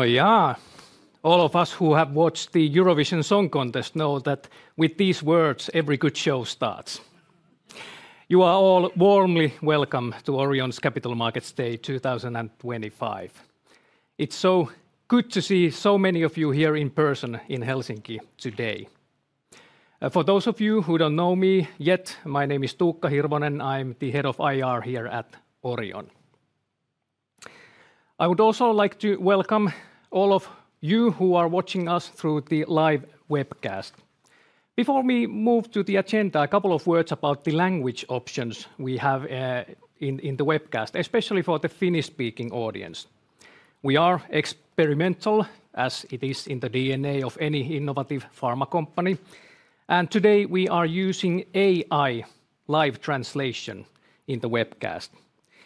Yeah. All of us who have watched the Eurovision Song Contest know that with these words, every good show starts. You are all warmly welcome to Orion's Capital Markets Day 2025. It's so good to see so many of you here in person in Helsinki today. For those of you who don't know me yet, my name is Tuukka Hirvonen. I'm the head of IR here at Orion. I would also like to welcome all of you who are watching us through the live webcast. Before we move to the agenda, a couple of words about the language options we have in the webcast, especially for the Finnish-speaking audience. We are experimental, as it is in the DNA of any innovative pharma company, and today we are using AI live translation in the webcast.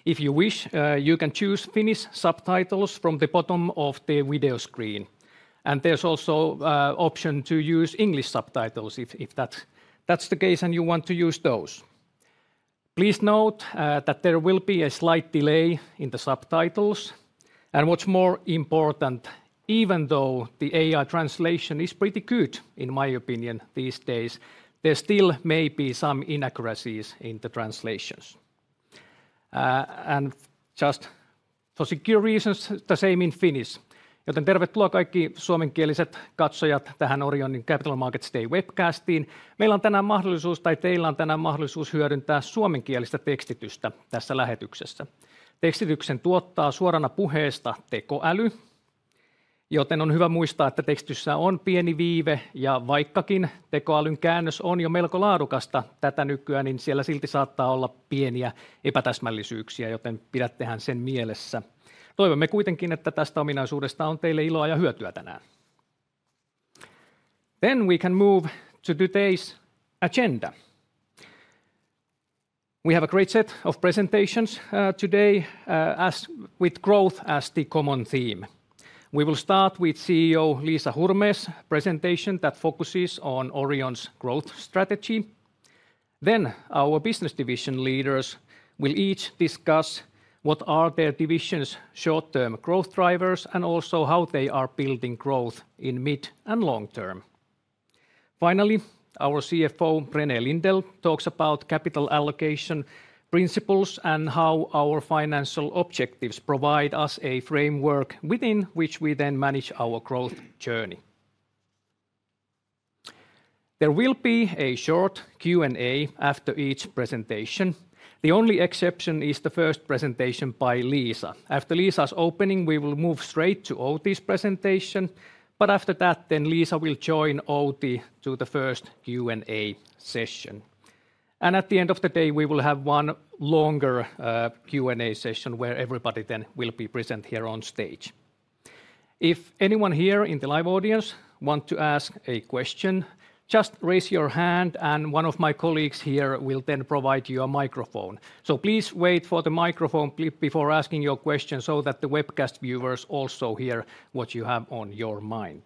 If you wish, you can choose Finnish subtitles from the bottom of the video screen, and there's also an option to use English subtitles if that's the case and you want to use those. Please note that there will be a slight delay in the subtitles, and what's more important, even though the AI translation is pretty good, in my opinion, these days, there still may be some inaccuracies in the translations. And just for secure reasons, the same in Finnish. Joten tervetuloa kaikki suomenkieliset katsojat tähän Orionin Capital Markets Day -webcasttiin. Meillä on tänään mahdollisuus, tai teillä on tänään mahdollisuus hyödyntää suomenkielistä tekstitystä tässä lähetyksessä. Tekstityksen tuottaa suorana puheesta tekoäly, joten on hyvä muistaa, että tekstityksessä on pieni viive, ja vaikkakin tekoälyn käännös on jo melko laadukasta tätä nykyä, niin siellä silti saattaa olla pieniä epätäsmällisyyksiä, joten pidättehän sen mielessä. Toivomme kuitenkin, että tästä ominaisuudesta on teille iloa ja hyötyä tänään. We can move to today's agenda. We have a great set of presentations today, with growth as the common theme. We will start with CEO Liisa Hurme's presentation that focuses on Orion's growth strategy. Then our business division leaders will each discuss what are their division's short-term growth drivers and also how they are building growth in mid and long term. Finally, our CFO, René Lindell, talks about capital allocation principles and how our financial objectives provide us a framework within which we then manage our growth journey. There will be a short Q&A after each presentation. The only exception is the first presentation by Liisa. After Liisa's opening, we will move straight to Outi's presentation, but after that, Liisa will join Outi to the first Q&A session. At the end of the day, we will have one longer Q&A session where everybody then will be present here on stage. If anyone here in the live audience wants to ask a question, just raise your hand, and one of my colleagues here will then provide you a microphone. Please wait for the microphone before asking your question so that the webcast viewers also hear what you have on your mind.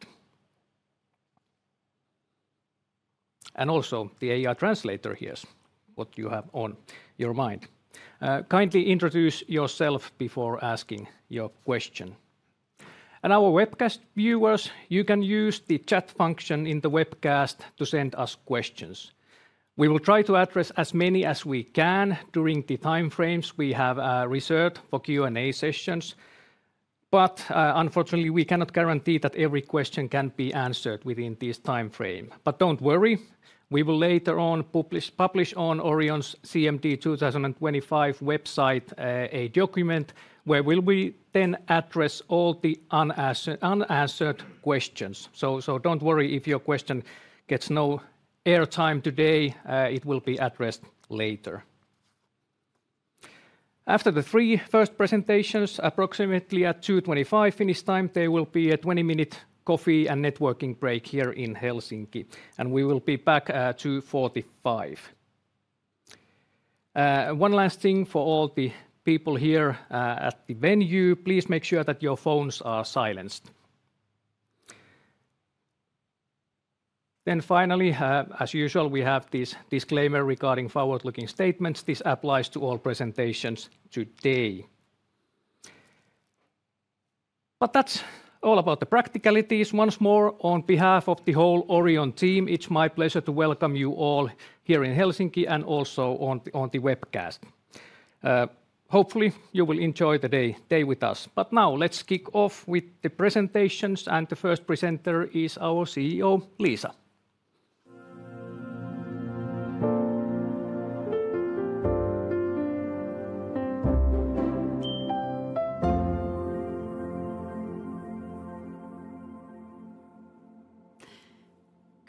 Also, the AI translator hears what you have on your mind. Kindly introduce yourself before asking your question. Our webcast viewers, you can use the chat function in the webcast to send us questions. We will try to address as many as we can during the time frames we have reserved for Q&A sessions, but unfortunately, we cannot guarantee that every question can be answered within this time frame. Do not worry, we will later on publish on Orion's CMD 2025 website a document where we will then address all the unanswered questions. Do not worry if your question gets no airtime today; it will be addressed later. After the three first presentations, approximately at 2:25 P.M. Finnish time, there will be a 20-minute coffee and networking break here in Helsinki, and we will be back at 2:45 P.M. One last thing for all the people here at the venue, please make sure that your phones are silenced. Finally, as usual, we have this disclaimer regarding forward-looking statements. This applies to all presentations today. That is all about the practicalities. Once more, on behalf of the whole Orion team, it is my pleasure to welcome you all here in Helsinki and also on the webcast. Hopefully, you will enjoy the day with us. Now let's kick off with the presentations, and the first presenter is our CEO, Liisa.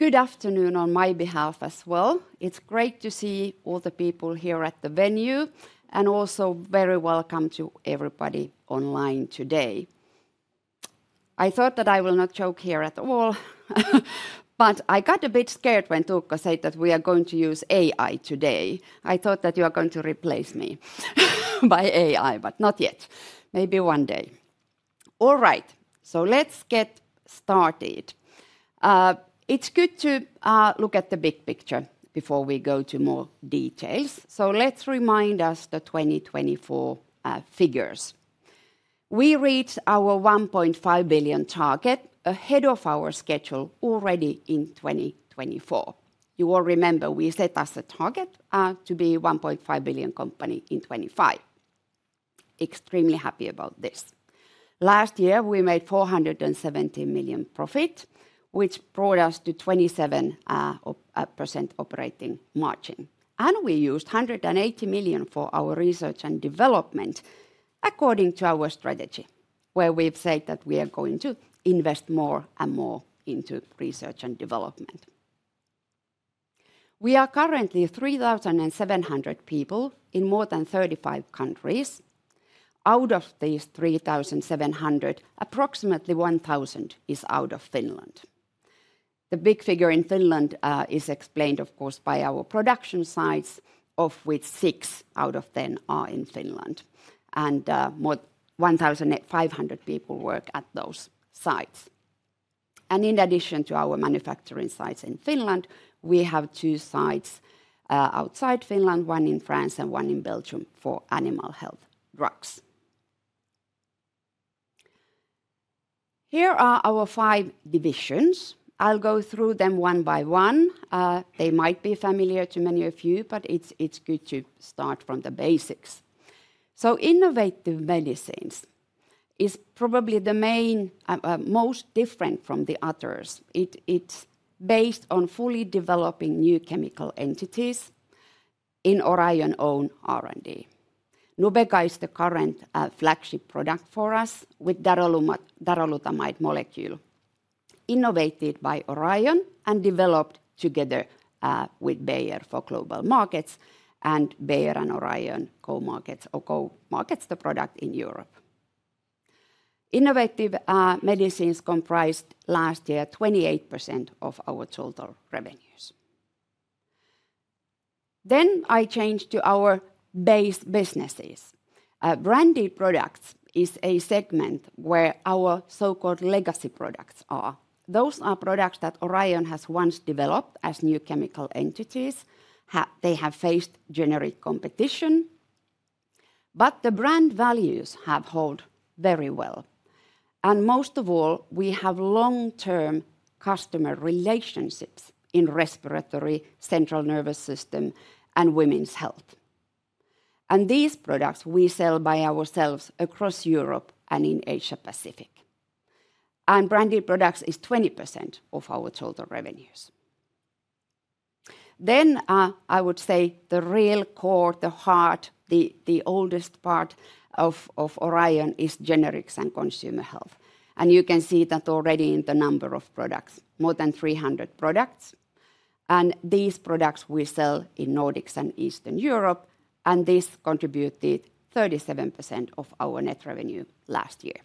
Good afternoon on my behalf as well. It's great to see all the people here at the venue, and also very welcome to everybody online today. I thought that I will not choke here at all, but I got a bit scared when Tuukka said that we are going to use AI today. I thought that you are going to replace me by AI, but not yet. Maybe one day. All right, let's get started. It's good to look at the big picture before we go to more details. Let's remind us of the 2024 figures. We reached our €1.5 billion target ahead of our schedule already in 2024. You all remember we set us a target to be a €1.5 billion company in 2025. Extremely happy about this. Last year, we made €470 million profit, which brought us to 27% operating margin. We used €180 million for our research and development according to our strategy, where we've said that we are going to invest more and more into research and development. We are currently 3,700 people in more than 35 countries. Out of these 3,700, approximately 1,000 is out of Finland. The big figure in Finland is explained, of course, by our production sites, of which six out of ten are in Finland, and 1,500 people work at those sites. In addition to our manufacturing sites in Finland, we have two sites outside Finland, one in France and one in Belgium for animal health drugs. Here are our five divisions. I'll go through them one by one. They might be familiar to many of you, but it's good to start from the basics. Innovative medicines is probably the most different from the others. It's based on fully developing new chemical entities in Orion's own R&D. Nubeqa is the current flagship product for us with darolutamide molecule, innovated by Orion and developed together with Bayer for global markets, and Bayer and Orion co-markets the product in Europe. Innovative medicines comprised last year 28% of our total revenues. I changed to our base businesses. Branded products is a segment where our so-called legacy products are. Those are products that Orion has once developed as new chemical entities. They have faced generic competition, but the brand values have held very well. Most of all, we have long-term customer relationships in respiratory, central nervous system, and women's health. These products we sell by ourselves across Europe and in Asia-Pacific. Branded products is 20% of our total revenues. I would say the real core, the heart, the oldest part of Orion is generics and consumer health. You can see that already in the number of products, more than 300 products. These products we sell in Nordics and Eastern Europe, and this contributed 37% of our net revenue last year.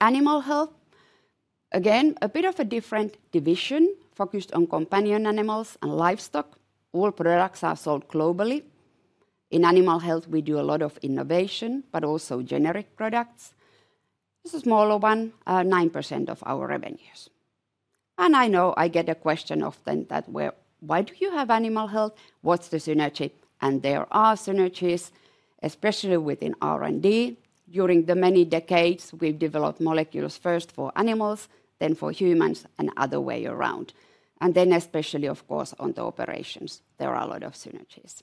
Animal health, again, a bit of a different division, focused on companion animals and livestock. All products are sold globally. In animal health, we do a lot of innovation, but also generic products. This is a smaller one, 9% of our revenues. I know I get a question often that, "Why do you have animal health? What's the synergy?" There are synergies, especially within R&D. During the many decades, we've developed molecules first for animals, then for humans, and other way around. Especially, of course, on the operations, there are a lot of synergies.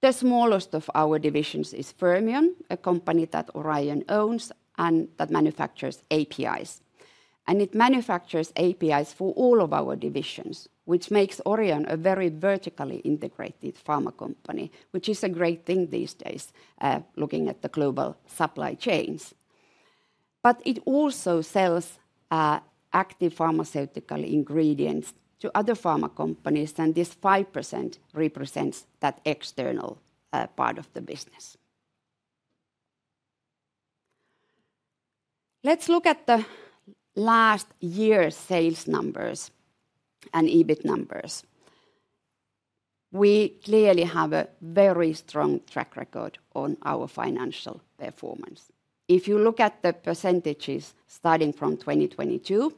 The smallest of our divisions is Fermion, a company that Orion owns and that manufactures APIs. It manufactures APIs for all of our divisions, which makes Orion a very vertically integrated pharma company, which is a great thing these days, looking at the global supply chains. It also sells active pharmaceutical ingredients to other pharma companies, and this 5% represents that external part of the business. Let's look at the last year's sales numbers and EBIT numbers. We clearly have a very strong track record on our financial performance. If you look at the percentages starting from 2022,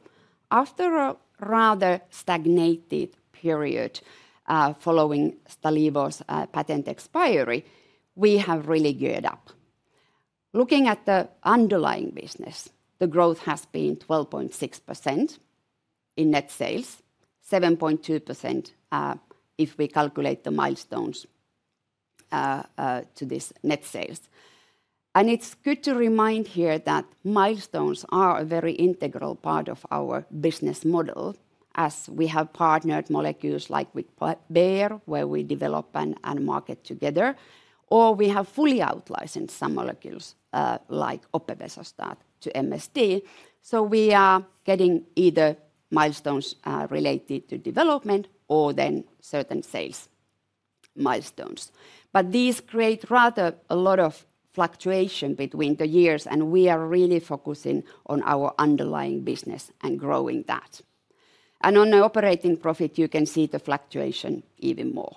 after a rather stagnated period following Stalevo's patent expiry, we have really geared up. Looking at the underlying business, the growth has been 12.6% in net sales, 7.2% if we calculate the milestones to this net sales. It is good to remind here that milestones are a very integral part of our business model, as we have partnered molecules like with Bayer, where we develop and market together, or we have fully outlicensed some molecules like Opevesostat to MSD. We are getting either milestones related to development or then certain sales milestones. These create rather a lot of fluctuation between the years, and we are really focusing on our underlying business and growing that. On the operating profit, you can see the fluctuation even more.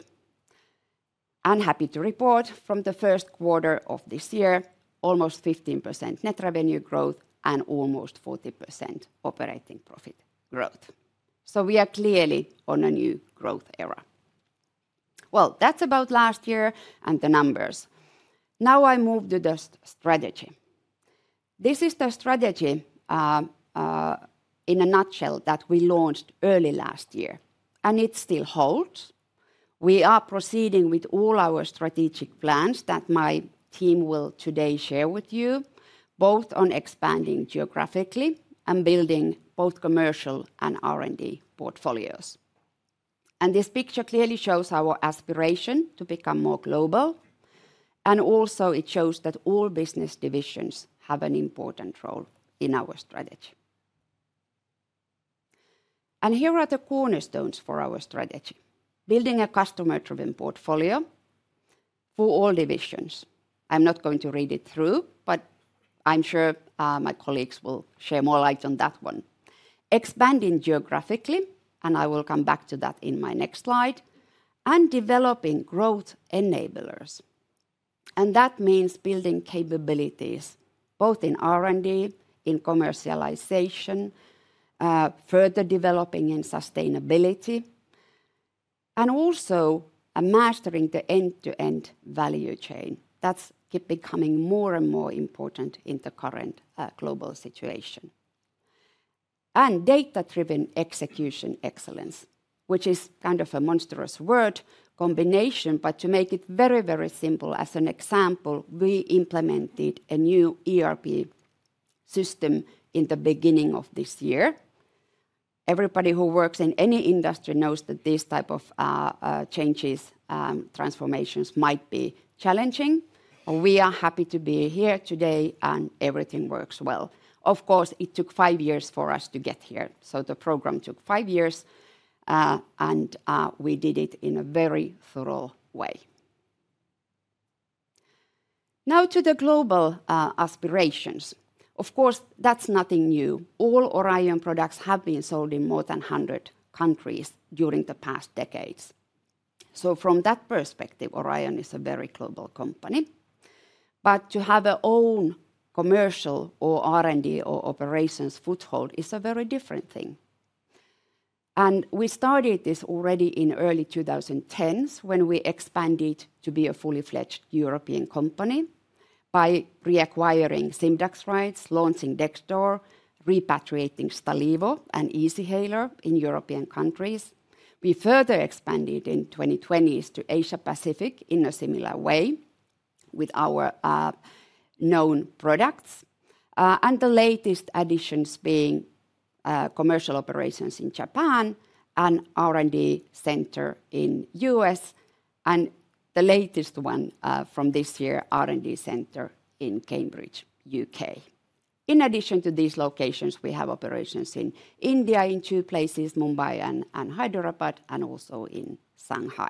I am happy to report from the first quarter of this year, almost 15% net revenue growth and almost 40% operating profit growth. We are clearly on a new growth era. That is about last year and the numbers. Now I move to the strategy. This is the strategy in a nutshell that we launched early last year, and it still holds. We are proceeding with all our strategic plans that my team will today share with you, both on expanding geographically and building both commercial and R&D portfolios. This picture clearly shows our aspiration to become more global, and also it shows that all business divisions have an important role in our strategy. Here are the cornerstones for our strategy: building a customer-driven portfolio for all divisions. I am not going to read it through, but I am sure my colleagues will share more light on that one. Expanding geographically, and I will come back to that in my next slide, and developing growth enablers. That means building capabilities both in R&D, in commercialization, further developing in sustainability, and also mastering the end-to-end value chain that is becoming more and more important in the current global situation. Data-driven execution excellence, which is kind of a monstrous word combination, but to make it very, very simple, as an example, we implemented a new ERP system in the beginning of this year. Everybody who works in any industry knows that these types of changes and transformations might be challenging, but we are happy to be here today, and everything works well. Of course, it took five years for us to get here, so the program took five years, and we did it in a very thorough way. Now to the global aspirations. Of course, that is nothing new. All Orion products have been sold in more than 100 countries during the past decades. From that perspective, Orion is a very global company. To have our own commercial or R&D or operations foothold is a very different thing. We started this already in the early 2010s when we expanded to be a fully-fledged European company by reacquiring Simdax rights, launching Dexdor, repatriating Stalevo and Easyhaler in European countries. We further expanded in the 2020s to Asia-Pacific in a similar way with our known products, and the latest additions being commercial operations in Japan and R&D center in the United States, and the latest one from this year, R&D center in Cambridge, U.K. In addition to these locations, we have operations in India in two places, Mumbai and Hyderabad, and also in Shanghai.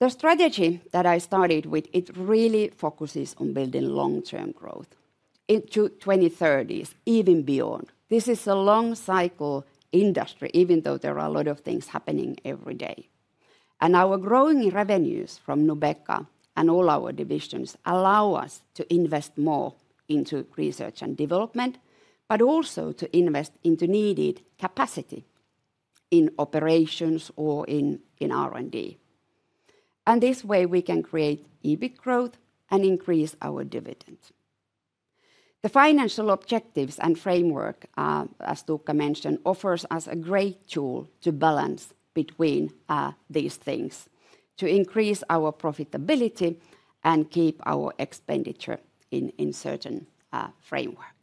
The strategy that I started with really focuses on building long-term growth into the 2030s, even beyond. This is a long-cycle industry, even though there are a lot of things happening every day. Our growing revenues from Nubeqa and all our divisions allow us to invest more into research and development, but also to invest into needed capacity in operations or in R&D. This way, we can create EBIT growth and increase our dividends. The financial objectives and framework, as Tuukka mentioned, offer us a great tool to balance between these things to increase our profitability and keep our expenditure in a certain framework.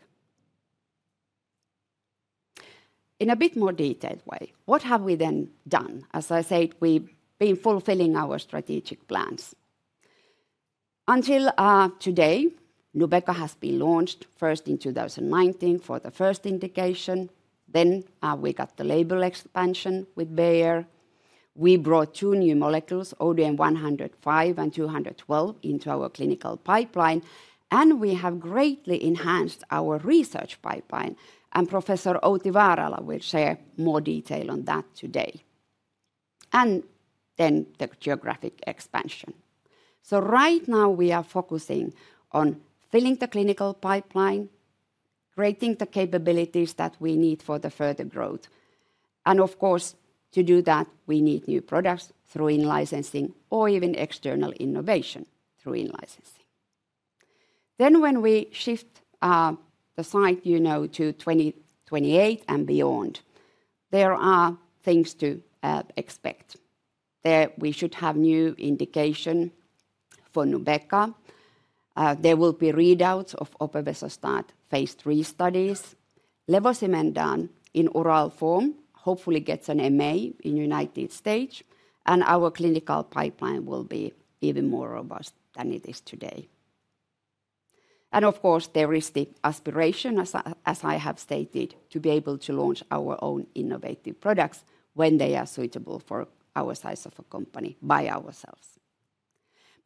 In a bit more detailed way, what have we then done? As I said, we've been fulfilling our strategic plans. Until today, Nubeqa has been launched first in 2019 for the first indication. We got the label expansion with Bayer. We brought two new molecules, ODM-105 and ODM-212, into our clinical pipeline, and we have greatly enhanced our research pipeline. Professor Outi Vaarala will share more detail on that today. The geographic expansion—right now, we are focusing on filling the clinical pipeline, creating the capabilities that we need for further growth. Of course, to do that, we need new products through in-licensing or even external innovation through in-licensing. When we shift the sight to 2028 and beyond, there are things to expect. We should have new indication for Nubeqa. There will be readouts of Opevesostat phase three studies, levosimendan in oral form hopefully gets an MA in the United States, and our clinical pipeline will be even more robust than it is today. Of course, there is the aspiration, as I have stated, to be able to launch our own innovative products when they are suitable for our size of a company by ourselves.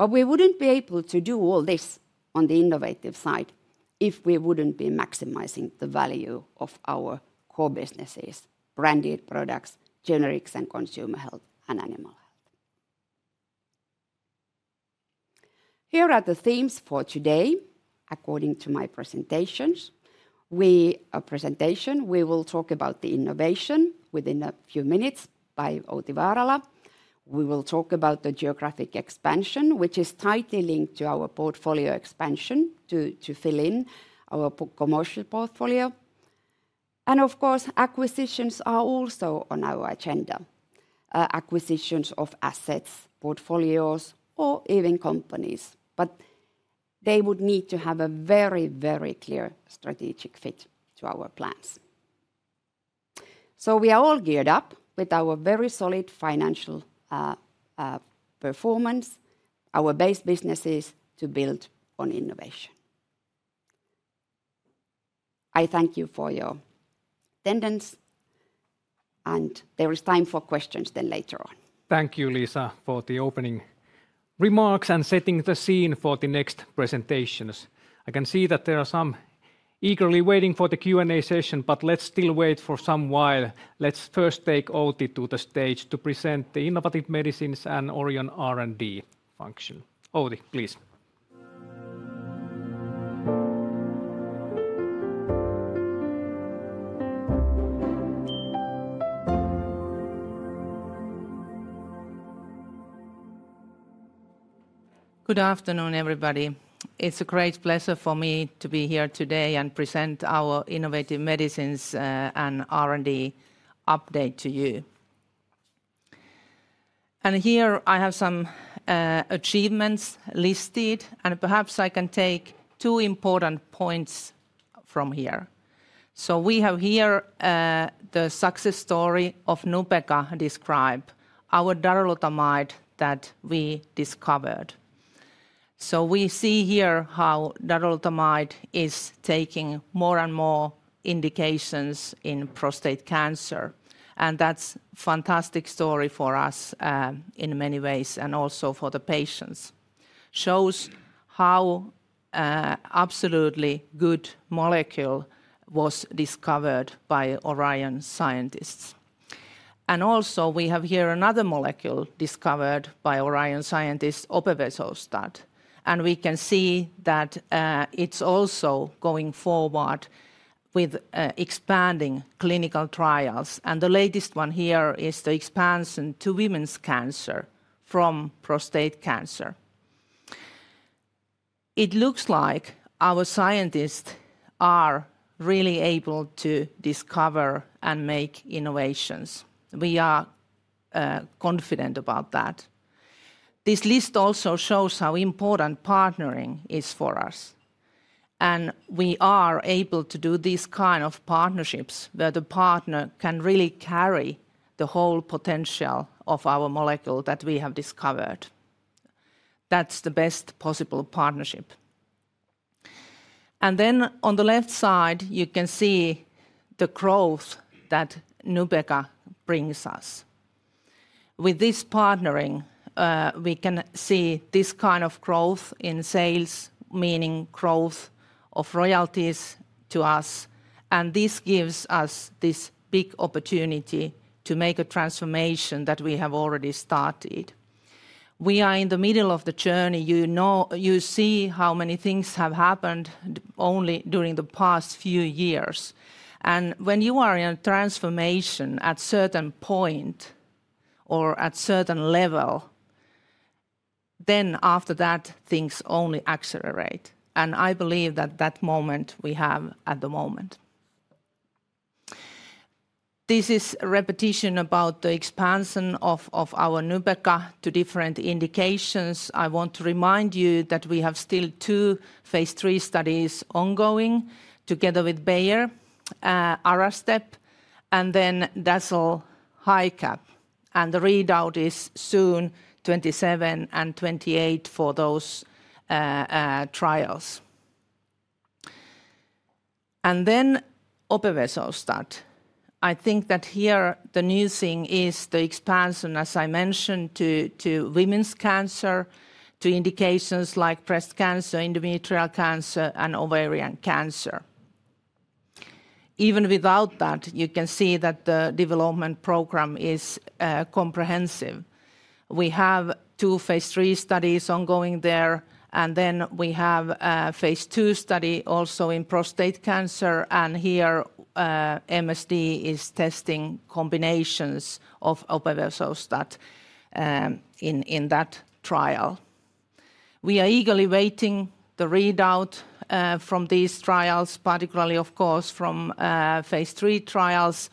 We would not be able to do all this on the innovative side if we were not maximizing the value of our core businesses, branded products, generics and consumer health and animal health. Here are the themes for today according to my presentations. We will talk about the innovation within a few minutes by Outi Vaarala. We will talk about the geographic expansion, which is tightly linked to our portfolio expansion to fill in our commercial portfolio. Acquisitions are also on our agenda, acquisitions of assets, portfolios, or even companies, but they would need to have a very, very clear strategic fit to our plans. We are all geared up with our very solid financial performance, our base businesses to build on innovation. I thank you for your attendance, and there is time for questions later on. Thank you, Liisa, for the opening remarks and setting the scene for the next presentations. I can see that there are some eagerly waiting for the Q&A session, but let's still wait for a while. Let's first take Outi to the stage to present the innovative medicines and Orion R&D function. Outi, please. Good afternoon, everybody. It's a great pleasure for me to be here today and present our innovative medicines and R&D update to you. Here I have some achievements listed, and perhaps I can take two important points from here. We have here the success story of Nubeqa described, our darolutamide that we discovered. We see here how darolutamide is taking more and more indications in prostate cancer, and that's a fantastic story for us in many ways and also for the patients. It shows how an absolutely good molecule was discovered by Orion scientists. We also have here another molecule discovered by Orion scientists, Opevesostat, and we can see that it's also going forward with expanding clinical trials. The latest one here is the expansion to women's cancer from prostate cancer. It looks like our scientists are really able to discover and make innovations. We are confident about that. This list also shows how important partnering is for us, and we are able to do these kinds of partnerships where the partner can really carry the whole potential of our molecule that we have discovered. That's the best possible partnership. On the left side, you can see the growth that Nubeqa brings us. With this partnering, we can see this kind of growth in sales, meaning growth of royalties to us, and this gives us this big opportunity to make a transformation that we have already started. We are in the middle of the journey. You see how many things have happened only during the past few years. When you are in a transformation at a certain point or at a certain level, after that, things only accelerate. I believe that that moment we have at the moment. This is a repetition about the expansion of our Nubeqa to different indications. I want to remind you that we have still two phase 3 studies ongoing together with Bayer, Aralstep, and then Dasol-HyCap. The readout is soon, 2027 and 2028 for those trials. Opevesostat. I think that here the new thing is the expansion, as I mentioned, to women's cancer, to indications like breast cancer, endometrial cancer, and ovarian cancer. Even without that, you can see that the development program is comprehensive. We have two phase 3 studies ongoing there, and then we have a phase 2 study also in prostate cancer, and here MSD is testing combinations of Opevesostat in that trial. We are eagerly waiting for the readout from these trials, particularly, of course, from phase 3 trials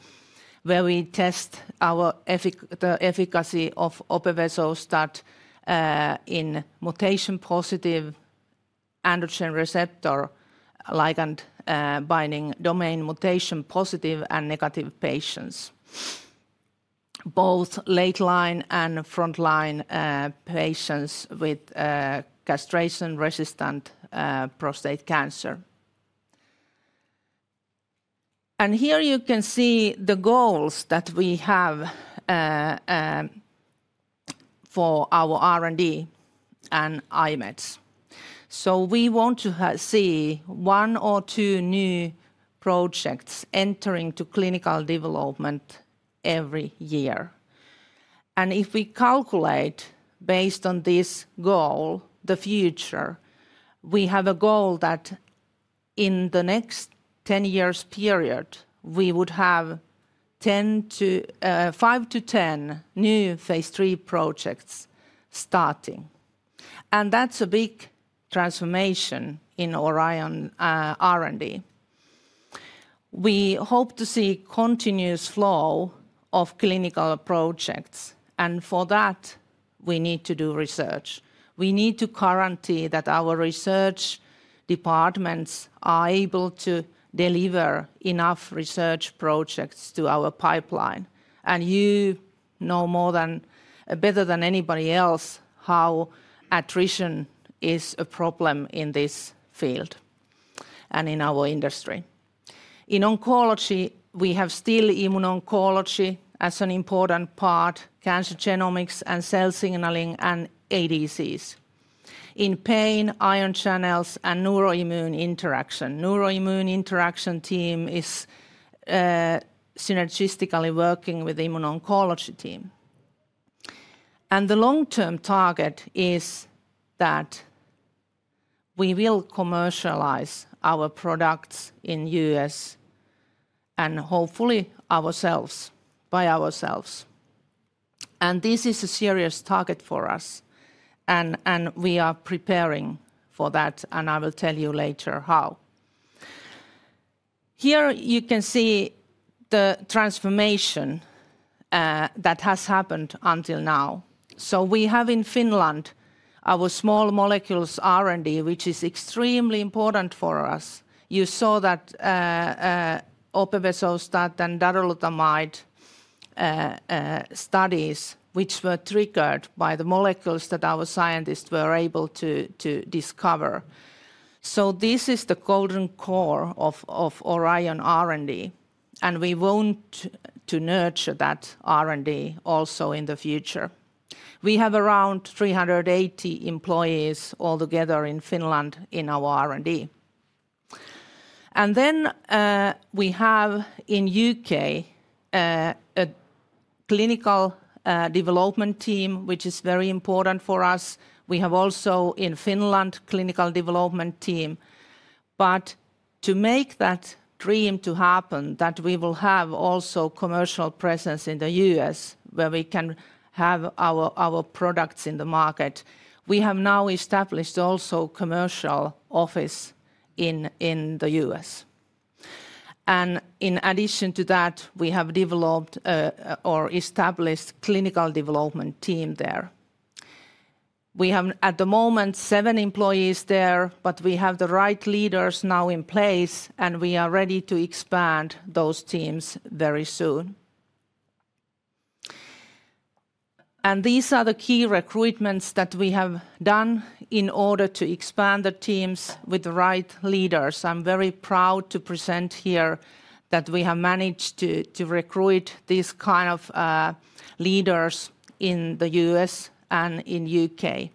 where we test the efficacy of Opevesostat in mutation-positive androgen receptor ligand-binding domain mutation-positive and negative patients, both late-line and front-line patients with castration-resistant prostate cancer. Here you can see the goals that we have for our R&D and IMEDS. We want to see one or two new projects entering clinical development every year. If we calculate based on this goal, the future, we have a goal that in the next 10-year period, we would have five to ten new phase 3 projects starting. That is a big transformation in Orion R&D. We hope to see a continuous flow of clinical projects, and for that, we need to do research. We need to guarantee that our research departments are able to deliver enough research projects to our pipeline. You know better than anybody else how attrition is a problem in this field and in our industry. In oncology, we have still immuno-oncology as an important part, cancer genomics and cell signaling and ADCs. In pain, ion channels and neuroimmune interaction. The neuroimmune interaction team is synergistically working with the immuno-oncology team. The long-term target is that we will commercialize our products in the US and hopefully by ourselves. This is a serious target for us, and we are preparing for that, and I will tell you later how. Here you can see the transformation that has happened until now. We have in Finland our small molecules R&D, which is extremely important for us. You saw that Opevesostat and darolutamide studies, which were triggered by the molecules that our scientists were able to discover. This is the golden core of Orion R&D, and we want to nurture that R&D also in the future. We have around 380 employees altogether in Finland in our R&D. We have in the U.K. a clinical development team, which is very important for us. We have also in Finland a clinical development team. To make that dream happen, that we will have also a commercial presence in the U.S. where we can have our products in the market, we have now established also a commercial office in the U.S. In addition to that, we have developed or established a clinical development team there. We have at the moment seven employees there, but we have the right leaders now in place, and we are ready to expand those teams very soon. These are the key recruitments that we have done in order to expand the teams with the right leaders. I'm very proud to present here that we have managed to recruit these kinds of leaders in the U.S. and in the U.K.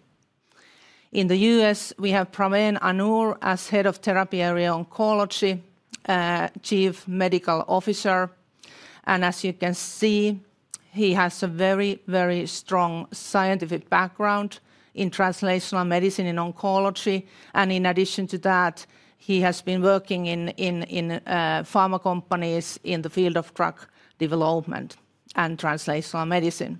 In the U.S., we have Praveen Anur as Head of Therapy Area Oncology, Chief Medical Officer. As you can see, he has a very, very strong scientific background in translational medicine and oncology. In addition to that, he has been working in pharma companies in the field of drug development and translational medicine.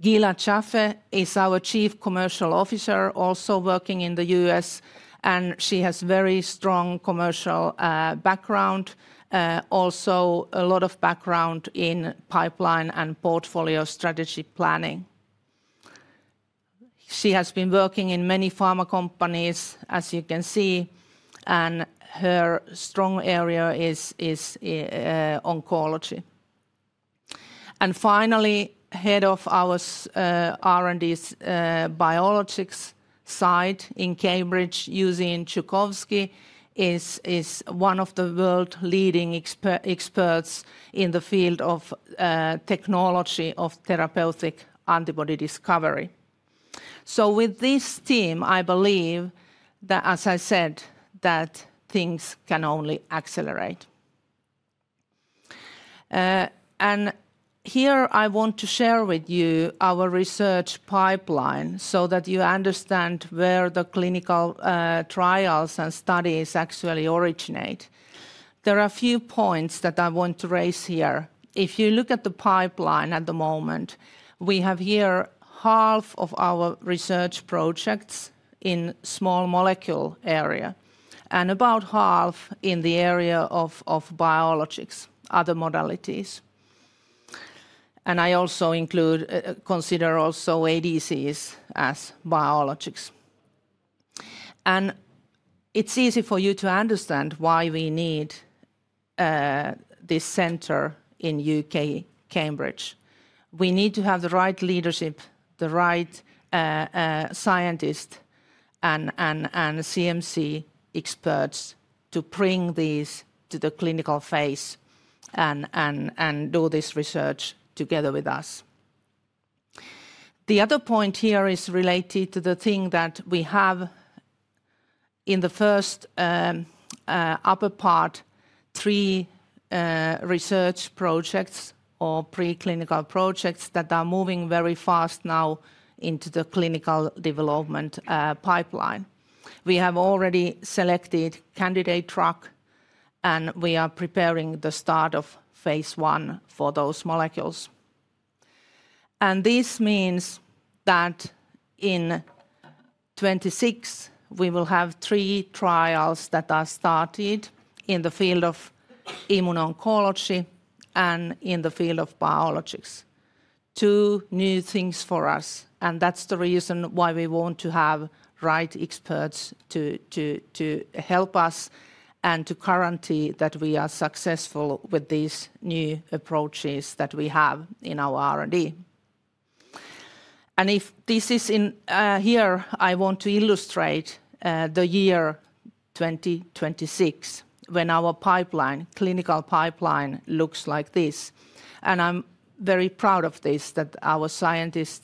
Gila Chaffe is our Chief Commercial Officer, also working in the U.S., and she has a very strong commercial background, also a lot of background in pipeline and portfolio strategy planning. She has been working in many pharma companies, as you can see, and her strong area is oncology. Finally, head of our R&D biologics side in Cambridge, Eugene Chukovsky is one of the world's leading experts in the field of technology of therapeutic antibody discovery. With this team, I believe that, as I said, things can only accelerate. Here I want to share with you our research pipeline so that you understand where the clinical trials and studies actually originate. There are a few points that I want to raise here. If you look at the pipeline at the moment, we have here half of our research projects in small molecule area and about half in the area of biologics, other modalities. I also consider also ADCs as biologics. It is easy for you to understand why we need this center in U.K., Cambridge. We need to have the right leadership, the right scientists and CMC experts to bring these to the clinical phase and do this research together with us. The other point here is related to the thing that we have in the first upper part, three research projects or preclinical projects that are moving very fast now into the clinical development pipeline. We have already selected candidate drug, and we are preparing the start of phase I for those molecules. This means that in 2026, we will have three trials that are started in the field of immuno-oncology and in the field of biologics. Two new things for us, and that is the reason why we want to have the right experts to help us and to guarantee that we are successful with these new approaches that we have in our R&D. If this is here, I want to illustrate the year 2026 when our clinical pipeline looks like this. I am very proud of this, that our scientists,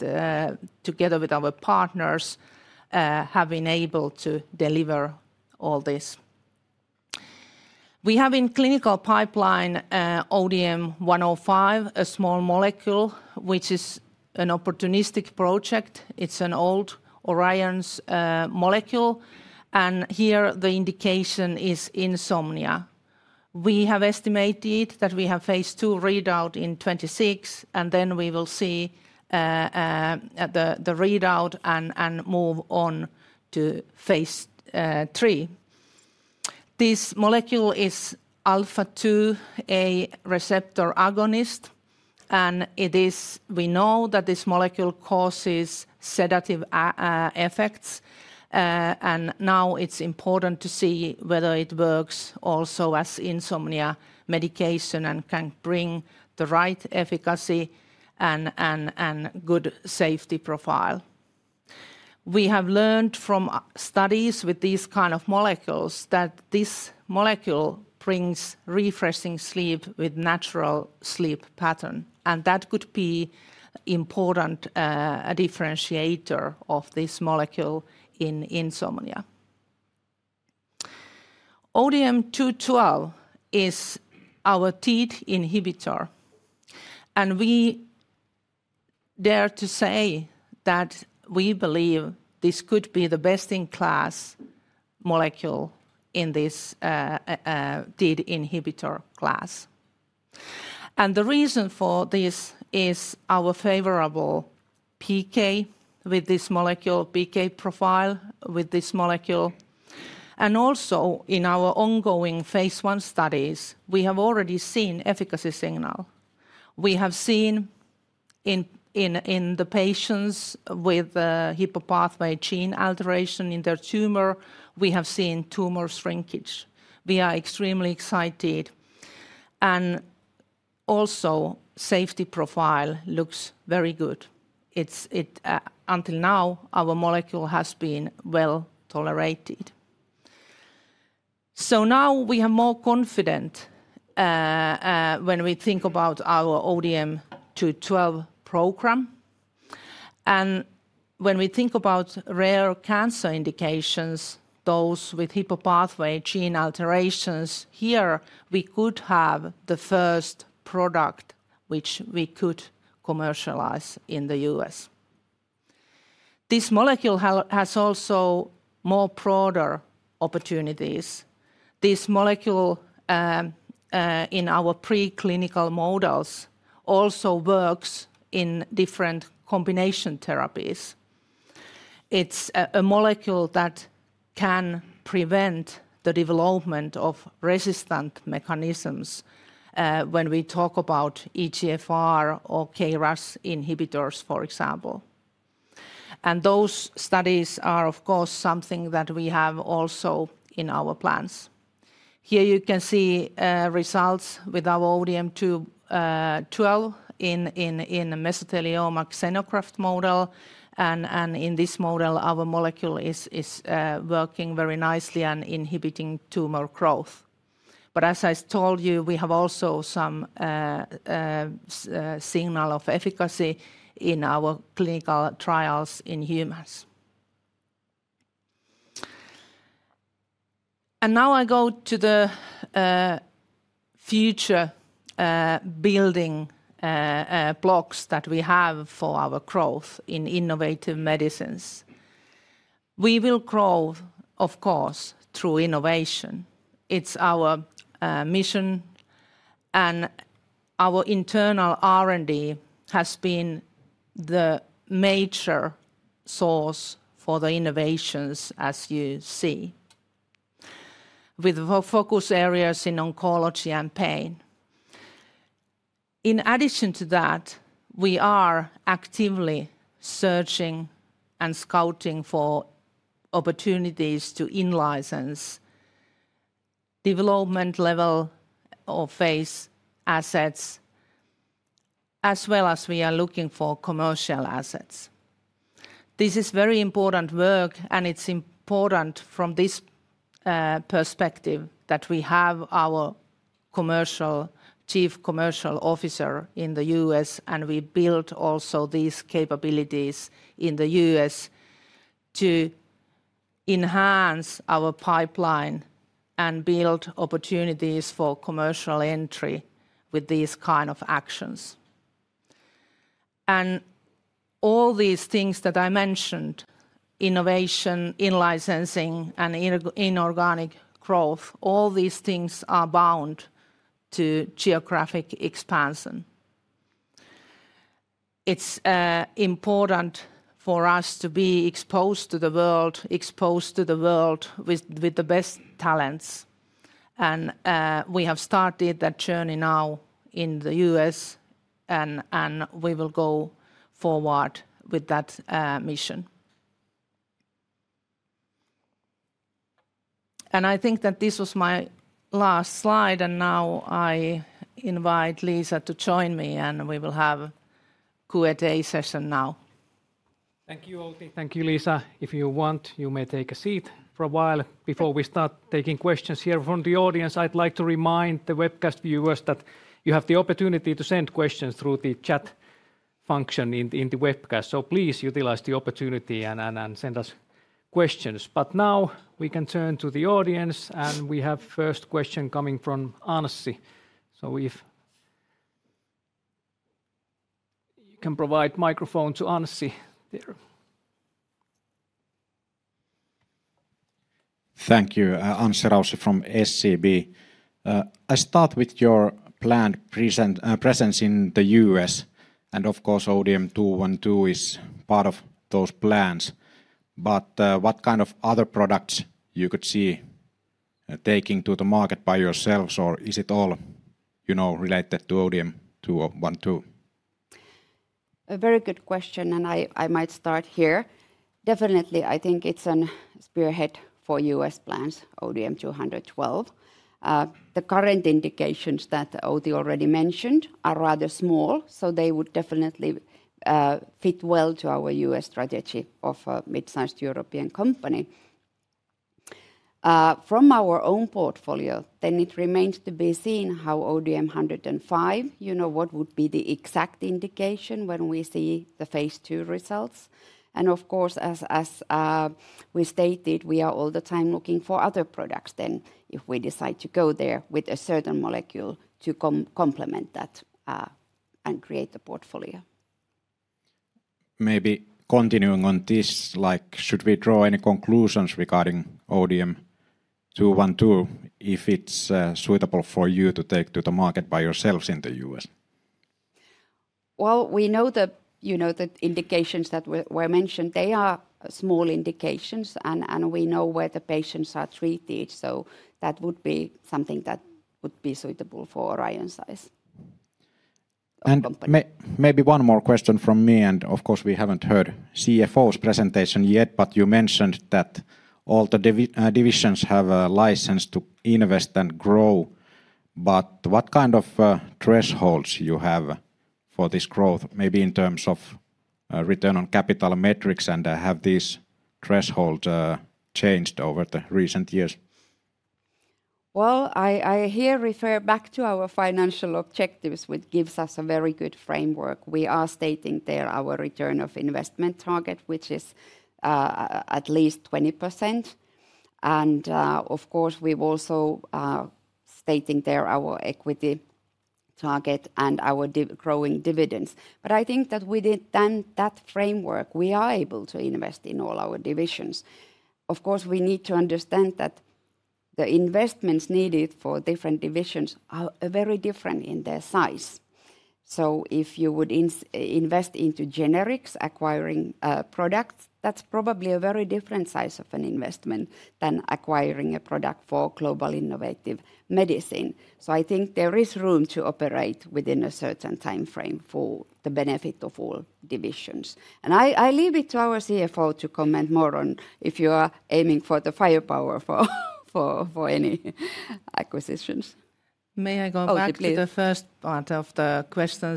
together with our partners, have been able to deliver all this. We have in clinical pipeline ODM-105, a small molecule, which is an opportunistic project. It is an old Orion molecule. Here the indication is insomnia. We have estimated that we have phase two readout in 2026, and then we will see the readout and move on to phase three. This molecule is alpha-2A receptor agonist, and we know that this molecule causes sedative effects. Now it is important to see whether it works also as insomnia medication and can bring the right efficacy and good safety profile. We have learned from studies with these kinds of molecules that this molecule brings refreshing sleep with natural sleep pattern, and that could be an important differentiator of this molecule in insomnia. ODM-212 is our TYK2 inhibitor, and we dare to say that we believe this could be the best-in-class molecule in this TYK2 inhibitor class. The reason for this is our favorable PK with this molecule, PK profile with this molecule. Also in our ongoing phase one studies, we have already seen efficacy signal. We have seen in the patients with hypopathway gene alteration in their tumor, we have seen tumor shrinkage. We are extremely excited. Also safety profile looks very good. Until now, our molecule has been well tolerated. Now we are more confident when we think about our ODM-212 program. When we think about rare cancer indications, those with hypopathway gene alterations, here we could have the first product which we could commercialize in the U.S. This molecule has also more broader opportunities. This molecule in our preclinical models also works in different combination therapies. It is a molecule that can prevent the development of resistant mechanisms when we talk about EGFR or KRAS inhibitors, for example. Those studies are, of course, something that we have also in our plans. Here you can see results with our ODM-212 in mesothelioma xenograft model. In this model, our molecule is working very nicely and inhibiting tumor growth. As I told you, we have also some signal of efficacy in our clinical trials in humans. Now I go to the future building blocks that we have for our growth in innovative medicines. We will grow, of course, through innovation. It's our mission, and our internal R&D has been the major source for the innovations, as you see, with focus areas in oncology and pain. In addition to that, we are actively searching and scouting for opportunities to in-license development level or phase assets, as well as we are looking for commercial assets. This is very important work, and it's important from this perspective that we have our Chief Commercial Officer in the U.S., and we build also these capabilities in the U.S. to enhance our pipeline and build opportunities for commercial entry with these kinds of actions. All these things that I mentioned, innovation, in-licensing, and inorganic growth, all these things are bound to geographic expansion. It's important for us to be exposed to the world, exposed to the world with the best talents. We have started that journey now in the U.S., and we will go forward with that mission. I think that this was my last slide, and now I invite Liisa to join me, and we will have a Q&A session now. Thank you, Outi. Thank you, Liisa. If you want, you may take a seat for a while before we start taking questions here from the audience. I'd like to remind the webcast viewers that you have the opportunity to send questions through the chat function in the webcast. Please utilize the opportunity and send us questions. Now we can turn to the audience, and we have the first question coming from Anssi. If you can provide the microphone to Anssi there. Thank you. Anssi Rausch from SCB. I start with your planned presence in the U.S., and of course, ODM-212 is part of those plans. What kind of other products could you see taking to the market by yourselves, or is it all related to ODM-212? A very good question, and I might start here. Definitely, I think it's a spearhead for U.S. plans, ODM-212. The current indications that Outi already mentioned are rather small, so they would definitely fit well to our US strategy of a mid-sized European company. From our own portfolio, then it remains to be seen how ODM-105, you know what would be the exact indication when we see the phase two results. Of course, as we stated, we are all the time looking for other products then if we decide to go there with a certain molecule to complement that and create a portfolio. Maybe continuing on this, should we draw any conclusions regarding ODM-212 if it's suitable for you to take to the market by yourselves in the U.S.? We know the indications that were mentioned. They are small indications, and we know where the patients are treated, so that would be something that would be suitable for Orion size. Maybe one more question from me, and of course, we have not heard CFO's presentation yet, but you mentioned that all the divisions have a license to invest and grow. What kind of thresholds do you have for this growth, maybe in terms of return on capital metrics, and have these thresholds changed over the recent years? I here refer back to our financial objectives, which gives us a very good framework. We are stating there our return on investment target, which is at least 20%. Of course, we have also stated there our equity target and our growing dividends. I think that within that framework, we are able to invest in all our divisions. Of course, we need to understand that the investments needed for different divisions are very different in their size. If you would invest into generics acquiring products, that's probably a very different size of an investment than acquiring a product for global innovative medicine. I think there is room to operate within a certain timeframe for the benefit of all divisions. I leave it to our CFO to comment more on if you are aiming for the firepower for any acquisitions. May I go back to the first part of the question?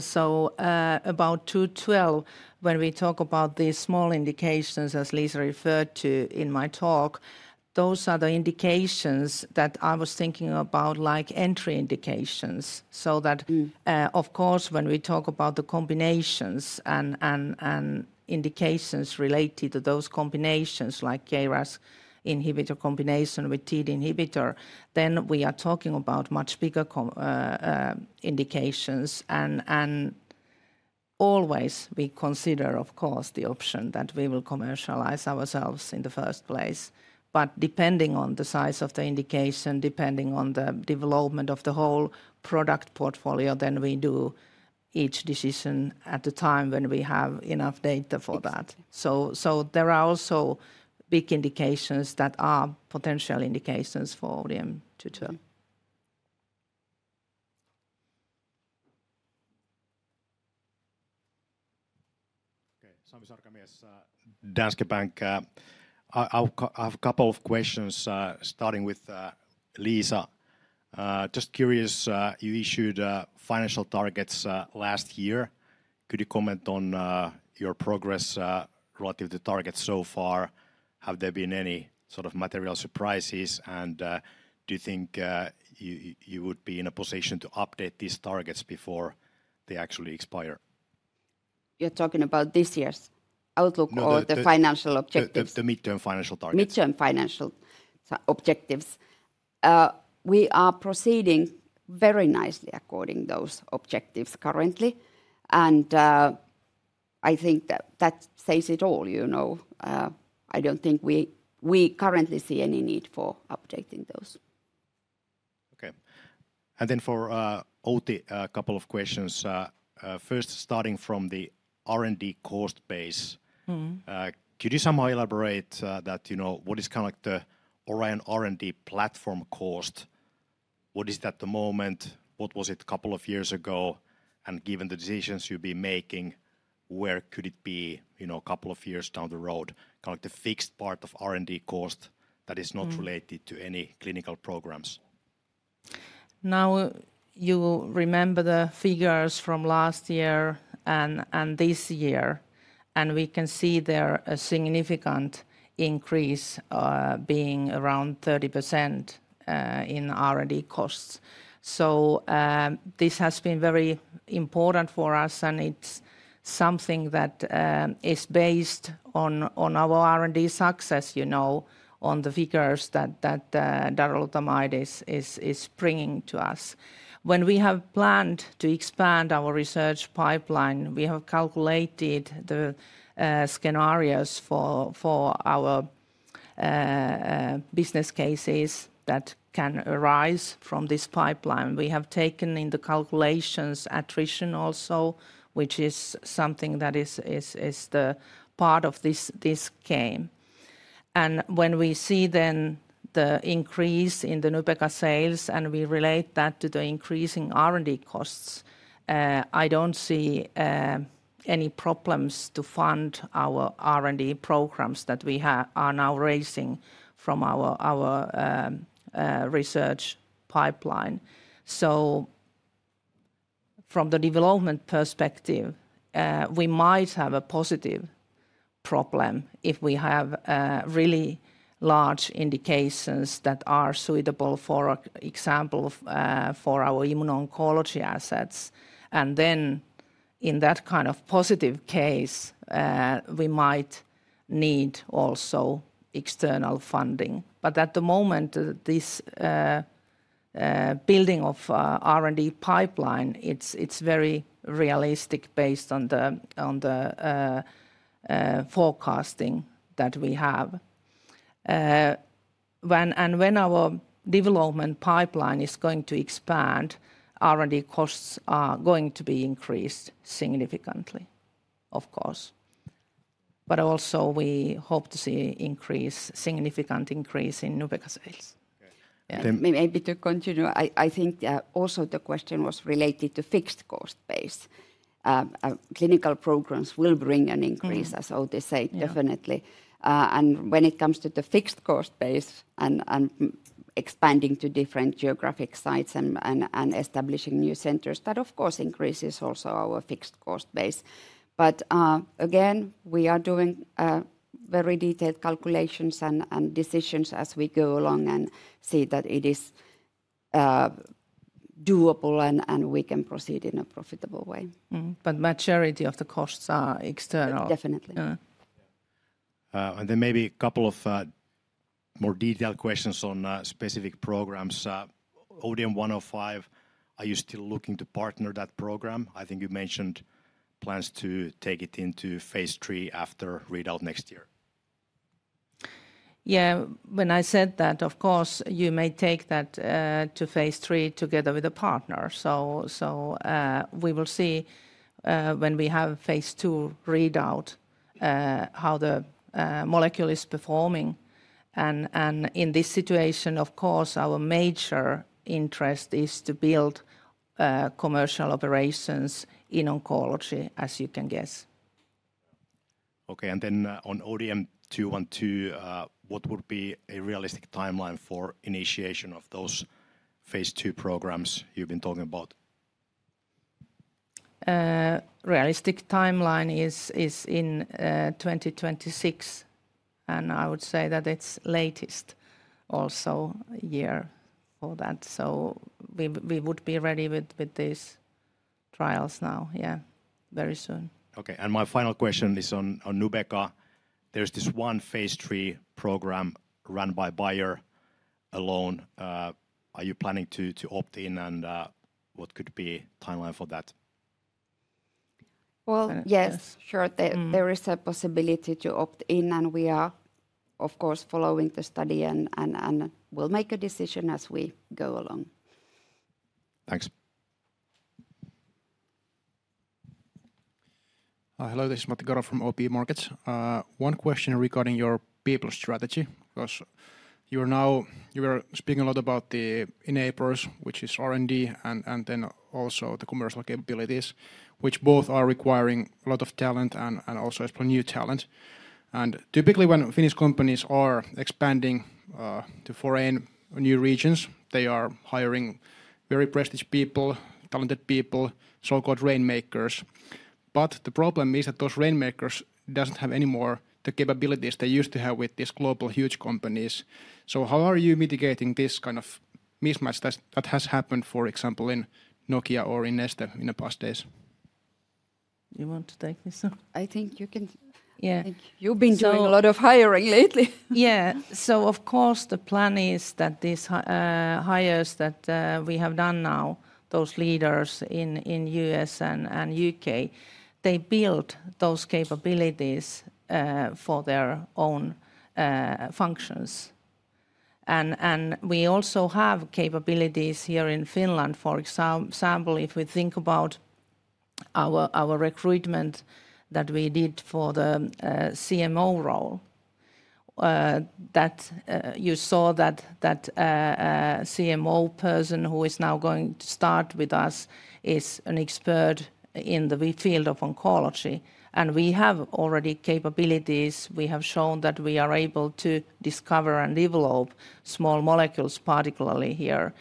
About 212, when we talk about these small indications, as Liisa referred to in my talk, those are the indications that I was thinking about, like entry indications. Of course, when we talk about the combinations and indications related to those combinations, like KRAS inhibitor combination with TEED inhibitor, then we are talking about much bigger indications. We always consider, of course, the option that we will commercialize ourselves in the first place. Depending on the size of the indication, depending on the development of the whole product portfolio, we do each decision at the time when we have enough data for that. There are also big indications that are potential indications for ODM-212. Sami Sarkamies, Danske Bank, I have a couple of questions starting with Liisa. Just curious, you issued financial targets last year. Could you comment on your progress relative to targets so far? Have there been any sort of material surprises? Do you think you would be in a position to update these targets before they actually expire? You're talking about this year's outlook or the financial objectives? The mid-term financial targets. Mid-term financial objectives. We are proceeding very nicely according to those objectives currently. I think that says it all. I do not think we currently see any need for updating those. Okay. For Outi, a couple of questions. First, starting from the R&D cost base, could you somehow elaborate that what is kind of like the Orion R&D platform cost? What is it at the moment? What was it a couple of years ago? Given the decisions you will be making, where could it be a couple of years down the road, kind of like the fixed part of R&D cost that is not related to any clinical programs? You remember the figures from last year and this year, and we can see there a significant increase being around 30% in R&D costs. This has been very important for us, and it's something that is based on our R&D success, you know, on the figures that Darolutamide is bringing to us. When we have planned to expand our research pipeline, we have calculated the scenarios for our business cases that can arise from this pipeline. We have taken in the calculations attrition also, which is something that is the part of this game. When we see then the increase in the Nubeqa sales, and we relate that to the increasing R&D costs, I don't see any problems to fund our R&D programs that we are now raising from our research pipeline. From the development perspective, we might have a positive problem if we have really large indications that are suitable, for example, for our immuno-oncology assets. In that kind of positive case, we might need also external funding. At the moment, this building of R&D pipeline, it's very realistic based on the forecasting that we have. When our development pipeline is going to expand, R&D costs are going to be increased significantly, of course. We hope to see an increase, significant increase in Nubeqa sales. Maybe to continue, I think also the question was related to fixed cost base. Clinical programs will bring an increase, as Outi said, definitely. When it comes to the fixed cost base and expanding to different geographic sites and establishing new centers, that of course increases also our fixed cost base. Again, we are doing very detailed calculations and decisions as we go along and see that it is doable and we can proceed in a profitable way. The majority of the costs are external. Definitely. Maybe a couple of more detailed questions on specific programs. ODM-105, are you still looking to partner that program? I think you mentioned plans to take it into phase three after readout next year. Yeah, when I said that, of course, you may take that to phase three together with a partner. We will see when we have a phase two readout how the molecule is performing. In this situation, of course, our major interest is to build commercial operations in oncology, as you can guess. Okay, on ODM-212, what would be a realistic timeline for initiation of those phase two programs you have been talking about? Realistic timeline is in 2026, and I would say that it is latest also year for that. We would be ready with these trials now, yeah, very soon. Okay, and my final question is on Nubeqa. There's this one phase three program run by Bayer alone. Are you planning to opt in, and what could be the timeline for that? Yes, sure, there is a possibility to opt in, and we are, of course, following the study and will make a decision as we go along. Thanks. Hello, this is Matti Garo from OP Markets. One question regarding your people strategy, because you were speaking a lot about the enablers, which is R&D, and then also the commercial capabilities, which both are requiring a lot of talent and also new talent. Typically when Finnish companies are expanding to foreign new regions, they are hiring very prestigious people, talented people, so-called rainmakers. The problem is that those rainmakers do not have anymore the capabilities they used to have with these global huge companies. How are you mitigating this kind of mismatch that has happened, for example, in Nokia or in Neste in the past days? You want to take this one? I think you can. Yeah, you have been doing a lot of hiring lately. Yeah, of course the plan is that these hires that we have done now, those leaders in the U.S. and U.K., they build those capabilities for their own functions. We also have capabilities here in Finland, for example, if we think about our recruitment that we did for the CMO role, that you saw that CMO person who is now going to start with us is an expert in the field of oncology. We have already capabilities. We have shown that we are able to discover and develop small molecules, particularly here.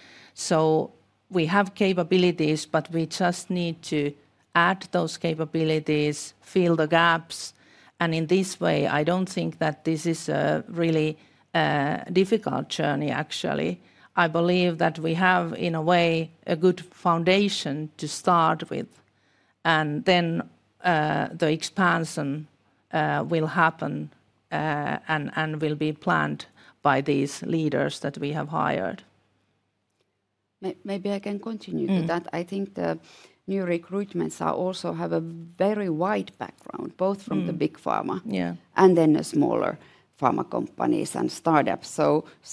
We have capabilities, but we just need to add those capabilities, fill the gaps. In this way, I do not think that this is a really difficult journey, actually. I believe that we have, in a way, a good foundation to start with. The expansion will happen and will be planned by these leaders that we have hired. Maybe I can continue to that. I think the new recruitments also have a very wide background, both from the big pharma and then the smaller pharma companies and startups.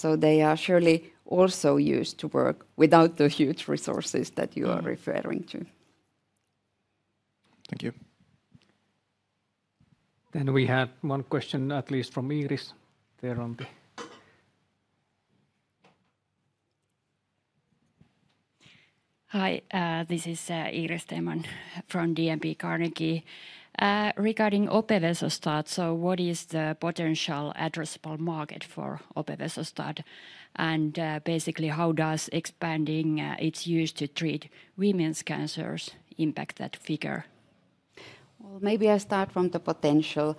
They are surely also used to work without the huge resources that you are referring to. Thank you. We have one question at least from Iiris there. Hi, this is Iiris Heiman from DNB Carnegie. Regarding Opevesostat, what is the potential addressable market for Opevesostat? Basically, how does expanding its use to treat women's cancers impact that figure? Maybe I start from the potential.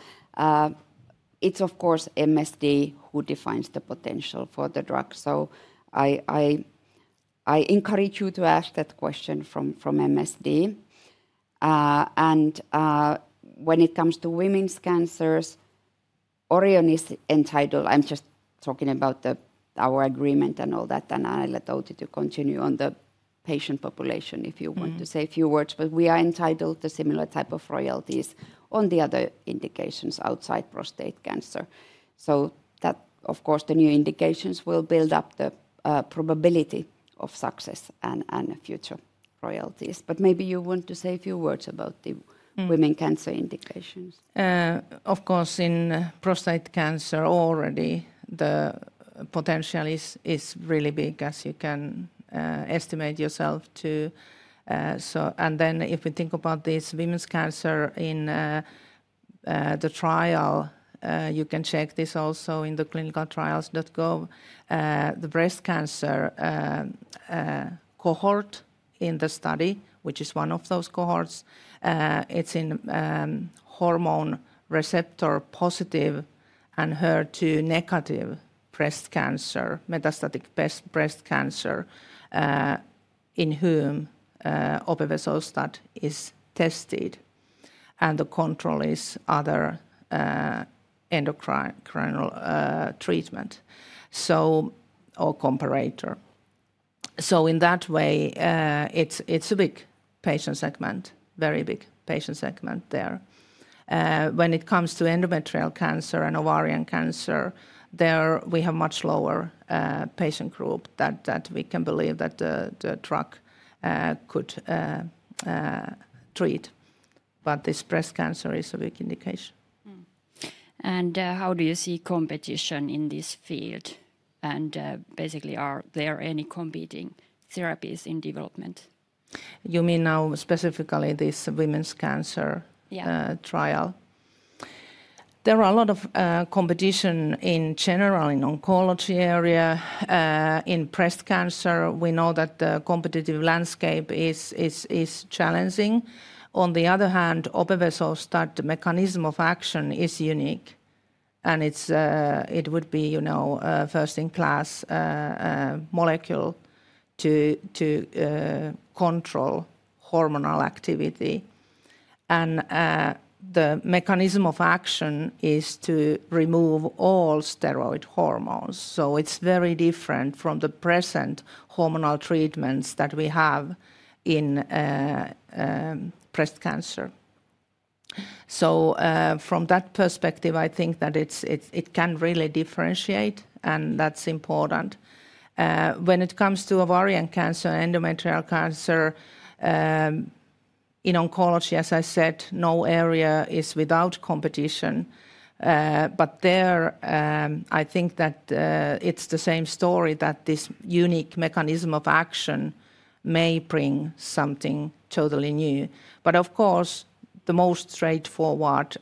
It's, of course, MSD who defines the potential for the drug. I encourage you to ask that question from MSD. When it comes to women's cancers, Orion is entitled, I'm just talking about our agreement and all that. I let Outi continue on the patient population if you want to say a few words. We are entitled to similar type of royalties on the other indications outside prostate cancer. The new indications will build up the probability of success and future royalties. Maybe you want to say a few words about the women cancer indications. Of course, in prostate cancer already, the potential is really big, as you can estimate yourself. If we think about this women's cancer in the trial, you can check this also in the clinicaltrials.gov. The breast cancer cohort in the study, which is one of those cohorts, it's in hormone receptor positive and HER2 negative breast cancer, metastatic breast cancer, in whom Opevesostat is tested. The control is other endocrine treatment or comparator. In that way, it's a big patient segment, very big patient segment there. When it comes to endometrial cancer and ovarian cancer, there we have a much lower patient group that we can believe that the drug could treat. This breast cancer is a big indication. How do you see competition in this field? Basically, are there any competing therapies in development? You mean now specifically this women's cancer trial? There is a lot of competition in general in the oncology area. In breast cancer, we know that the competitive landscape is challenging. On the other hand, Opevesostat, the mechanism of action is unique. It would be a first-in-class molecule to control hormonal activity. The mechanism of action is to remove all steroid hormones. It is very different from the present hormonal treatments that we have in breast cancer. From that perspective, I think that it can really differentiate, and that is important. When it comes to ovarian cancer and endometrial cancer, in oncology, as I said, no area is without competition. There, I think that it is the same story that this unique mechanism of action may bring something totally new. Of course, the most straightforward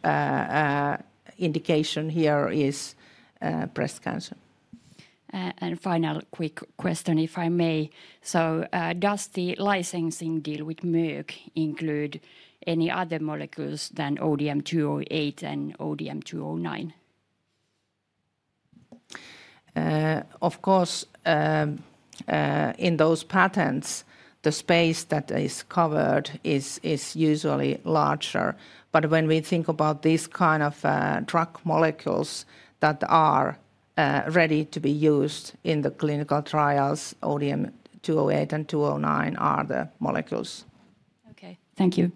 indication here is breast cancer. Final quick question, if I may. Does the licensing deal with MSD include any other molecules than ODM-208 and ODM-209? Of course, in those patents, the space that is covered is usually larger. But when we think about these kinds of drug molecules that are ready to be used in the clinical trials, ODM-208 and 209 are the molecules. Okay, thank you.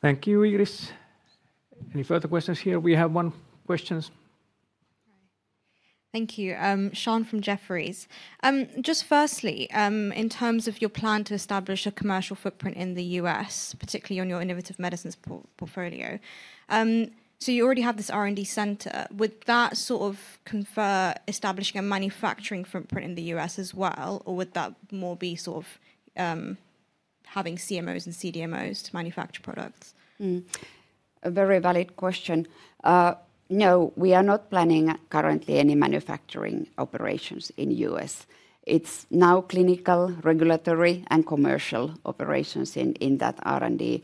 Thank you, Iiris. Any further questions here? We have one question. Thank you. Sean from Jefferies. Just firstly, in terms of your plan to establish a commercial footprint in the U.S., particularly on your innovative medicines portfolio, so you already have this R&D center. Would that sort of confer establishing a manufacturing footprint in the U.S. as well, or would that more be sort of having CMOs and CDMOs to manufacture products? Very valid question. No, we are not planning currently any manufacturing operations in the U.S. It's now clinical, regulatory, and commercial operations in that R&D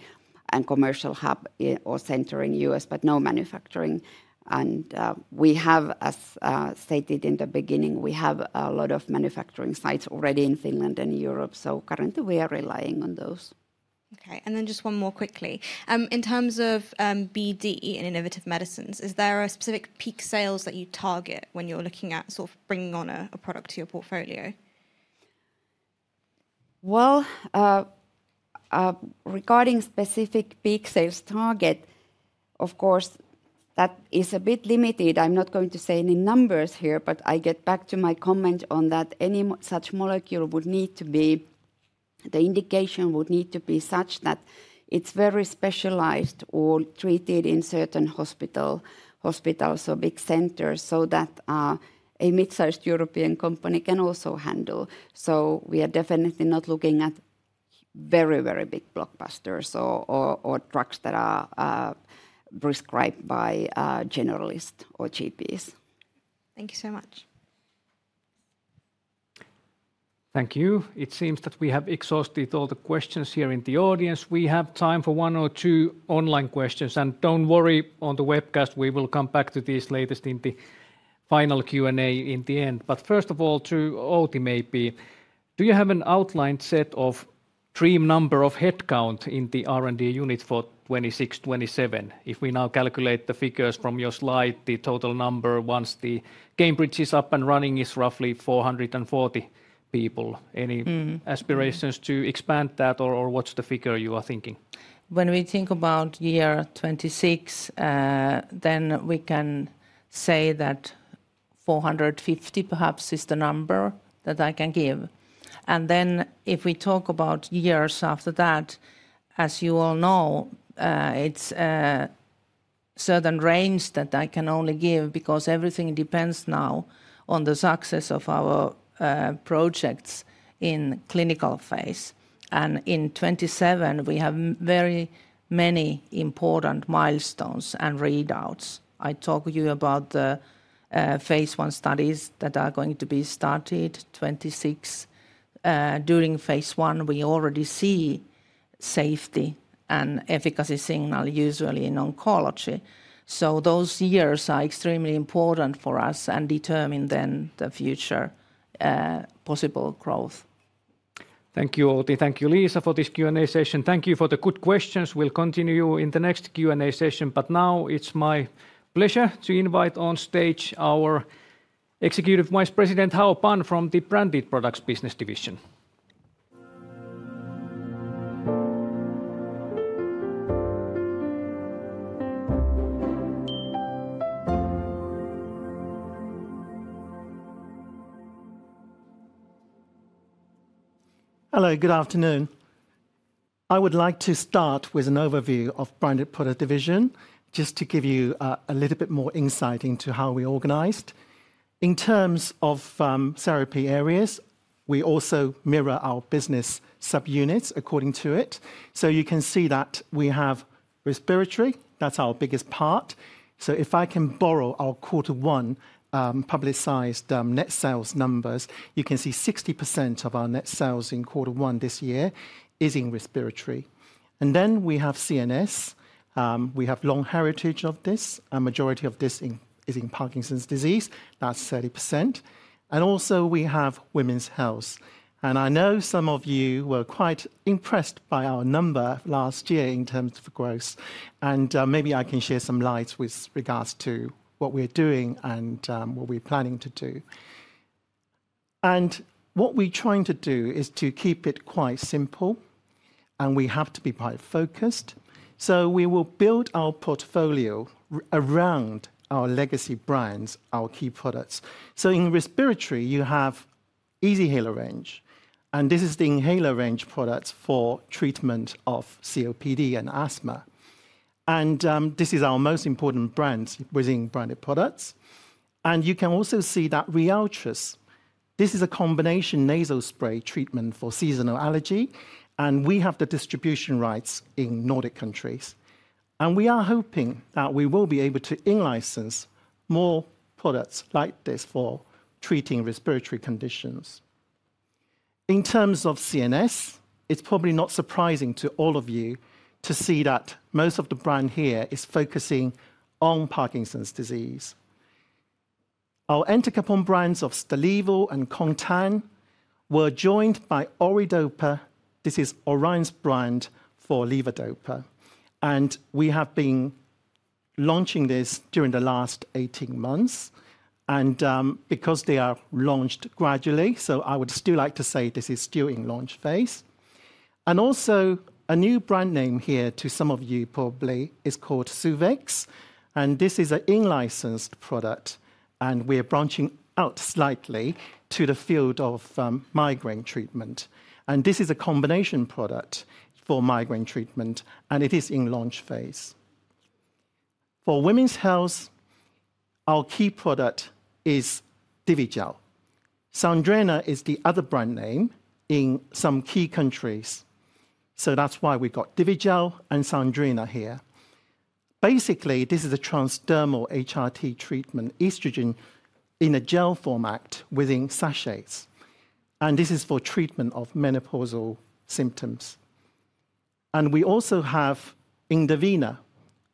and commercial hub or center in the U.S., but no manufacturing. We have, as stated in the beginning, a lot of manufacturing sites already in Finland and Europe. Currently, we are relying on those. Okay, just one more quickly. In terms of BDE and innovative medicines, is there a specific peak sales that you target when you're looking at sort of bringing on a product to your portfolio? Regarding specific peak sales target, of course, that is a bit limited. I'm not going to say any numbers here, but I get back to my comment on that any such molecule would need to be, the indication would need to be such that it's very specialized or treated in certain hospitals, so big centers, so that a mid-sized European company can also handle. We are definitely not looking at very, very big blockbusters or drugs that are prescribed by generalists or GPs. Thank you so much. Thank you. It seems that we have exhausted all the questions here in the audience. We have time for one or two online questions. Do not worry, on the webcast, we will come back to these latest in the final Q&A in the end. First of all, to Outi maybe, do you have an outlined set of dream number of headcount in the R&D unit for 2026-2027? If we now calculate the figures from your slide, the total number once the Cambridge is up and running is roughly 440 people. Any aspirations to expand that or what is the figure you are thinking? When we think about year 2026, then we can say that 450 perhaps is the number that I can give. If we talk about years after that, as you all know, it's a certain range that I can only give because everything depends now on the success of our projects in the clinical phase. In 2027, we have very many important milestones and readouts. I talked to you about the phase one studies that are going to be started in 2026. During phase one, we already see safety and efficacy signal usually in oncology. Those years are extremely important for us and determine then the future possible growth. Thank you, Outi. Thank you, Liisa, for this Q&A session. Thank you for the good questions. We'll continue in the next Q&A session. Now it's my pleasure to invite on stage our Executive Vice President, Hao Pan, from the Branded Products Business Division. Hello, good afternoon. I would like to start with an overview of Branded Products Division, just to give you a little bit more insight into how we're organized. In terms of therapy areas, we also mirror our business subunits according to it. You can see that we have respiratory, that's our biggest part. If I can borrow our quarter one publicized net sales numbers, you can see 60% of our net sales in quarter one this year is in respiratory. Then we have CNS. We have long heritage of this. A majority of this is in Parkinson's disease. That's 30%. We also have women's health. I know some of you were quite impressed by our number last year in terms of growth. Maybe I can share some lights with regards to what we're doing and what we're planning to do. What we're trying to do is to keep it quite simple. We have to be quite focused. We will build our portfolio around our legacy brands, our key products. In respiratory, you have Easyhaler range. This is the inhaler range products for treatment of COPD and asthma. This is our most important brand within branded products. You can also see that Ryaltris, this is a combination nasal spray treatment for seasonal allergy. We have the distribution rights in Nordic countries. We are hoping that we will be able to in-license more products like this for treating respiratory conditions. In terms of CNS, it's probably not surprising to all of you to see that most of the brand here is focusing on Parkinson's disease. Our entacapone brands of Stalevo and Comtess were joined by Oridopa. This is Orion's brand for levodopa. We have been launching this during the last 18 months. Because they are launched gradually, I would still like to say this is still in launch phase. Also, a new brand name here to some of you probably is called Suvex. This is an in-licensed product. We are branching out slightly to the field of migraine treatment. This is a combination product for migraine treatment, and it is in launch phase. For women's health, our key product is Divigel. Sandrina is the other brand name in some key countries. That is why we have Divigel and Sandrina here. Basically, this is a transdermal HRT treatment, estrogen in a gel format within sachets. This is for treatment of menopausal symptoms. We also have Indovina,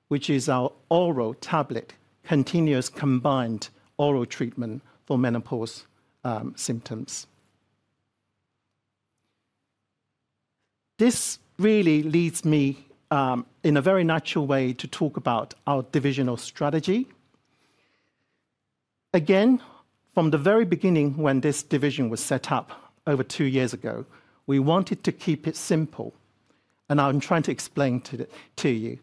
which is our oral tablet, continuous combined oral treatment for menopause symptoms. This really leads me in a very natural way to talk about our divisional strategy. Again, from the very beginning when this division was set up over two years ago, we wanted to keep it simple. I am trying to explain to you.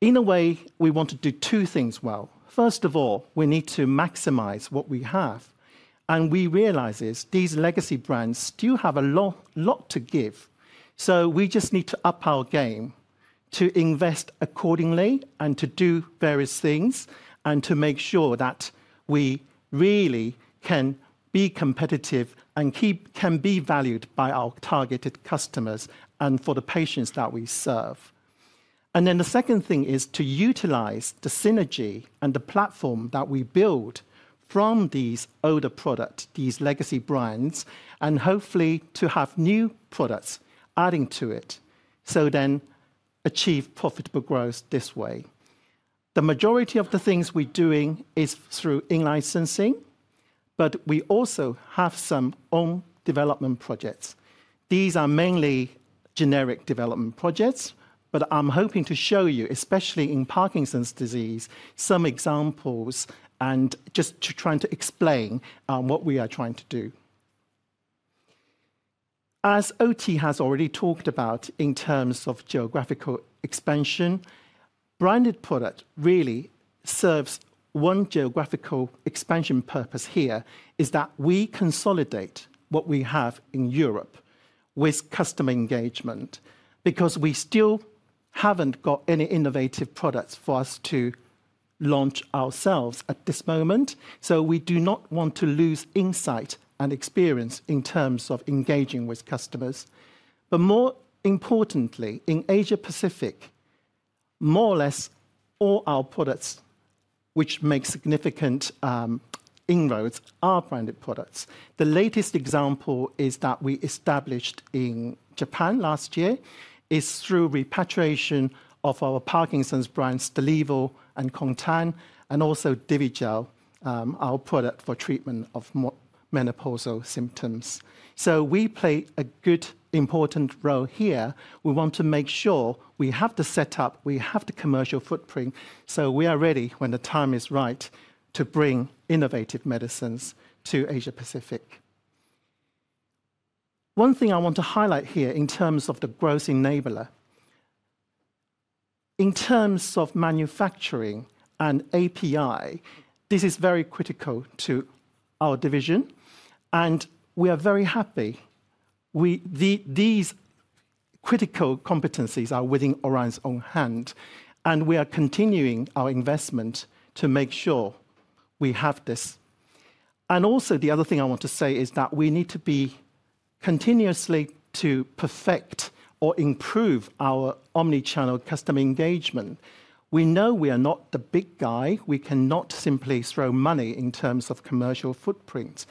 In a way, we want to do two things well. First of all, we need to maximize what we have. We realize these legacy brands still have a lot to give. We just need to up our game to invest accordingly and to do various things and to make sure that we really can be competitive and can be valued by our targeted customers and for the patients that we serve. The second thing is to utilize the synergy and the platform that we build from these older products, these legacy brands, and hopefully to have new products adding to it. Then achieve profitable growth this way. The majority of the things we're doing is through in-licensing, but we also have some own development projects. These are mainly generic development projects, but I'm hoping to show you, especially in Parkinson's disease, some examples and just to try to explain what we are trying to do. As Outi has already talked about in terms of geographical expansion, branded product really serves one geographical expansion purpose here is that we consolidate what we have in Europe with customer engagement because we still haven't got any innovative products for us to launch ourselves at this moment. We do not want to lose insight and experience in terms of engaging with customers. More importantly, in Asia-Pacific, more or less all our products, which make significant inroads, are branded products. The latest example is that we established in Japan last year is through repatriation of our Parkinson's brands, Stalevo and Comtess, and also Divigel, our product for treatment of menopausal symptoms. We play a good important role here. We want to make sure we have the setup, we have the commercial footprint, so we are ready when the time is right to bring innovative medicines to Asia-Pacific. One thing I want to highlight here in terms of the growth enabler. In terms of manufacturing and API, this is very critical to our division. We are very happy these critical competencies are within Orion's own hand. We are continuing our investment to make sure we have this. Also, the other thing I want to say is that we need to be continuously to perfect or improve our omnichannel customer engagement. We know we are not the big guy. We cannot simply throw money in terms of commercial footprints.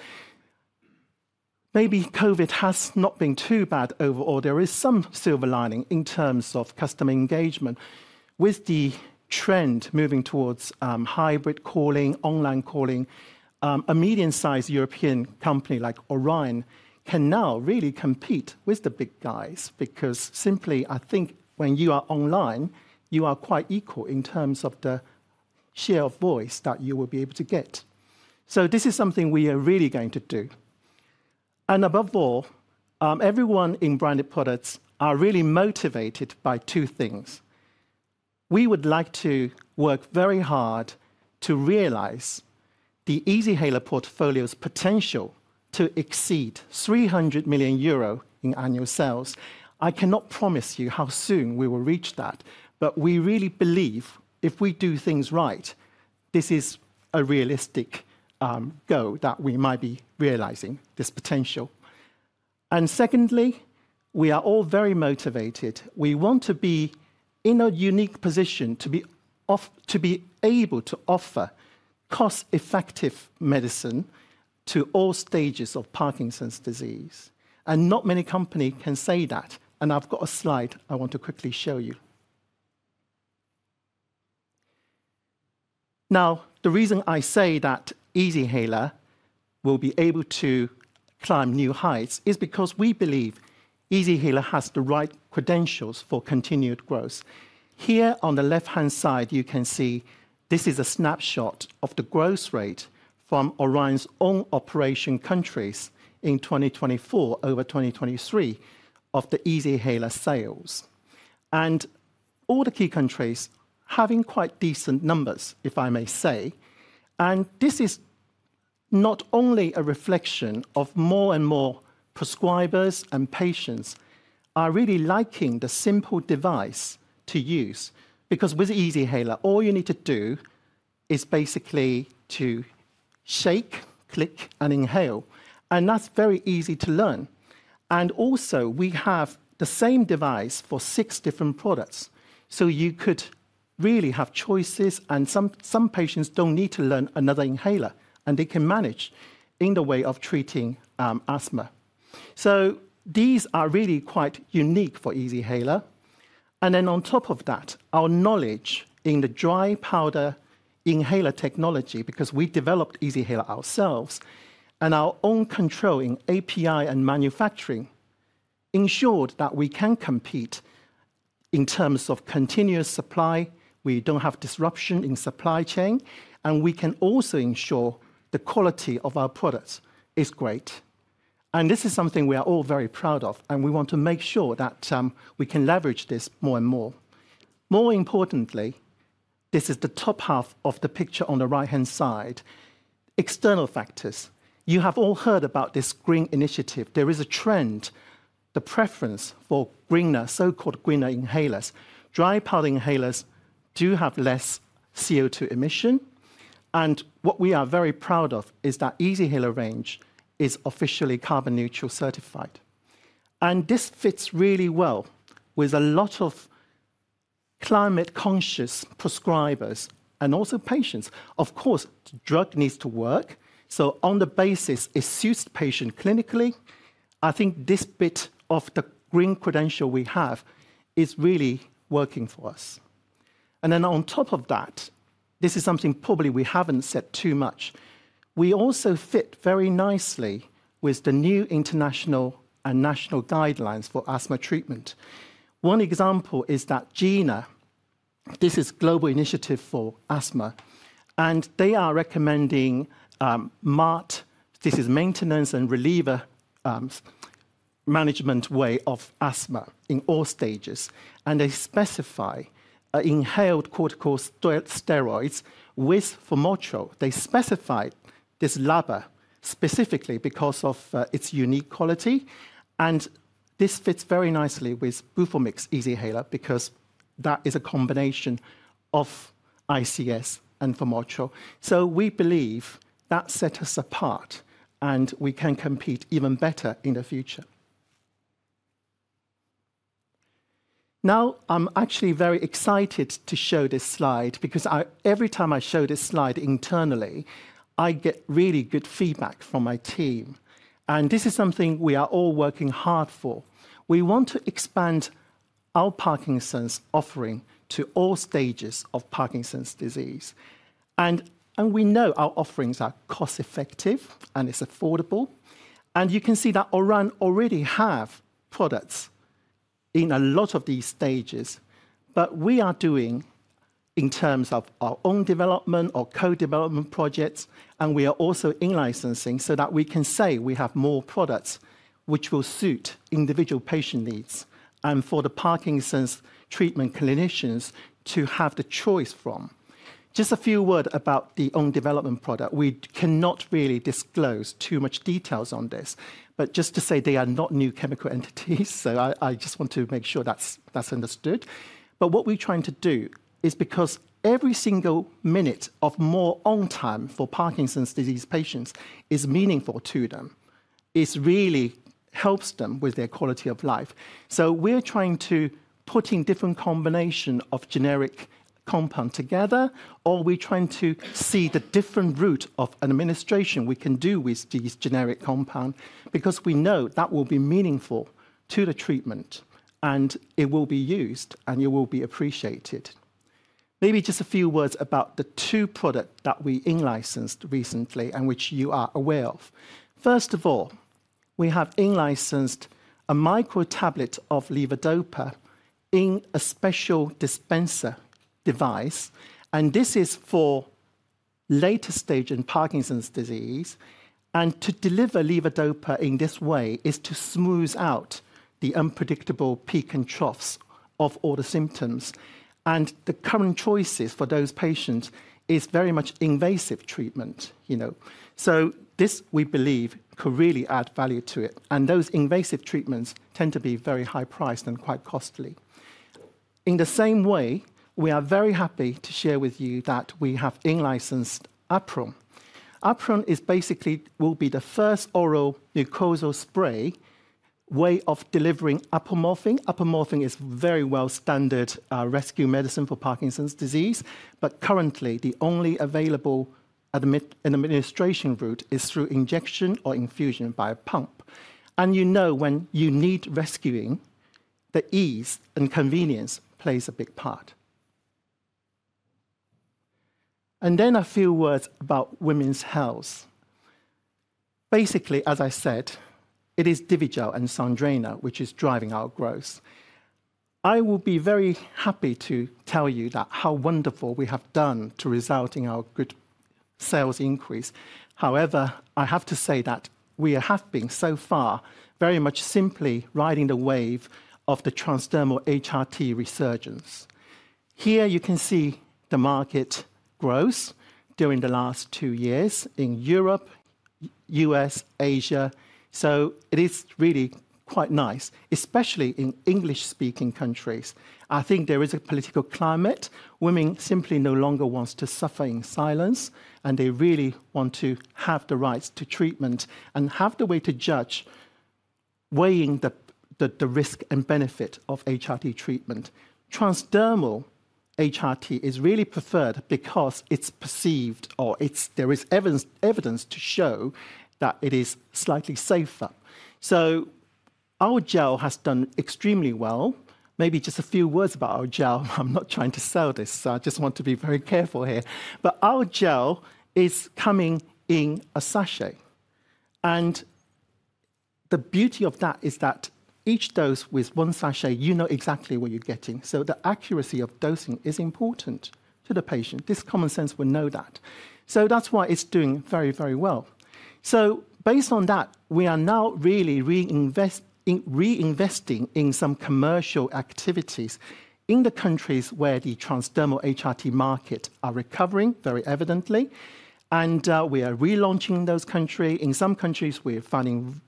Maybe COVID has not been too bad overall. There is some silver lining in terms of customer engagement with the trend moving towards hybrid calling, online calling. A medium-sized European company like Orion can now really compete with the big guys because simply I think when you are online, you are quite equal in terms of the share of voice that you will be able to get. This is something we are really going to do. Above all, everyone in branded products are really motivated by two things. We would like to work very hard to realize the Easyhaler portfolio's potential to exceed 300 million euro in annual sales. I cannot promise you how soon we will reach that, but we really believe if we do things right, this is a realistic goal that we might be realizing this potential. Secondly, we are all very motivated. We want to be in a unique position to be able to offer cost-effective medicine to all stages of Parkinson's disease. Not many companies can say that. I have got a slide I want to quickly show you. The reason I say that Easyhaler will be able to climb new heights is because we believe Easyhaler has the right credentials for continued growth. Here on the left-hand side, you can see this is a snapshot of the growth rate from Orion's own operation countries in 2024 over 2023 of the Easyhaler sales. All the key countries are having quite decent numbers, if I may say. This is not only a reflection of more and more prescribers and patients really liking the simple device to use because with Easyhaler, all you need to do is basically shake, click, and inhale. That is very easy to learn. We have the same device for six different products, so you could really have choices. Some patients do not need to learn another inhaler, and they can manage in the way of treating asthma. These are really quite unique for Easyhaler. On top of that, our knowledge in the dry powder inhaler technology, because we developed Easyhaler ourselves and our own controlling API and manufacturing, ensured that we can compete in terms of continuous supply. We do not have disruption in supply chain, and we can also ensure the quality of our products is great. This is something we are all very proud of. We want to make sure that we can leverage this more and more. More importantly, this is the top half of the picture on the right-hand side. External factors. You have all heard about this green initiative. There is a trend, the preference for greener, so-called greener inhalers. Dry powder inhalers do have less CO2 emission. What we are very proud of is that Easyhaler range is officially carbon neutral certified. This fits really well with a lot of climate-conscious prescribers and also patients. Of course, drug needs to work. On the basis, it suits patient clinically. I think this bit of the green credential we have is really working for us. On top of that, this is something probably we have not said too much. We also fit very nicely with the new international and national guidelines for asthma treatment. One example is that GINA, this is a global initiative for asthma. They are recommending MART. This is maintenance and reliever management way of asthma in all stages. They specify inhaled corticosteroids with formoterol. They specify this latter specifically because of its unique quality. This fits very nicely with Buformix Easyhaler because that is a combination of ICS and formoterol. We believe that sets us apart and we can compete even better in the future. Now, I am actually very excited to show this slide because every time I show this slide internally, I get really good feedback from my team. This is something we are all working hard for. We want to expand our Parkinson's offering to all stages of Parkinson's disease. We know our offerings are cost-effective and it's affordable. You can see that Orion already has products in a lot of these stages. We are doing, in terms of our own development or co-development projects, and we are also in-licensing so that we can say we have more products which will suit individual patient needs and for the Parkinson's treatment clinicians to have the choice from. Just a few words about the own development product. We cannot really disclose too much details on this, but just to say they are not new chemical entities. I just want to make sure that's understood. What we're trying to do is because every single minute of more own time for Parkinson's disease patients is meaningful to them. It really helps them with their quality of life. We're trying to put in different combinations of generic compounds together, or we're trying to see the different route of administration we can do with these generic compounds because we know that will be meaningful to the treatment and it will be used and you will be appreciated. Maybe just a few words about the two products that we in-licensed recently and which you are aware of. First of all, we have in-licensed a micro tablet of levodopa in a special dispenser device. This is for later stage in Parkinson's disease. To deliver levodopa in this way is to smooth out the unpredictable peak and troughs of all the symptoms. The current choices for those patients is very much invasive treatment. This we believe could really add value to it. Those invasive treatments tend to be very high priced and quite costly. In the same way, we are very happy to share with you that we have in-licensed Apron. Apron basically will be the first oral mucosal spray way of delivering apomorphine. Apomorphine is a very well-standard rescue medicine for Parkinson's disease. Currently, the only available administration route is through injection or infusion by a pump. You know, when you need rescuing, the ease and convenience plays a big part. A few words about women's health. Basically, as I said, it is Divigel and Sandrina which is driving our growth. I will be very happy to tell you how wonderful we have done to result in our good sales increase. However, I have to say that we have been so far very much simply riding the wave of the transdermal HRT resurgence. Here you can see the market growth during the last two years in Europe, U.S., Asia. It is really quite nice, especially in English-speaking countries. I think there is a political climate. Women simply no longer want to suffer in silence. They really want to have the rights to treatment and have the way to judge weighing the risk and benefit of HRT treatment. Transdermal HRT is really preferred because it is perceived or there is evidence to show that it is slightly safer. Our gel has done extremely well. Maybe just a few words about our gel. I'm not trying to sell this. I just want to be very careful here. Our gel is coming in a sachet. The beauty of that is that each dose with one sachet, you know exactly what you're getting. The accuracy of dosing is important to the patient. This common sense will know that. That is why it is doing very, very well. Based on that, we are now really reinvesting in some commercial activities in the countries where the transdermal HRT market are recovering very evidently. We are relaunching in those countries. In some countries, we are finding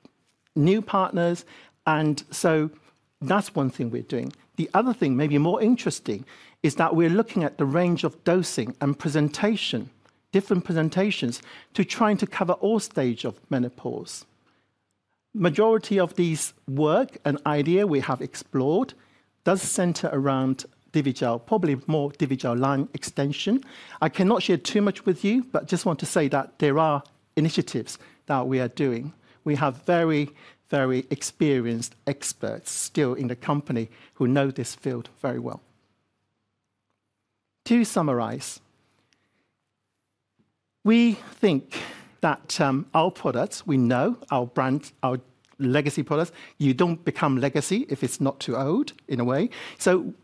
new partners. That is one thing we are doing. The other thing, maybe more interesting, is that we are looking at the range of dosing and presentation, different presentations to try to cover all stages of menopause. Majority of this work and idea we have explored does center around Divigel, probably more Divigel line extension. I cannot share too much with you, but just want to say that there are initiatives that we are doing. We have very, very experienced experts still in the company who know this field very well. To summarize, we think that our products, we know our brand, our legacy products, you do not become legacy if it is not too old in a way.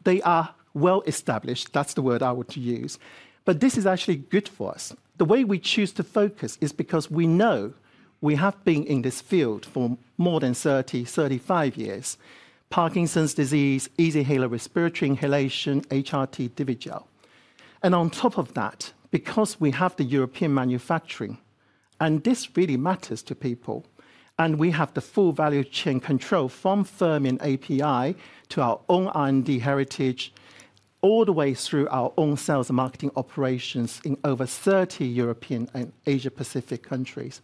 They are well established. That is the word I would use. This is actually good for us. The way we choose to focus is because we know we have been in this field for more than 30-35 years. Parkinson's disease, Easyhaler respiratory inhalation, HRT, Divigel. On top of that, because we have the European manufacturing, and this really matters to people, and we have the full value chain control from Fermion API to our own R&D heritage, all the way through our own sales and marketing operations in over 30 European and Asia-Pacific countries.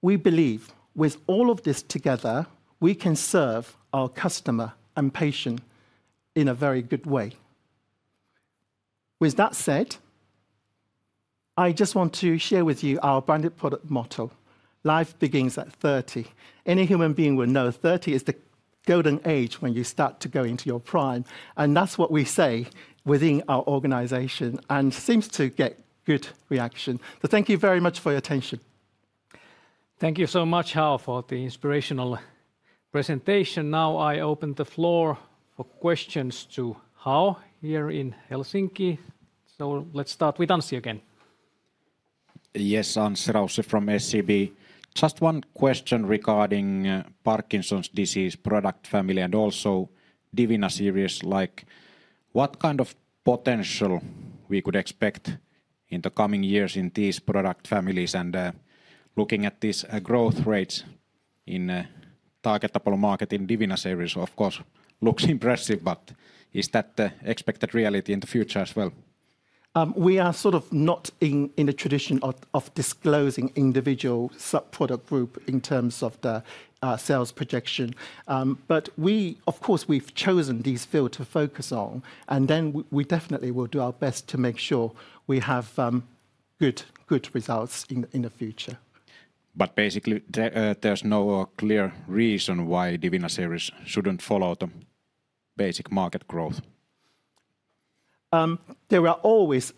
We believe with all of this together, we can serve our customer and patient in a very good way. With that said, I just want to share with you our branded product motto: "Life begins at 30." Any human being will know 30 is the golden age when you start to go into your prime. That is what we say within our organization and seems to get good reaction. Thank you very much for your attention. Thank you so much, Hao, for the inspirational presentation. Now I open the floor for questions to Hao here in Helsinki. Let's start with Anssi again. Yes, Anssi Rausch from SCB. Just one question regarding Parkinson's disease product family and also Divina series like. What kind of potential we could expect in the coming years in these product families and looking at these growth rates in the targetable market in Divina series, of course, looks impressive, but is that the expected reality in the future as well? We are sort of not in the tradition of disclosing individual sub-product group in terms of the sales projection. Of course, we've chosen these fields to focus on. We definitely will do our best to make sure we have good results in the future. Basically, there's no clear reason why Divina series shouldn't follow the basic market growth. There are always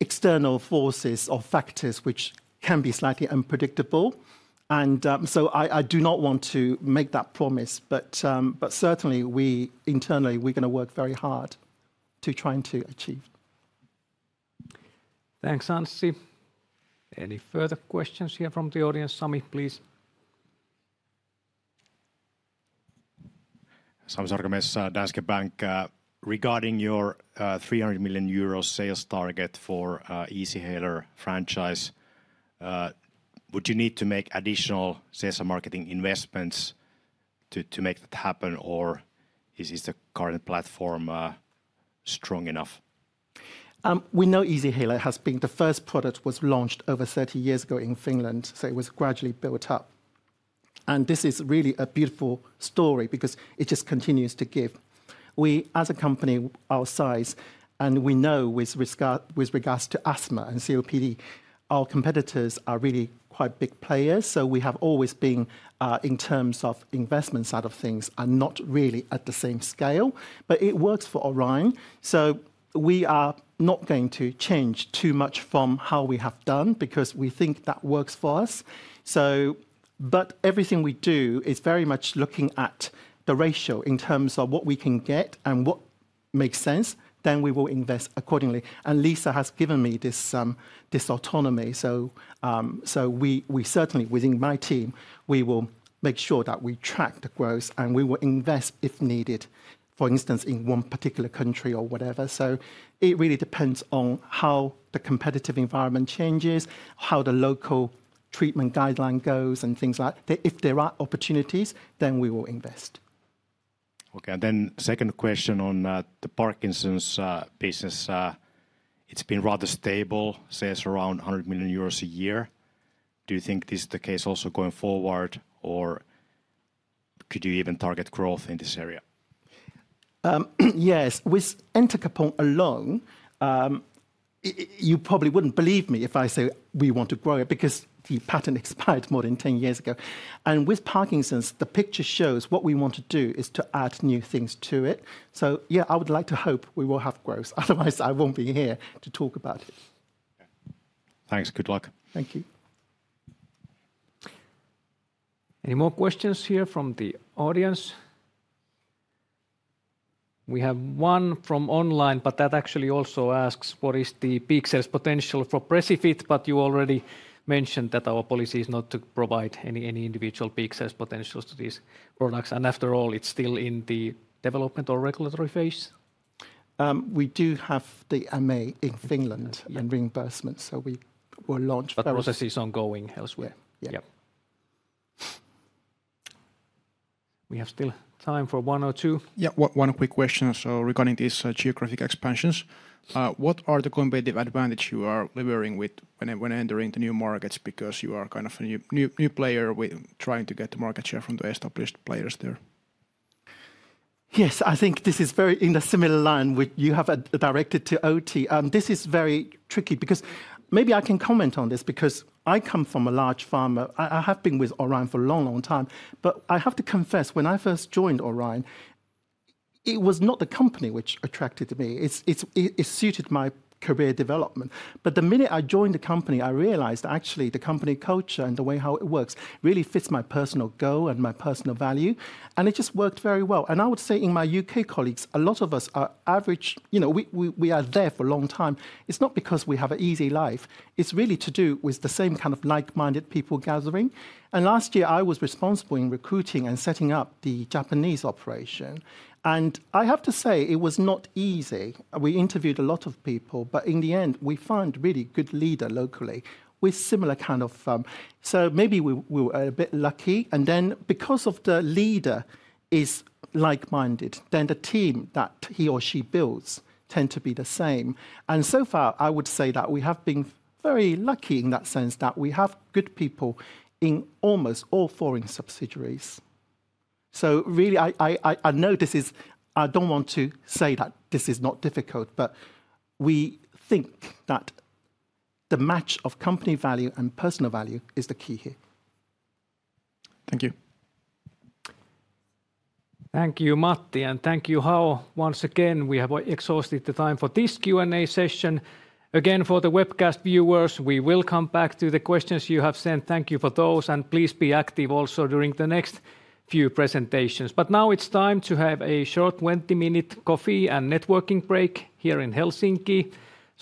external forces or factors which can be slightly unpredictable. I do not want to make that promise. Certainly, we internally, we're going to work very hard to try to achieve. Thanks, Anssi. Any further questions here from the audience? Sami, please. Sami Sarkamies, Danske Bank. Regarding your €300 million sales target for Easyhaler franchise, would you need to make additional sales and marketing investments to make that happen, or is the current platform strong enough? We know Easyhaler has been the first product that was launched over 30 years ago in Finland. It was gradually built up. This is really a beautiful story because it just continues to give. We, as a company our size, and we know with regards to asthma and COPD, our competitors are really quite big players. We have always been in terms of investment side of things and not really at the same scale. It works for Orion. We are not going to change too much from how we have done because we think that works for us. Everything we do is very much looking at the ratio in terms of what we can get and what makes sense. We will invest accordingly. Liisa has given me this autonomy. We certainly, within my team, will make sure that we track the growth and we will invest if needed, for instance, in one particular country or whatever. It really depends on how the competitive environment changes, how the local treatment guideline goes and things like that. If there are opportunities, then we will invest. Okay. The second question on the Parkinson's business. It's been rather stable since around €100 million a year. Do you think this is the case also going forward, or could you even target growth in this area? Yes. With Entacapone alone, you probably wouldn't believe me if I say we want to grow it because the patent expired more than 10 years ago. With Parkinson's, the picture shows what we want to do is to add new things to it. Yeah, I would like to hope we will have growth. Otherwise, I won't be here to talk about it. Thanks. Good luck. Thank you. Any more questions here from the audience? We have one from online, but that actually also asks what is the peak sales potential for Precifit. You already mentioned that our policy is not to provide any individual peak sales potentials to these products. After all, it's still in the development or regulatory phase. We do have the MA in Finland and reimbursement, so we will launch first. The process is ongoing elsewhere. Yeah. We have still time for one or two. Yeah. One quick question regarding these geographic expansions. What are the competitive advantages you are levering with when entering the new markets because you are kind of a new player trying to get the market share from the established players there? Yes, I think this is very in a similar line with you have directed to Outi. This is very tricky because maybe I can comment on this because I come from a large pharma. I have been with Orion for a long, long time. I have to confess, when I first joined Orion, it was not the company which attracted me. It suited my career development. The minute I joined the company, I realized actually the company culture and the way how it works really fits my personal goal and my personal value. It just worked very well. I would say in my U.K. colleagues, a lot of us are average. We are there for a long time. It's not because we have an easy life. It's really to do with the same kind of like-minded people gathering. Last year, I was responsible in recruiting and setting up the Japanese operation. I have to say it was not easy. We interviewed a lot of people, but in the end, we found really good leaders locally with similar kind of. Maybe we were a bit lucky. Because the leader is like-minded, the team that he or she builds tends to be the same. So far, I would say that we have been very lucky in that sense that we have good people in almost all foreign subsidiaries. I know this is, I do not want to say that this is not difficult, but we think that the match of company value and personal value is the key here. Thank you. Thank you, Matti. Thank you, Hao. Once again, we have exhausted the time for this Q&A session. Again, for the webcast viewers, we will come back to the questions you have sent. Thank you for those. Please be active also during the next few presentations. Now it is time to have a short 20-minute coffee and networking break here in Helsinki.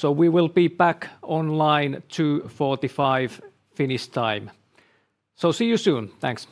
We will be back online at 2:45 P.M. Finnish time. See you soon. Thanks.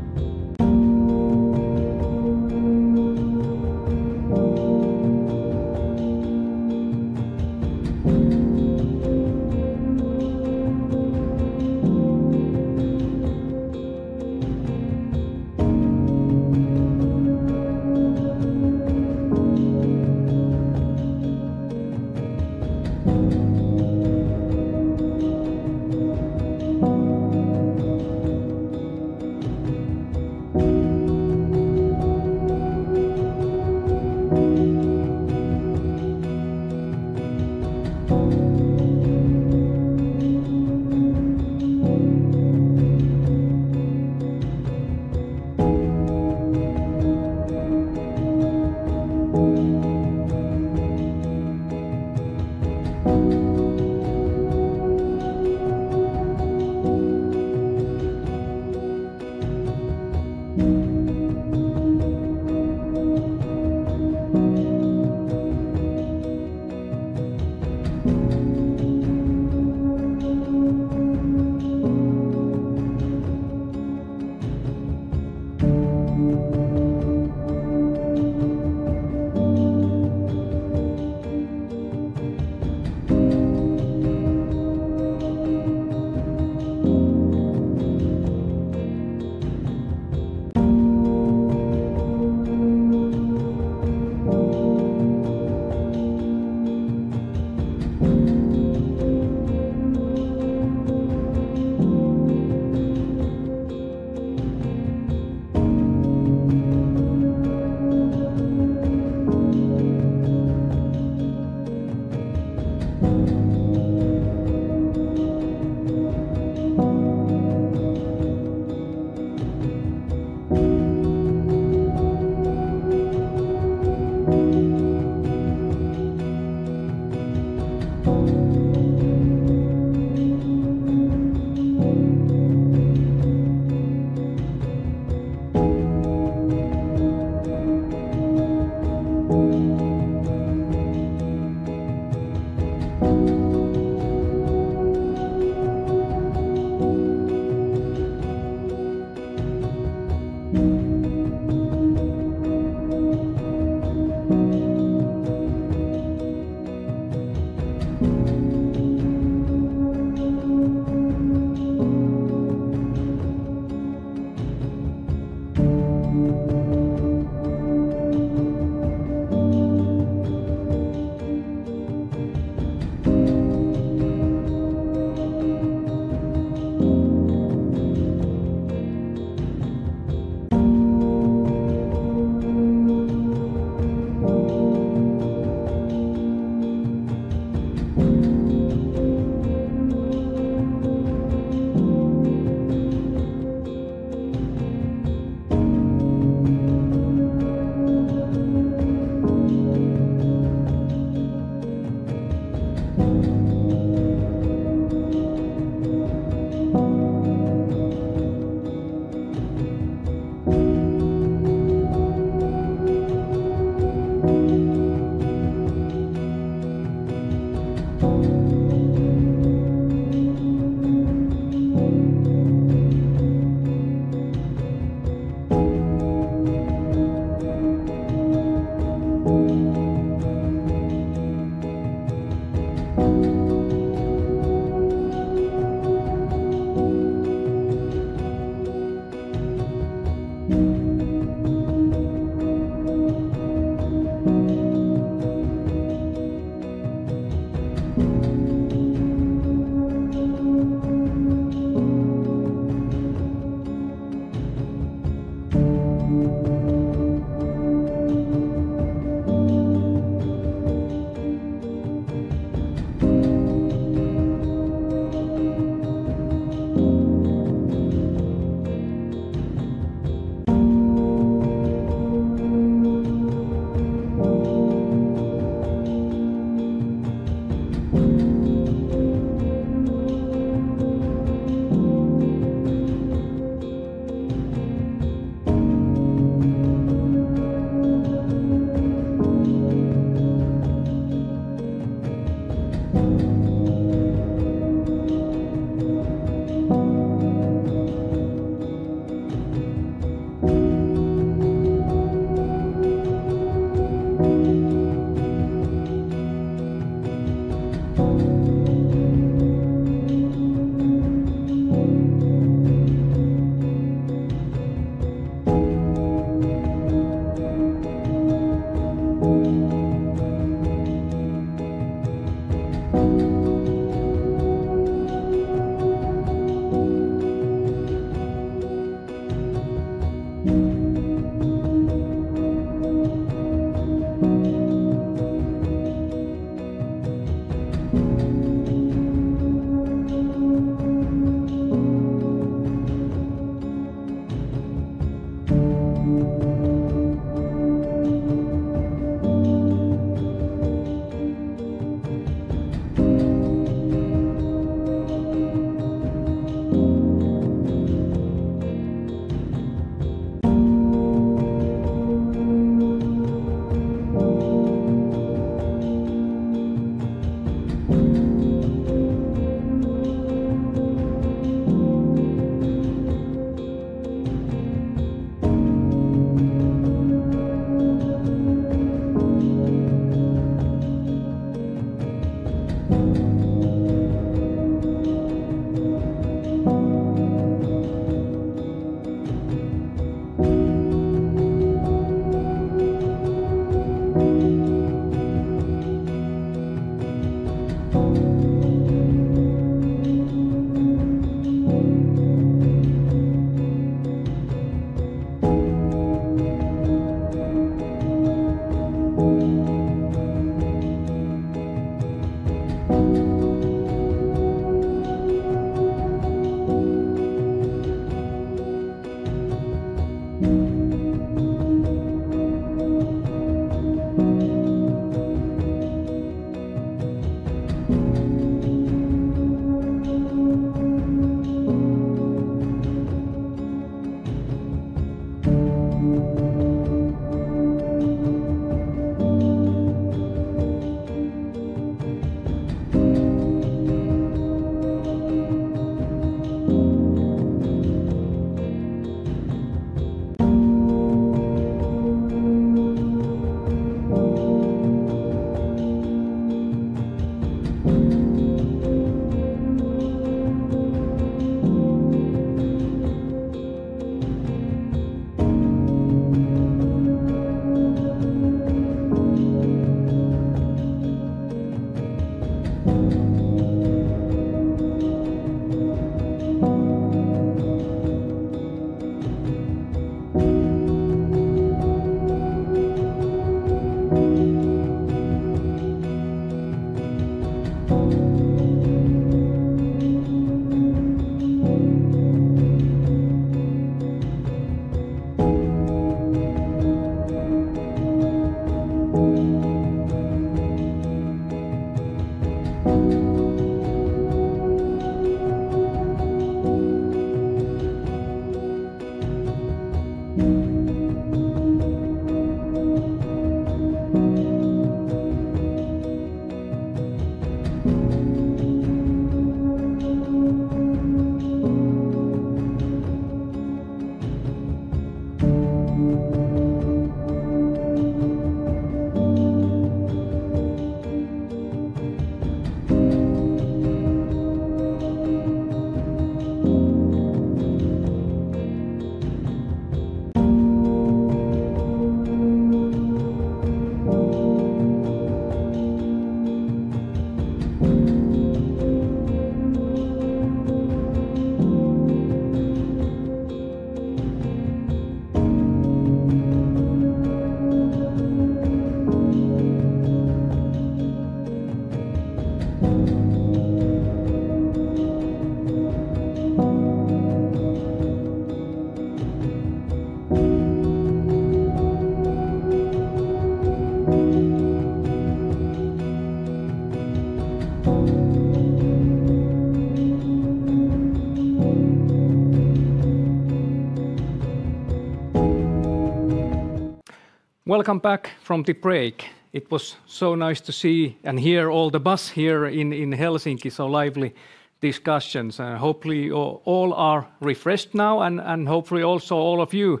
Welcome back from the break. It was so nice to see and hear all the buzz here in Helsinki, so lively discussions. Hopefully, all are refreshed now, and hopefully also all of you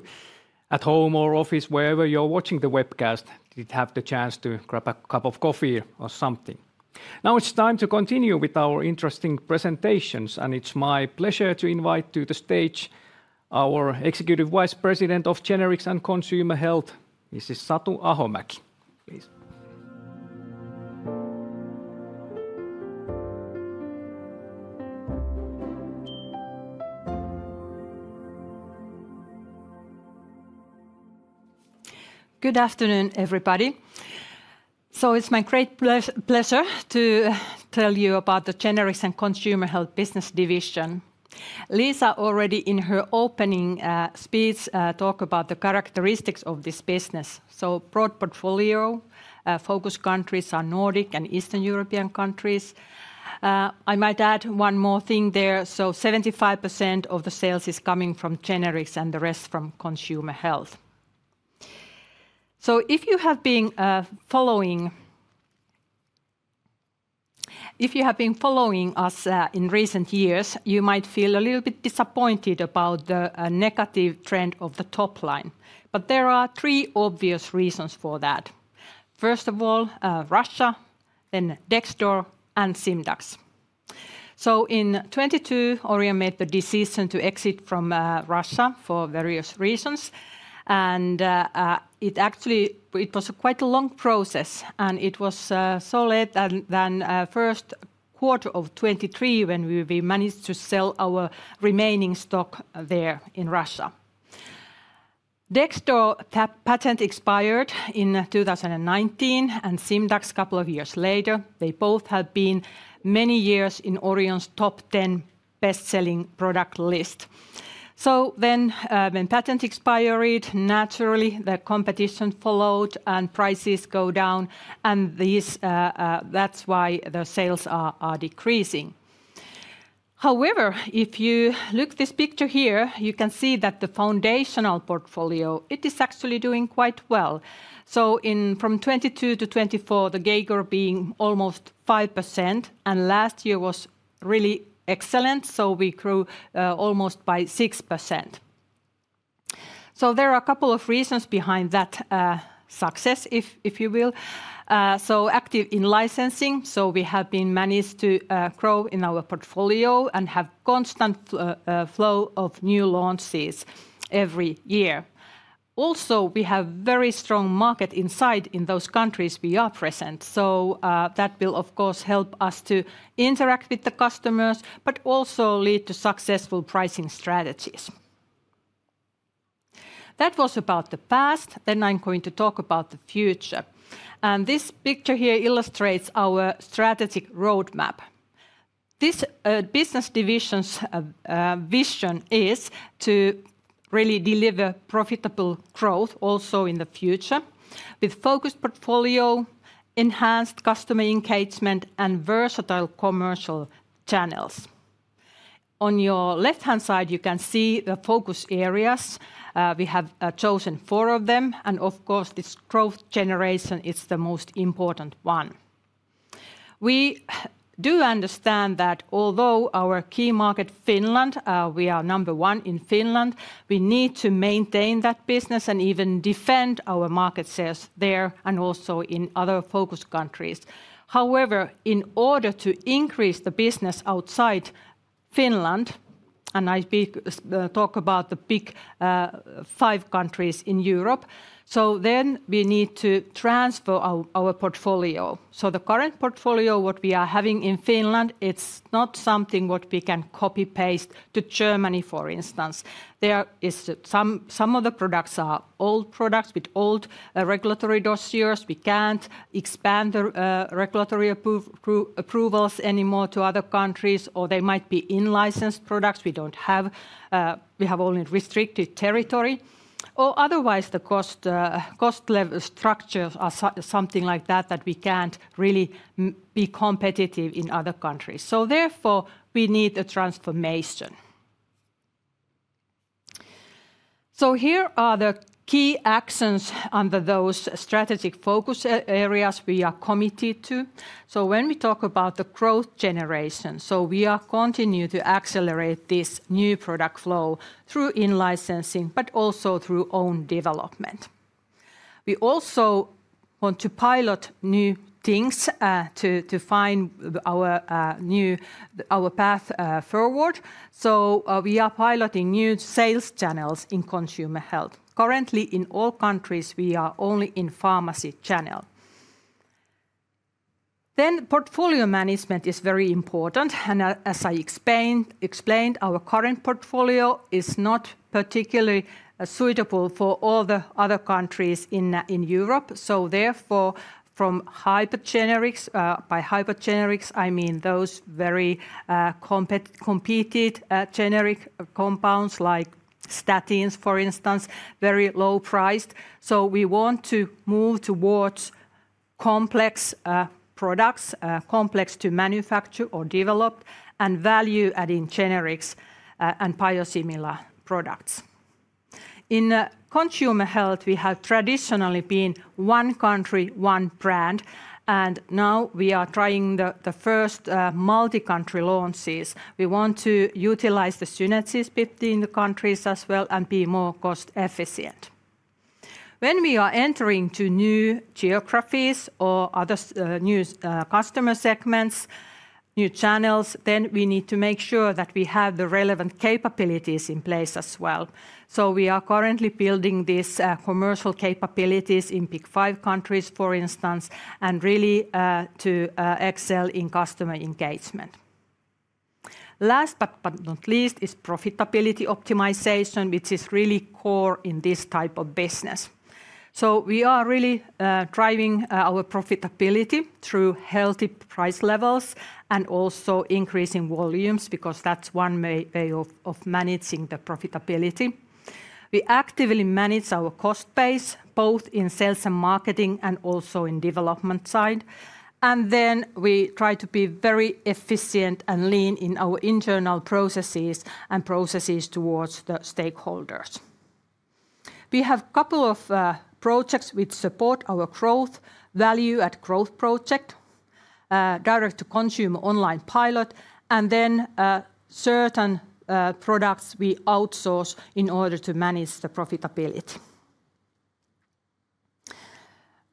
at home or office, wherever you are watching the webcast, did have the chance to grab a cup of coffee or something. Now it is time to continue with our interesting presentations, and it is my pleasure to invite to the stage our Executive Vice President of Generics and Consumer Health, Mrs. Satu Ahomäki. Please. Good afternoon, everybody. It is my great pleasure to tell you about the Generics and Consumer Health Business Division. Liisa already in her opening speech talked about the characteristics of this business. Broad portfolio, focus countries are Nordic and Eastern European countries. I might add one more thing there. 75% of the sales is coming from generics and the rest from consumer health. If you have been following us in recent years, you might feel a little bit disappointed about the negative trend of the top line. There are three obvious reasons for that. First of all, Russia, then Dexdor and Simdax. In 2022, Orion made the decision to exit from Russia for various reasons. It actually was quite a long process. It was so late in the first quarter of 2023 when we managed to sell our remaining stock there in Russia. Dexdor patent expired in 2019 and Simdax a couple of years later. They both have been many years in Orion's top 10 best-selling product list. When the patent expired, naturally the competition followed and prices go down. That is why the sales are decreasing. However, if you look at this picture here, you can see that the foundational portfolio is actually doing quite well. From 2022 to 2024, the CAGR being almost 5% and last year was really excellent. We grew almost by 6%. There are a couple of reasons behind that success, if you will. Active in-licensing. We have managed to grow in our portfolio and have constant flow of new launches every year. Also, we have very strong market insight in those countries we are present. That will, of course, help us to interact with the customers, but also lead to successful pricing strategies. That was about the past. I am going to talk about the future. This picture here illustrates our strategic roadmap. This business division's vision is to really deliver profitable growth also in the future with focused portfolio, enhanced customer engagement, and versatile commercial channels. On your left-hand side, you can see the focus areas. We have chosen four of them. Of course, this growth generation is the most important one. We do understand that although our key market, Finland, we are number one in Finland, we need to maintain that business and even defend our market shares there and also in other focus countries. However, in order to increase the business outside Finland, and I talk about the big five countries in Europe, we need to transfer our portfolio. The current portfolio, what we are having in Finland, it's not something what we can copy-paste to Germany, for instance. Some of the products are old products with old regulatory dossiers. We can't expand the regulatory approvals anymore to other countries, or they might be in-licensed products. We don't have, we have only restricted territory. Otherwise, the cost level structures are something like that, that we can't really be competitive in other countries. Therefore, we need a transformation. Here are the key actions under those strategic focus areas we are committed to. When we talk about the growth generation, we are continuing to accelerate this new product flow through in-licensing, but also through own development. We also want to pilot new things to find our path forward. We are piloting new sales channels in consumer health. Currently, in all countries, we are only in pharmacy channel. Portfolio management is very important. As I explained, our current portfolio is not particularly suitable for all the other countries in Europe. Therefore, from hyper-generics, by hyper-generics, I mean those very competitive generic compounds like statins, for instance, very low priced. We want to move towards complex products, complex to manufacture or develop, and value-adding generics and biosimilar products. In consumer health, we have traditionally been one country, one brand. Now we are trying the first multi-country launches. We want to utilize the synergies between the countries as well and be more cost-efficient. When we are entering to new geographies or other new customer segments, new channels, then we need to make sure that we have the relevant capabilities in place as well. We are currently building these commercial capabilities in big five countries, for instance, and really to excel in customer engagement. Last but not least is profitability optimization, which is really core in this type of business. We are really driving our profitability through healthy price levels and also increasing volumes because that's one way of managing the profitability. We actively manage our cost base both in sales and marketing and also in development side. We try to be very efficient and lean in our internal processes and processes towards the stakeholders. We have a couple of projects which support our growth, value-add growth project, direct-to-consumer online pilot, and then certain products we outsource in order to manage the profitability.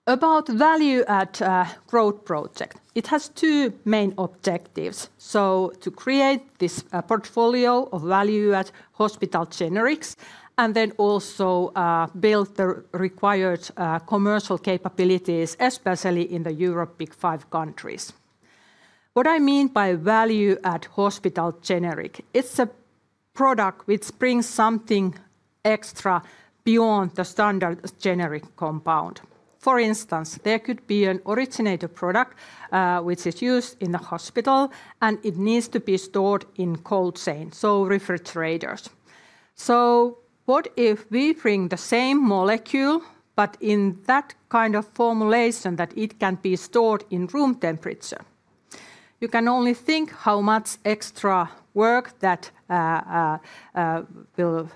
About value-add growth project, it has two main objectives. To create this portfolio of value-add hospital generics and then also build the required commercial capabilities, especially in the Europe big five countries. What I mean by value-add hospital generic, it's a product which brings something extra beyond the standard generic compound. For instance, there could be an originator product which is used in the hospital and it needs to be stored in cold chains, so refrigerators. What if we bring the same molecule, but in that kind of formulation that it can be stored in room temperature? You can only think how much extra work that will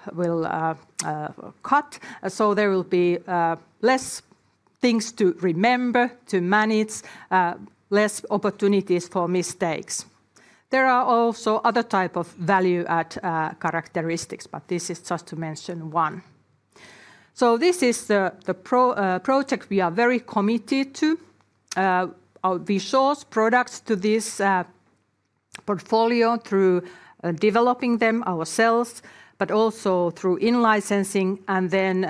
cut. There will be less things to remember, to manage, less opportunities for mistakes. There are also other types of value-add characteristics, but this is just to mention one. This is the project we are very committed to. We source products to this portfolio through developing them ourselves, but also through in-licensing and then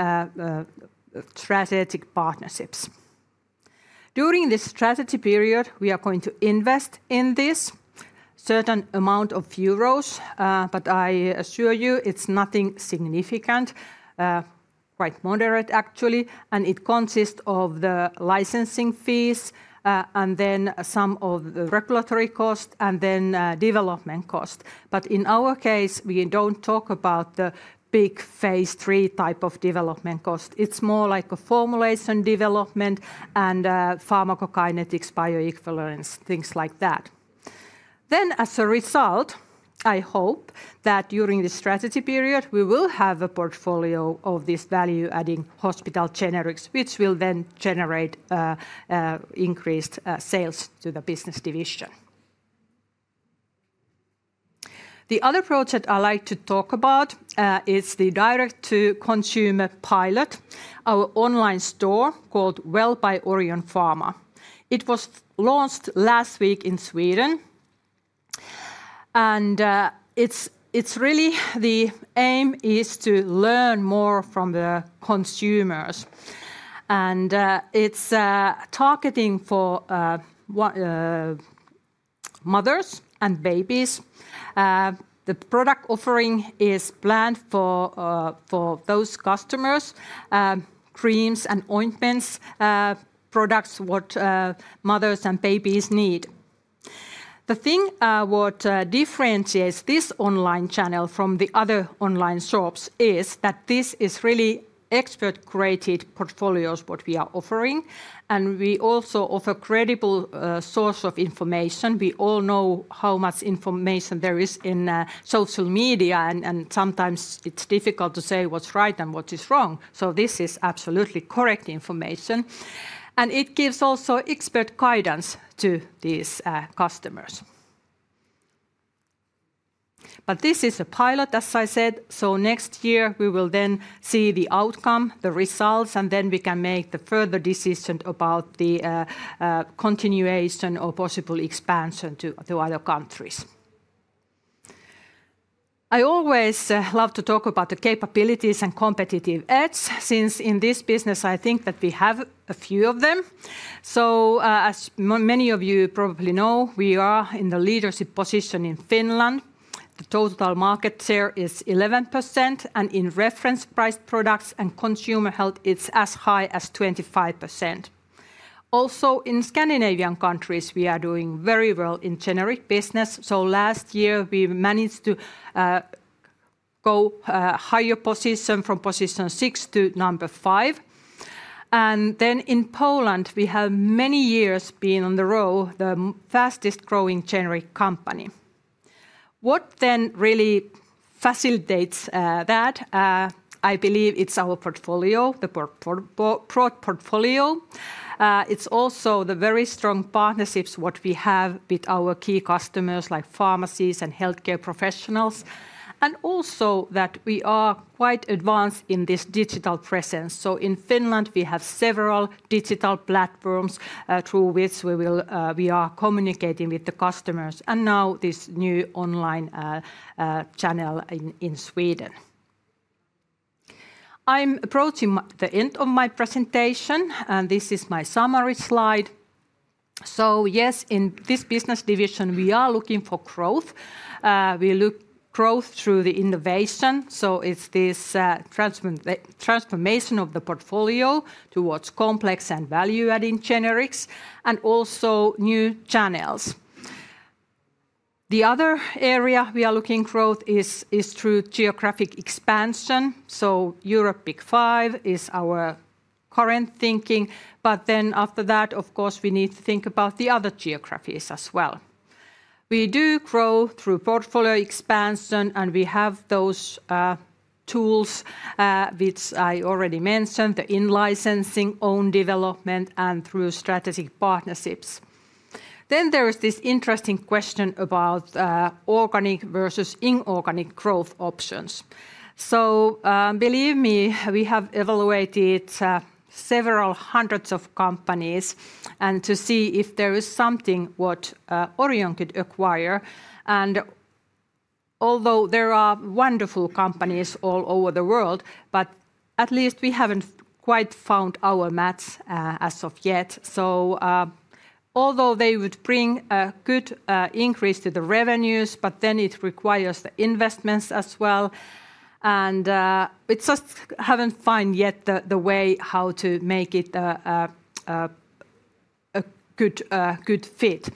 strategic partnerships. During this strategy period, we are going to invest in this certain amount of EUR, but I assure you it's nothing significant, quite moderate actually. It consists of the licensing fees and then some of the regulatory costs and then development costs. In our case, we don't talk about the big phase three type of development cost. It's more like a formulation development and pharmacokinetics, bioequivalence, things like that. As a result, I hope that during the strategy period, we will have a portfolio of this value-adding hospital generics, which will then generate increased sales to the business division. The other project I like to talk about is the direct-to-consumer pilot, our online store called Well by Orion Pharma. It was launched last week in Sweden. It's really the aim to learn more from the consumers. It's targeting for mothers and babies. The product offering is planned for those customers, creams and ointments, products what mothers and babies need. The thing what differentiates this online channel from the other online shops is that this is really expert-created portfolios what we are offering. We also offer credible source of information. We all know how much information there is in social media, and sometimes it's difficult to say what's right and what is wrong. This is absolutely correct information. It gives also expert guidance to these customers. This is a pilot, as I said. Next year, we will then see the outcome, the results, and then we can make the further decision about the continuation or possible expansion to other countries. I always love to talk about the capabilities and competitive edge, since in this business, I think that we have a few of them. As many of you probably know, we are in the leadership position in Finland. The total market share is 11%, and in reference price products and consumer health, it's as high as 25%. Also in Scandinavian countries, we are doing very well in generic business. Last year, we managed to go higher position from position six to number five. In Poland, we have many years been on the row, the fastest growing generic company. What then really facilitates that, I believe it's our portfolio, the broad portfolio. It's also the very strong partnerships what we have with our key customers like pharmacies and healthcare professionals. Also, we are quite advanced in this digital presence. In Finland, we have several digital platforms through which we are communicating with the customers. Now this new online channel in Sweden. I'm approaching the end of my presentation, and this is my summary slide. Yes, in this business division, we are looking for growth. We look growth through the innovation. It's this transformation of the portfolio towards complex and value-adding generics and also new channels. The other area we are looking for growth is through geographic expansion. Europe big five is our current thinking. After that, of course, we need to think about the other geographies as well. We do grow through portfolio expansion, and we have those tools which I already mentioned, the in-licensing, own development, and through strategic partnerships. There is this interesting question about organic versus inorganic growth options. Believe me, we have evaluated several hundreds of companies to see if there is something Orion could acquire. Although there are wonderful companies all over the world, at least we haven't quite found our match as of yet. Although they would bring a good increase to the revenues, it requires the investments as well. We just haven't found yet the way how to make it a good fit.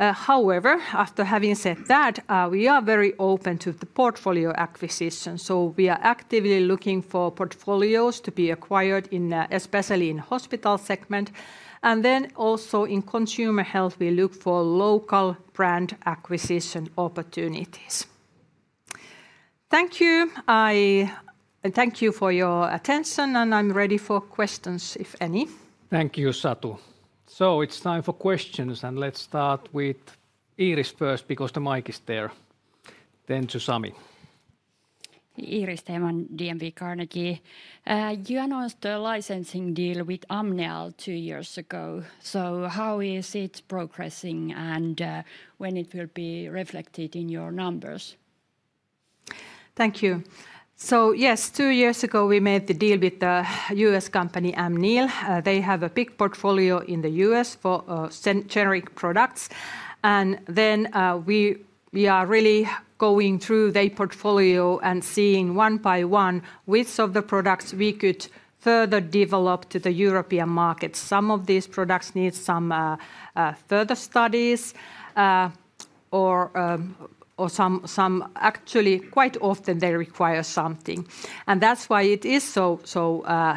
However, after having said that, we are very open to the portfolio acquisition. We are actively looking for portfolios to be acquired, especially in the hospital segment. In consumer health, we look for local brand acquisition opportunities. Thank you. I thank you for your attention, and I'm ready for questions if any. Thank you, Satu. It's time for questions, and let's start with Iiris first because the mic is there. Then to Sami. Iiris Heiman, DNB Carnegie. You announced a licensing deal with Amneal two years ago. How is it progressing and when will it be reflected in your numbers? Thank you. Yes, two years ago we made the deal with the U.S. company Amneal. They have a big portfolio in the US for generic products. We are really going through their portfolio and seeing one by one which of the products we could further develop to the European market. Some of these products need some further studies or some actually quite often they require something. That is why it is so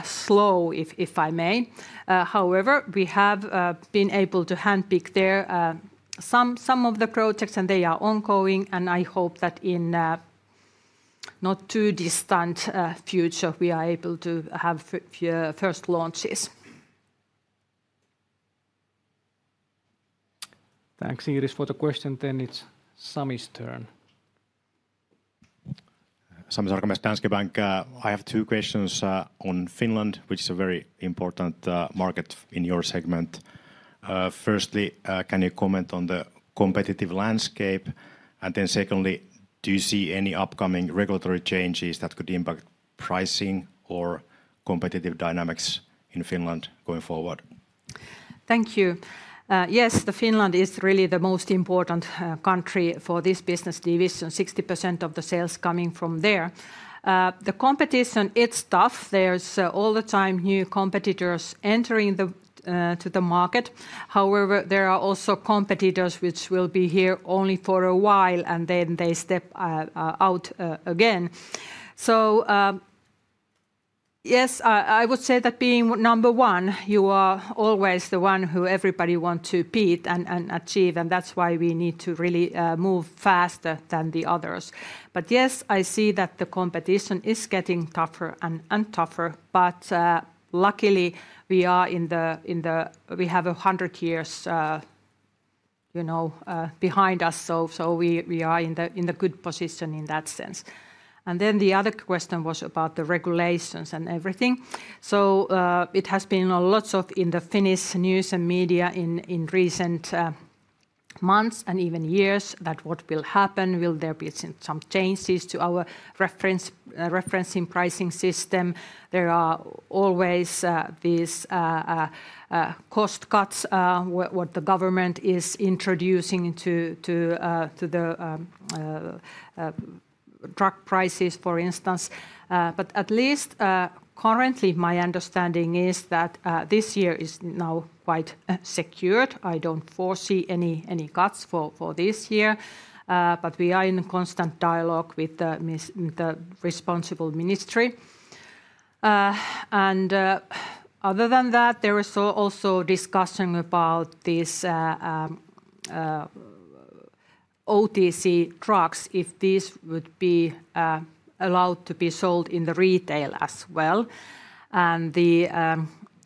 slow, if I may. However, we have been able to handpick there some of the projects and they are ongoing. I hope that in not too distant future, we are able to have first launches. Thanks, Iiris, for the question. It is Sami's turn. Sami Sarkamies, Danske Bank. I have two questions on Finland, which is a very important market in your segment. Firstly, can you comment on the competitive landscape? Secondly, do you see any upcoming regulatory changes that could impact pricing or competitive dynamics in Finland going forward? Thank you. Yes, Finland is really the most important country for this business division, 60% of the sales coming from there. The competition, it is tough. There are all the time new competitors entering the market. However, there are also competitors which will be here only for a while and then they step out again. Yes, I would say that being number one, you are always the one who everybody wants to beat and achieve. That is why we need to really move faster than the others. Yes, I see that the competition is getting tougher and tougher. Luckily, we are in the, we have a hundred years behind us. We are in a good position in that sense. The other question was about the regulations and everything. It has been lots of in the Finnish news and media in recent months and even years that what will happen, will there be some changes to our referencing pricing system? There are always these cost cuts what the government is introducing to the drug prices, for instance. At least currently, my understanding is that this year is now quite secured. I do not foresee any cuts for this year. We are in constant dialogue with the responsible ministry. Other than that, there is also discussion about these OTC drugs, if these would be allowed to be sold in the retail as well.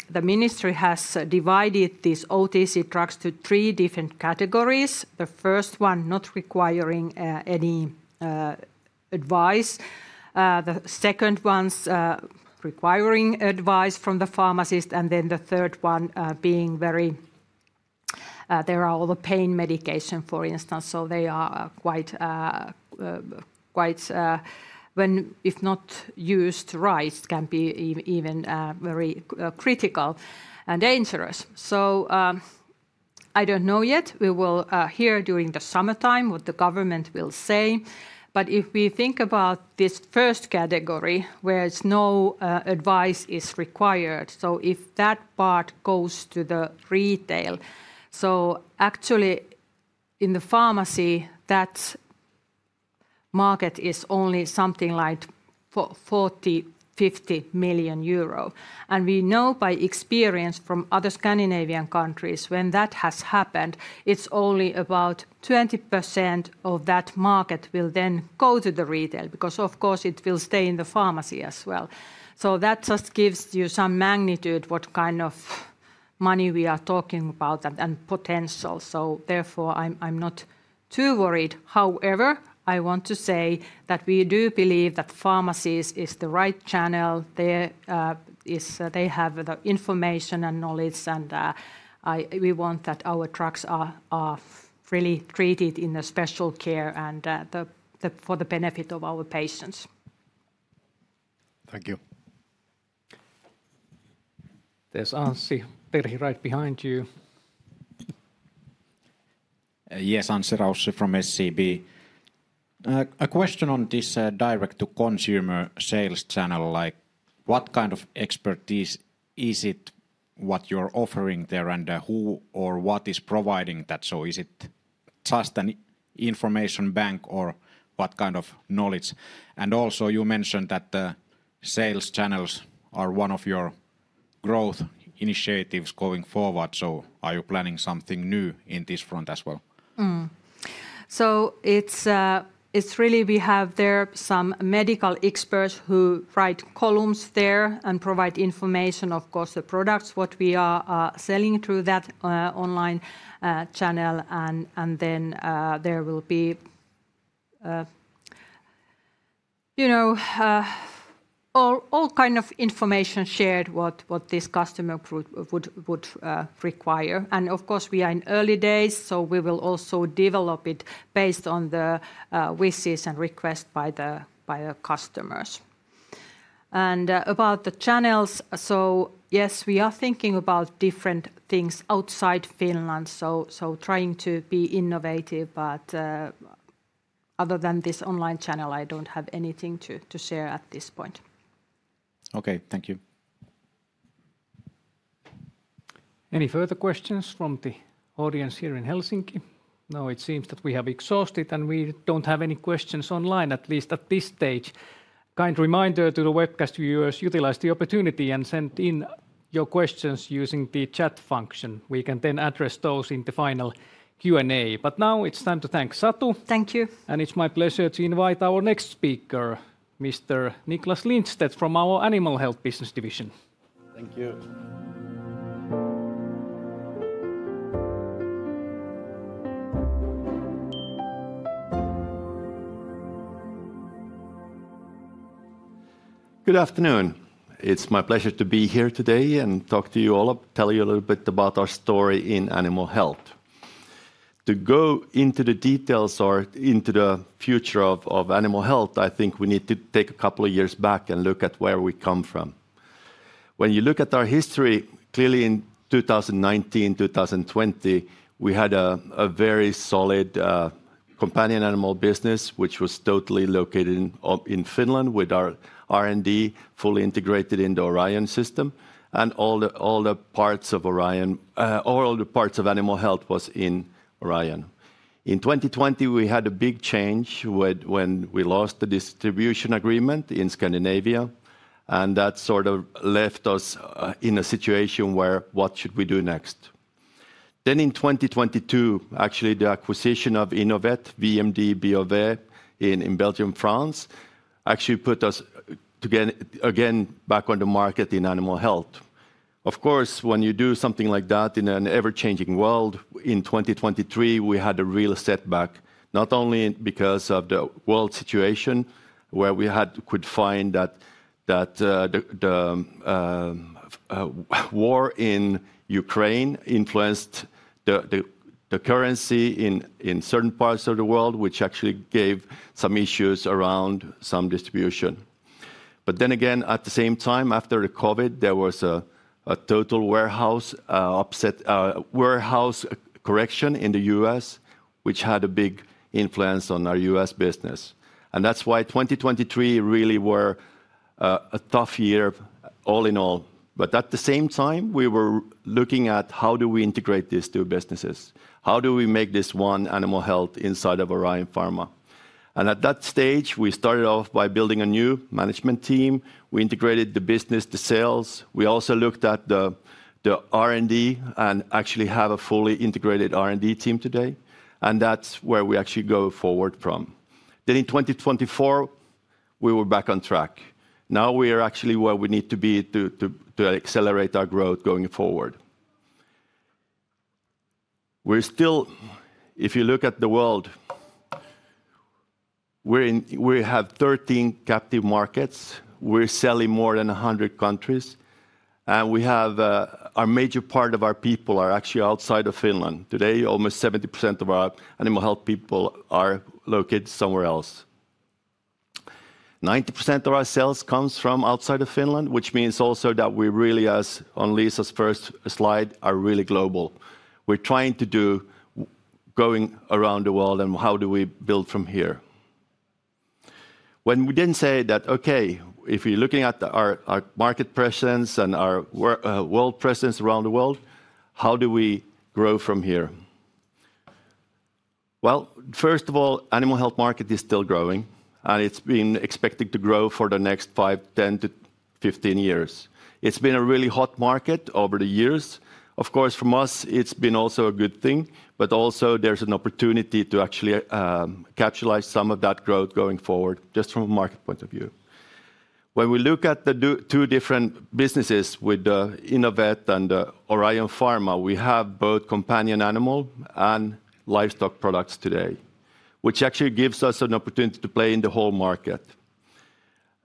The ministry has divided these OTC drugs into three different categories. The first one not requiring any advice, the second one requiring advice from the pharmacist, and then the third one being very, there are all the pain medications, for instance. They are quite, if not used right, can be even very critical and dangerous. I do not know yet. We will hear during the summertime what the government will say. If we think about this first category where no advice is required, if that part goes to the retail, actually in the pharmacy, that market is only something like €40 million-€50 million. We know by experience from other Scandinavian countries, when that has happened, it's only about 20% of that market that will then go to the retail because of course it will stay in the pharmacy as well. That just gives you some magnitude of what kind of money we are talking about and potential. Therefore, I'm not too worried. However, I want to say that we do believe that pharmacies are the right channel. They have the information and knowledge, and we want our drugs to be really treated with special care and for the benefit of our patients. Thank you. There's Anssi right behind you. Yes, Anssi Rausch from SCB. A question on this direct-to-consumer sales channel. What kind of expertise is it what you're offering there and who or what is providing that? Is it just an information bank or what kind of knowledge? You mentioned that the sales channels are one of your growth initiatives going forward. Are you planning something new in this front as well? It is really we have there some medical experts who write columns there and provide information, of course, the products what we are selling through that online channel. There will be all kinds of information shared what this customer group would require. We are in early days, so we will also develop it based on the wishes and requests by the customers. About the channels, yes, we are thinking about different things outside Finland. Trying to be innovative, but other than this online channel, I do not have anything to share at this point. Okay, thank you. Any further questions from the audience here in Helsinki? No, it seems that we have exhausted and we do not have any questions online, at least at this stage. Kind reminder to the webcast viewers, utilize the opportunity and send in your questions using the chat function. We can then address those in the final Q&A. Now it is time to thank Satu. Thank you. It is my pleasure to invite our next speaker, Mr. Niklas Lindstedt from our Animal Health Business Division. Thank you. Good afternoon. It is my pleasure to be here today and talk to you all, tell you a little bit about our story in animal health. To go into the details or into the future of animal health, I think we need to take a couple of years back and look at where we come from. When you look at our history, clearly in 2019, 2020, we had a very solid companion animal business, which was totally located in Finland with our R&D fully integrated into Orion system. All the parts of Orion, all the parts of animal health, were in Orion. In 2020, we had a big change when we lost the distribution agreement in Scandinavia. That sort of left us in a situation where what should we do next? In 2022, actually the acquisition of Innovet, VMD, BioVet in Belgium, France, actually put us again back on the market in animal health. Of course, when you do something like that in an ever-changing world, in 2023, we had a real setback, not only because of the world situation where we could find that the war in Ukraine influenced the currency in certain parts of the world, which actually gave some issues around some distribution. At the same time, after the COVID, there was a total warehouse correction in the U.S., which had a big influence on our U.S. business. That is why 2023 really was a tough year all in all. At the same time, we were looking at how do we integrate these two businesses? How do we make this one animal health inside of Orion Pharma? At that stage, we started off by building a new management team. We integrated the business, the sales. We also looked at the R&D and actually have a fully integrated R&D team today. That is where we actually go forward from. In 2024, we were back on track. Now we are actually where we need to be to accelerate our growth going forward. If you look at the world, we have 13 captive markets. We are selling in more than 100 countries. A major part of our people are actually outside of Finland. Today, almost 70% of our animal health people are located somewhere else. 90% of our sales comes from outside of Finland, which means also that we really, as on Liisa's first slide, are really global. We are trying to do going around the world and how do we build from here. When we then say that, okay, if we're looking at our market presence and our world presence around the world, how do we grow from here? First of all, the animal health market is still growing and it's been expected to grow for the next 5, 10-15 years. It's been a really hot market over the years. Of course, for us, it's been also a good thing, but also there's an opportunity to actually capitalize some of that growth going forward just from a market point of view. When we look at the two different businesses with Innovet and Orion Pharma, we have both companion animal and livestock products today, which actually gives us an opportunity to play in the whole market.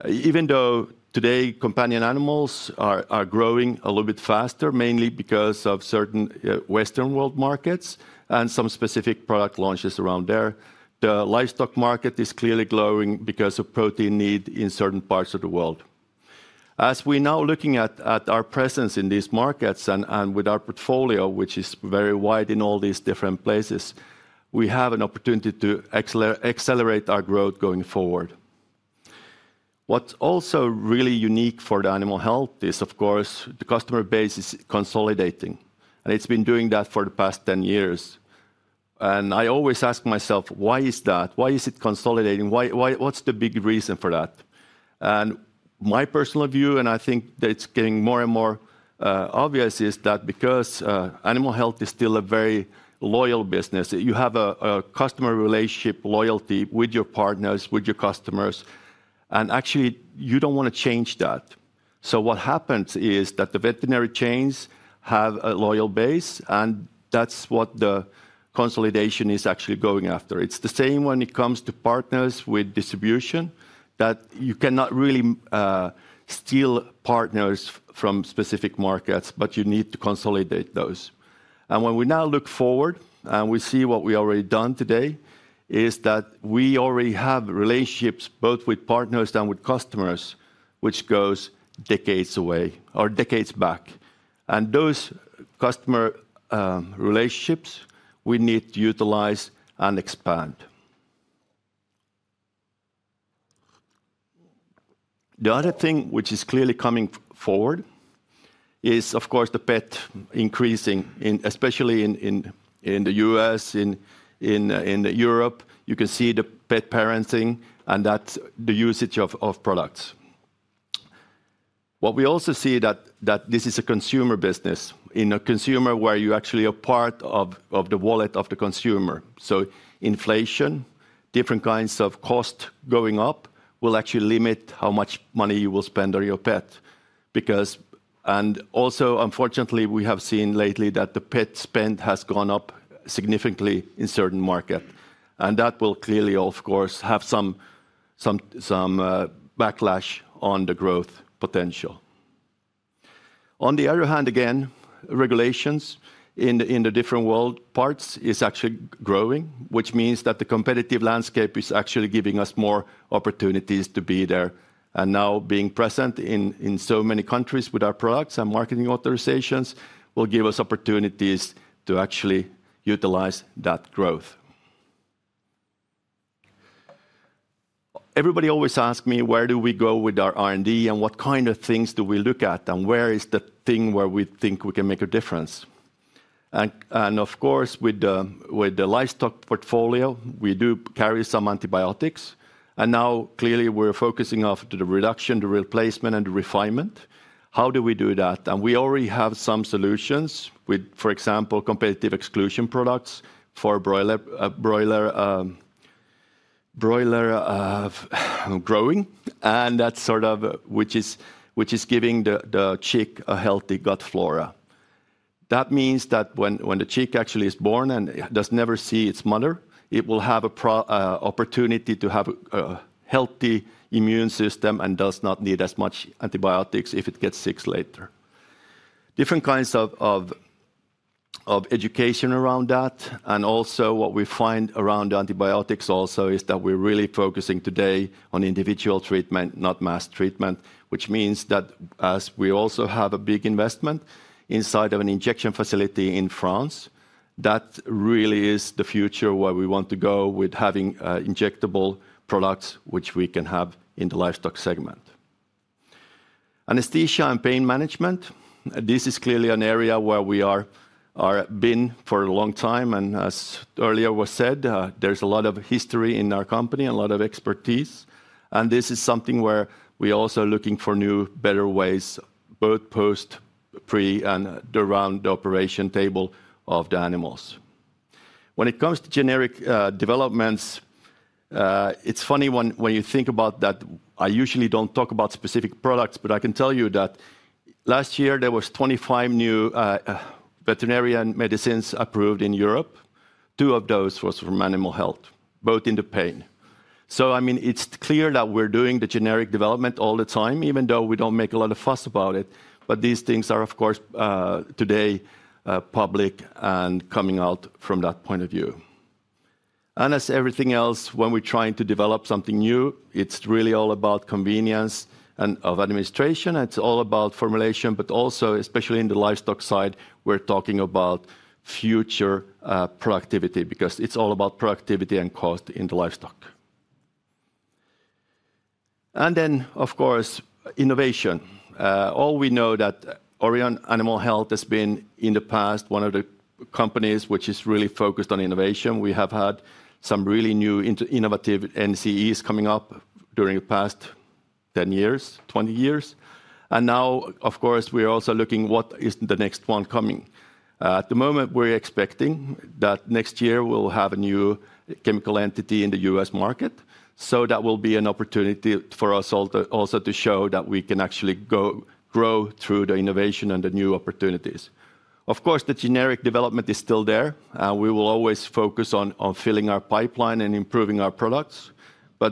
Even though today companion animals are growing a little bit faster, mainly because of certain Western world markets and some specific product launches around there, the livestock market is clearly growing because of protein need in certain parts of the world. As we are now looking at our presence in these markets and with our portfolio, which is very wide in all these different places, we have an opportunity to accelerate our growth going forward. What is also really unique for the animal health is, of course, the customer base is consolidating. It has been doing that for the past 10 years. I always ask myself, why is that? Why is it consolidating? What is the big reason for that? My personal view, and I think that it's getting more and more obvious, is that because animal health is still a very loyal business, you have a customer relationship, loyalty with your partners, with your customers. Actually, you don't want to change that. What happens is that the veterinary chains have a loyal base, and that's what the consolidation is actually going after. It's the same when it comes to partners with distribution that you cannot really steal partners from specific markets, but you need to consolidate those. When we now look forward and we see what we already done today, we already have relationships both with partners and with customers, which goes decades away or decades back. Those customer relationships, we need to utilize and expand. The other thing which is clearly coming forward is, of course, the pet increasing, especially in the U.S., in Europe. You can see the pet parenting and that's the usage of products. What we also see is that this is a consumer business, in a consumer where you actually are part of the wallet of the consumer. Inflation, different kinds of costs going up will actually limit how much money you will spend on your pet. Also, unfortunately, we have seen lately that the pet spend has gone up significantly in certain markets. That will clearly, of course, have some backlash on the growth potential. On the other hand, again, regulations in the different world parts are actually growing, which means that the competitive landscape is actually giving us more opportunities to be there. Now being present in so many countries with our products and marketing authorizations will give us opportunities to actually utilize that growth. Everybody always asks me, where do we go with our R&D and what kind of things do we look at and where is the thing where we think we can make a difference? Of course, with the livestock portfolio, we do carry some antibiotics. Now clearly we are focusing off to the reduction, the replacement, and the refinement. How do we do that? We already have some solutions with, for example, competitive exclusion products for broiler growing, which is giving the chick a healthy gut flora. That means that when the chick actually is born and does never see its mother, it will have an opportunity to have a healthy immune system and does not need as much antibiotics if it gets sick later. Different kinds of education around that. Also, what we find around the antibiotics is that we're really focusing today on individual treatment, not mass treatment, which means that as we also have a big investment inside of an injection facility in France, that really is the future where we want to go with having injectable products which we can have in the livestock segment. Anesthesia and pain management, this is clearly an area where we have been for a long time. As earlier was said, there's a lot of history in our company and a lot of expertise. This is something where we are also looking for new, better ways, both post, pre, and around the operation table of the animals. When it comes to generic developments, it's funny when you think about that. I usually don't talk about specific products, but I can tell you that last year there were 25 new veterinarian medicines approved in Europe. Two of those were from animal health, both in the pain. I mean, it's clear that we're doing the generic development all the time, even though we don't make a lot of fuss about it. These things are, of course, today public and coming out from that point of view. As everything else, when we're trying to develop something new, it's really all about convenience and administration. It's all about formulation, but also, especially in the livestock side, we're talking about future productivity because it's all about productivity and cost in the livestock. Of course, innovation. All we know that Orion Animal Health has been in the past one of the companies which is really focused on innovation. We have had some really new innovative NCEs coming up during the past 10 years, 20 years. At the moment, we're expecting that next year we'll have a new chemical entity in the US market. That will be an opportunity for us also to show that we can actually grow through the innovation and the new opportunities. Of course, the generic development is still there. We will always focus on filling our pipeline and improving our products.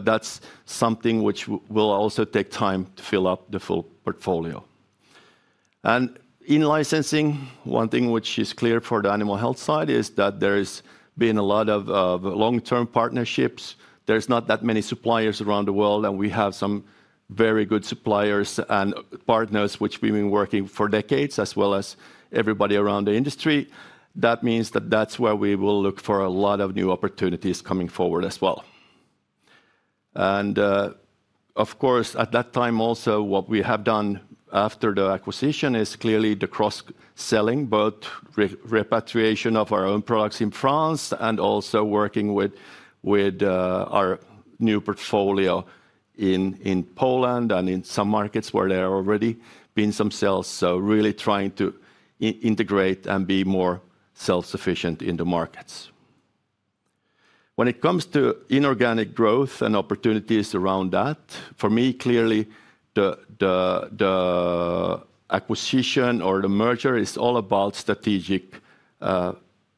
That's something which will also take time to fill up the full portfolio. In licensing, one thing which is clear for the animal health side is that there has been a lot of long-term partnerships. are not that many suppliers around the world, and we have some very good suppliers and partners which we've been working with for decades, as well as everybody around the industry. That means that is where we will look for a lot of new opportunities coming forward as well. Of course, at that time also, what we have done after the acquisition is clearly the cross-selling, both repatriation of our own products in France and also working with our new portfolio in Poland and in some markets where there have already been some sales. Really trying to integrate and be more self-sufficient in the markets. When it comes to inorganic growth and opportunities around that, for me, clearly the acquisition or the merger is all about strategic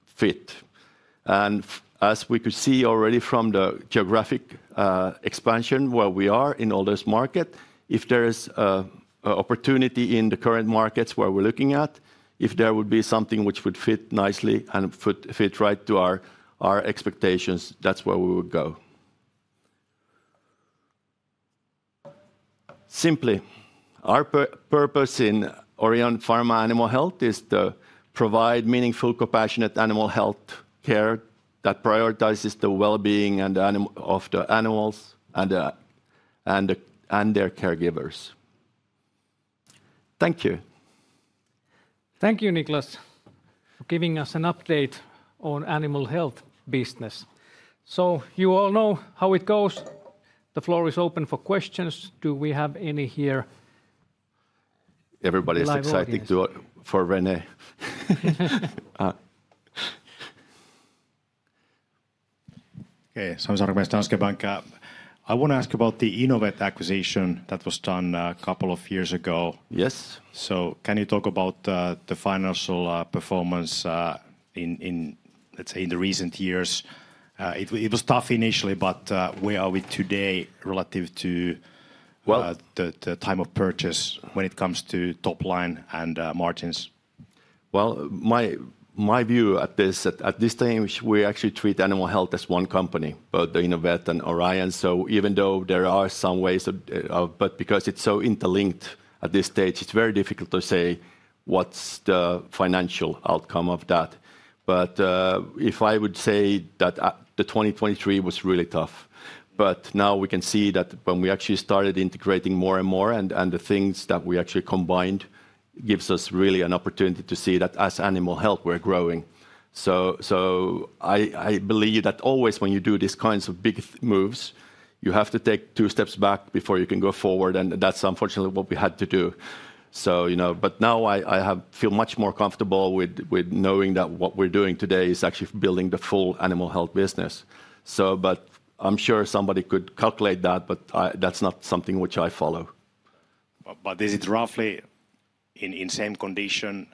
fit. As we could see already from the geographic expansion where we are in all those markets, if there is an opportunity in the current markets where we're looking at, if there would be something which would fit nicely and fit right to our expectations, that's where we would go. Simply, our purpose in Orion Pharma Animal Health is to provide meaningful, compassionate animal health care that prioritizes the well-being of the animals and their caregivers. Thank you. Thank you, Niklas, for giving us an update on animal health business. You all know how it goes. The floor is open for questions. Do we have any here? Everybody's excited for René. Okay, Sami Sarkamies, Danske Bank. I want to ask you about the Innovet acquisition that was done a couple of years ago. Yes. Can you talk about the financial performance in, let's say, in the recent years? It was tough initially, but where are we today relative to the time of purchase when it comes to top line and margins? My view at this stage, we actually treat animal health as one company, both the Innovet and Orion. Even though there are some ways, because it is so interlinked at this stage, it is very difficult to say what is the financial outcome of that. If I would say that 2023 was really tough, now we can see that when we actually started integrating more and more and the things that we actually combined give us really an opportunity to see that as animal health, we are growing. I believe that always when you do these kinds of big moves, you have to take two steps back before you can go forward. That is unfortunately what we had to do. Now I feel much more comfortable with knowing that what we're doing today is actually building the full animal health business. I'm sure somebody could calculate that, but that's not something which I follow. Is it roughly in the same condition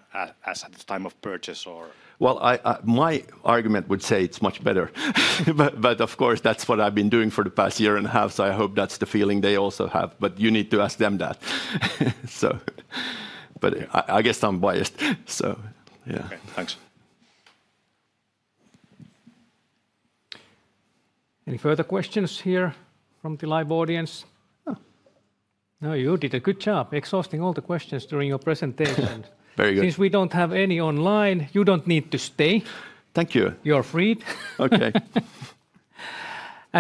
as at the time of purchase? My argument would say it's much better. Of course, that's what I've been doing for the past year and a half. I hope that's the feeling they also have. You need to ask them that. I guess I'm biased. Yeah. Okay, thanks. Any further questions here from the live audience? No, you did a good job exhausting all the questions during your presentation. Very good. Since we don't have any online, you don't need to stay. Thank you. You're free. Okay.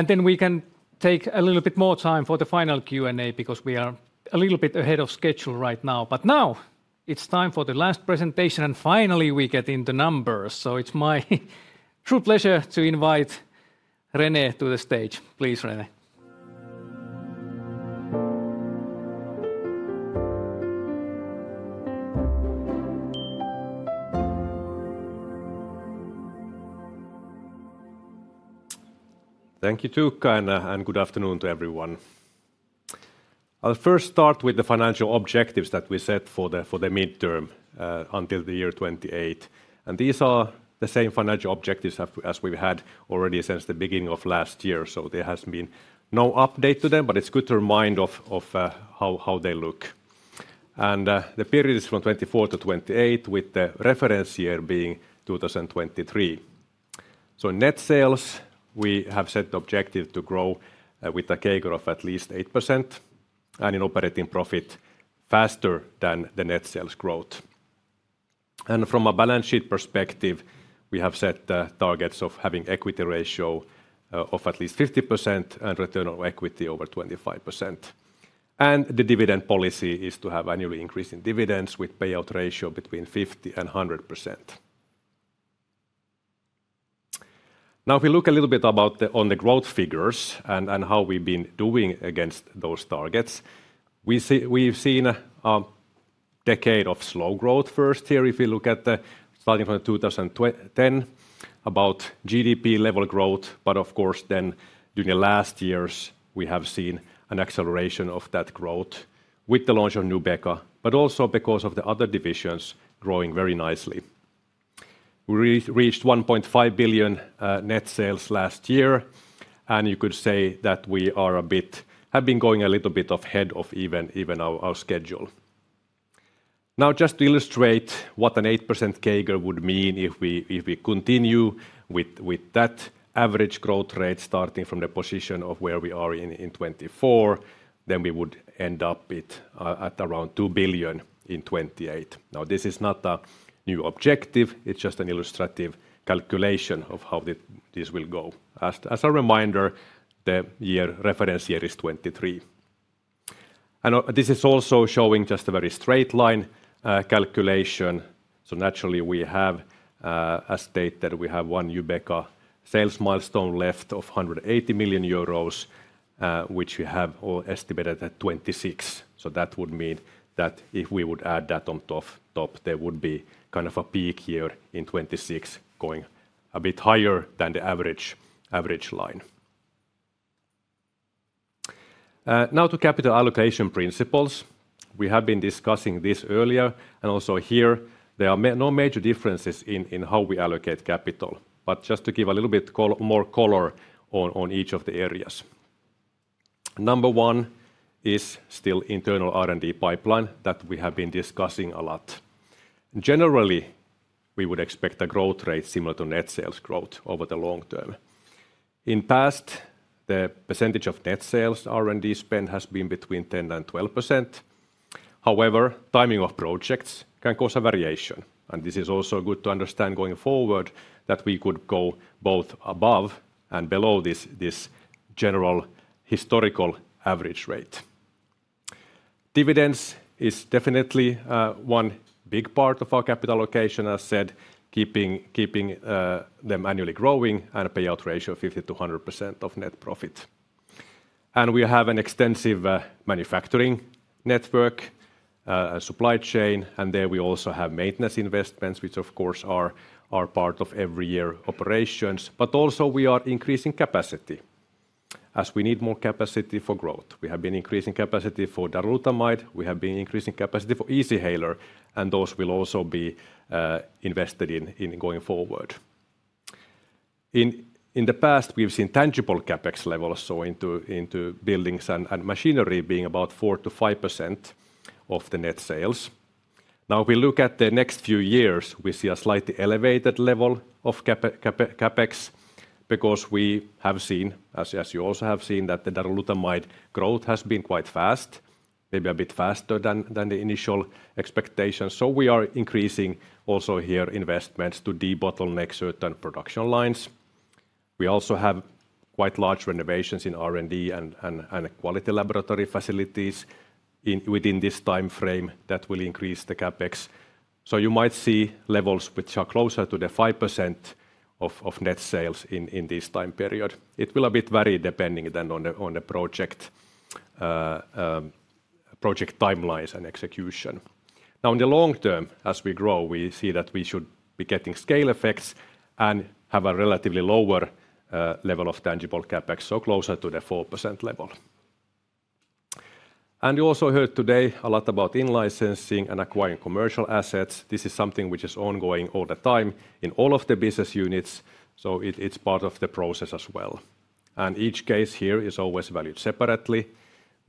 Then we can take a little bit more time for the final Q&A because we are a little bit ahead of schedule right now. Now it's time for the last presentation. Finally, we get into numbers. It's my true pleasure to invite René to the stage. Please, René. Thank you, Tuukka, and good afternoon to everyone. I'll first start with the financial objectives that we set for the midterm until the year 2028. These are the same financial objectives as we've had already since the beginning of last year. There has been no update to them, but it's good to remind of how they look. The period is from 2024 to 2028, with the reference year being 2023. Net sales, we have set the objective to grow with a CAGR of at least 8% and an operating profit faster than the net sales growth. From a balance sheet perspective, we have set targets of having an equity ratio of at least 50% and return on equity over 25%. The dividend policy is to have an annual increase in dividends with a payout ratio between 50% and 100%. Now, if we look a little bit on the growth figures and how we've been doing against those targets, we've seen a decade of slow growth first here. If we look at starting from 2010, about GDP level growth. Of course, during the last years, we have seen an acceleration of that growth with the launch of Nubeqa, but also because of the other divisions growing very nicely. We reached 1.5 billion net sales last year. You could say that we have been going a little bit ahead of even our schedule. Now, just to illustrate what an 8% CAGR would mean if we continue with that average growth rate starting from the position of where we are in 2024, we would end up at around €2 billion in 2028. This is not a new objective. It is just an illustrative calculation of how this will go. As a reminder, the reference year is 2023. This is also showing just a very straight line calculation. Naturally, we have, as stated, one Nubeqa sales milestone left of 180 million euros, which we have all estimated at 2026. That would mean that if we would add that on top, there would be kind of a peak year in 2026 going a bit higher than the average line. Now, to capital allocation principles. We have been discussing this earlier. Also here, there are no major differences in how we allocate capital. Just to give a little bit more color on each of the areas. Number one is still internal R&D pipeline that we have been discussing a lot. Generally, we would expect a growth rate similar to net sales growth over the long term. In the past, the percentage of net sales R&D spend has been between 10-12%. However, timing of projects can cause a variation. This is also good to understand going forward that we could go both above and below this general historical average rate. Dividends is definitely one big part of our capital allocation, as said, keeping them annually growing and a payout ratio of 50-100% of net profit. We have an extensive manufacturing network, a supply chain, and there we also have maintenance investments, which of course are part of every year operations. We are increasing capacity as we need more capacity for growth. We have been increasing capacity for darolutamide. We have been increasing capacity for Easyhaler, and those will also be invested in going forward. In the past, we've seen tangible CapEx levels into buildings and machinery being about 4-5% of the net sales. Now, if we look at the next few years, we see a slightly elevated level of CapEx because we have seen, as you also have seen, that the darolutamide growth has been quite fast, maybe a bit faster than the initial expectations. We are increasing also here investments to de-bottleneck certain production lines. We also have quite large renovations in R&D and quality laboratory facilities within this time frame that will increase the CapEx. You might see levels which are closer to the 5% of net sales in this time period. It will a bit vary depending then on the project timelines and execution. In the long term, as we grow, we see that we should be getting scale effects and have a relatively lower level of tangible CapEx, so closer to the 4% level. You also heard today a lot about in-licensing and acquiring commercial assets. This is something which is ongoing all the time in all of the business units. It is part of the process as well. Each case here is always valued separately.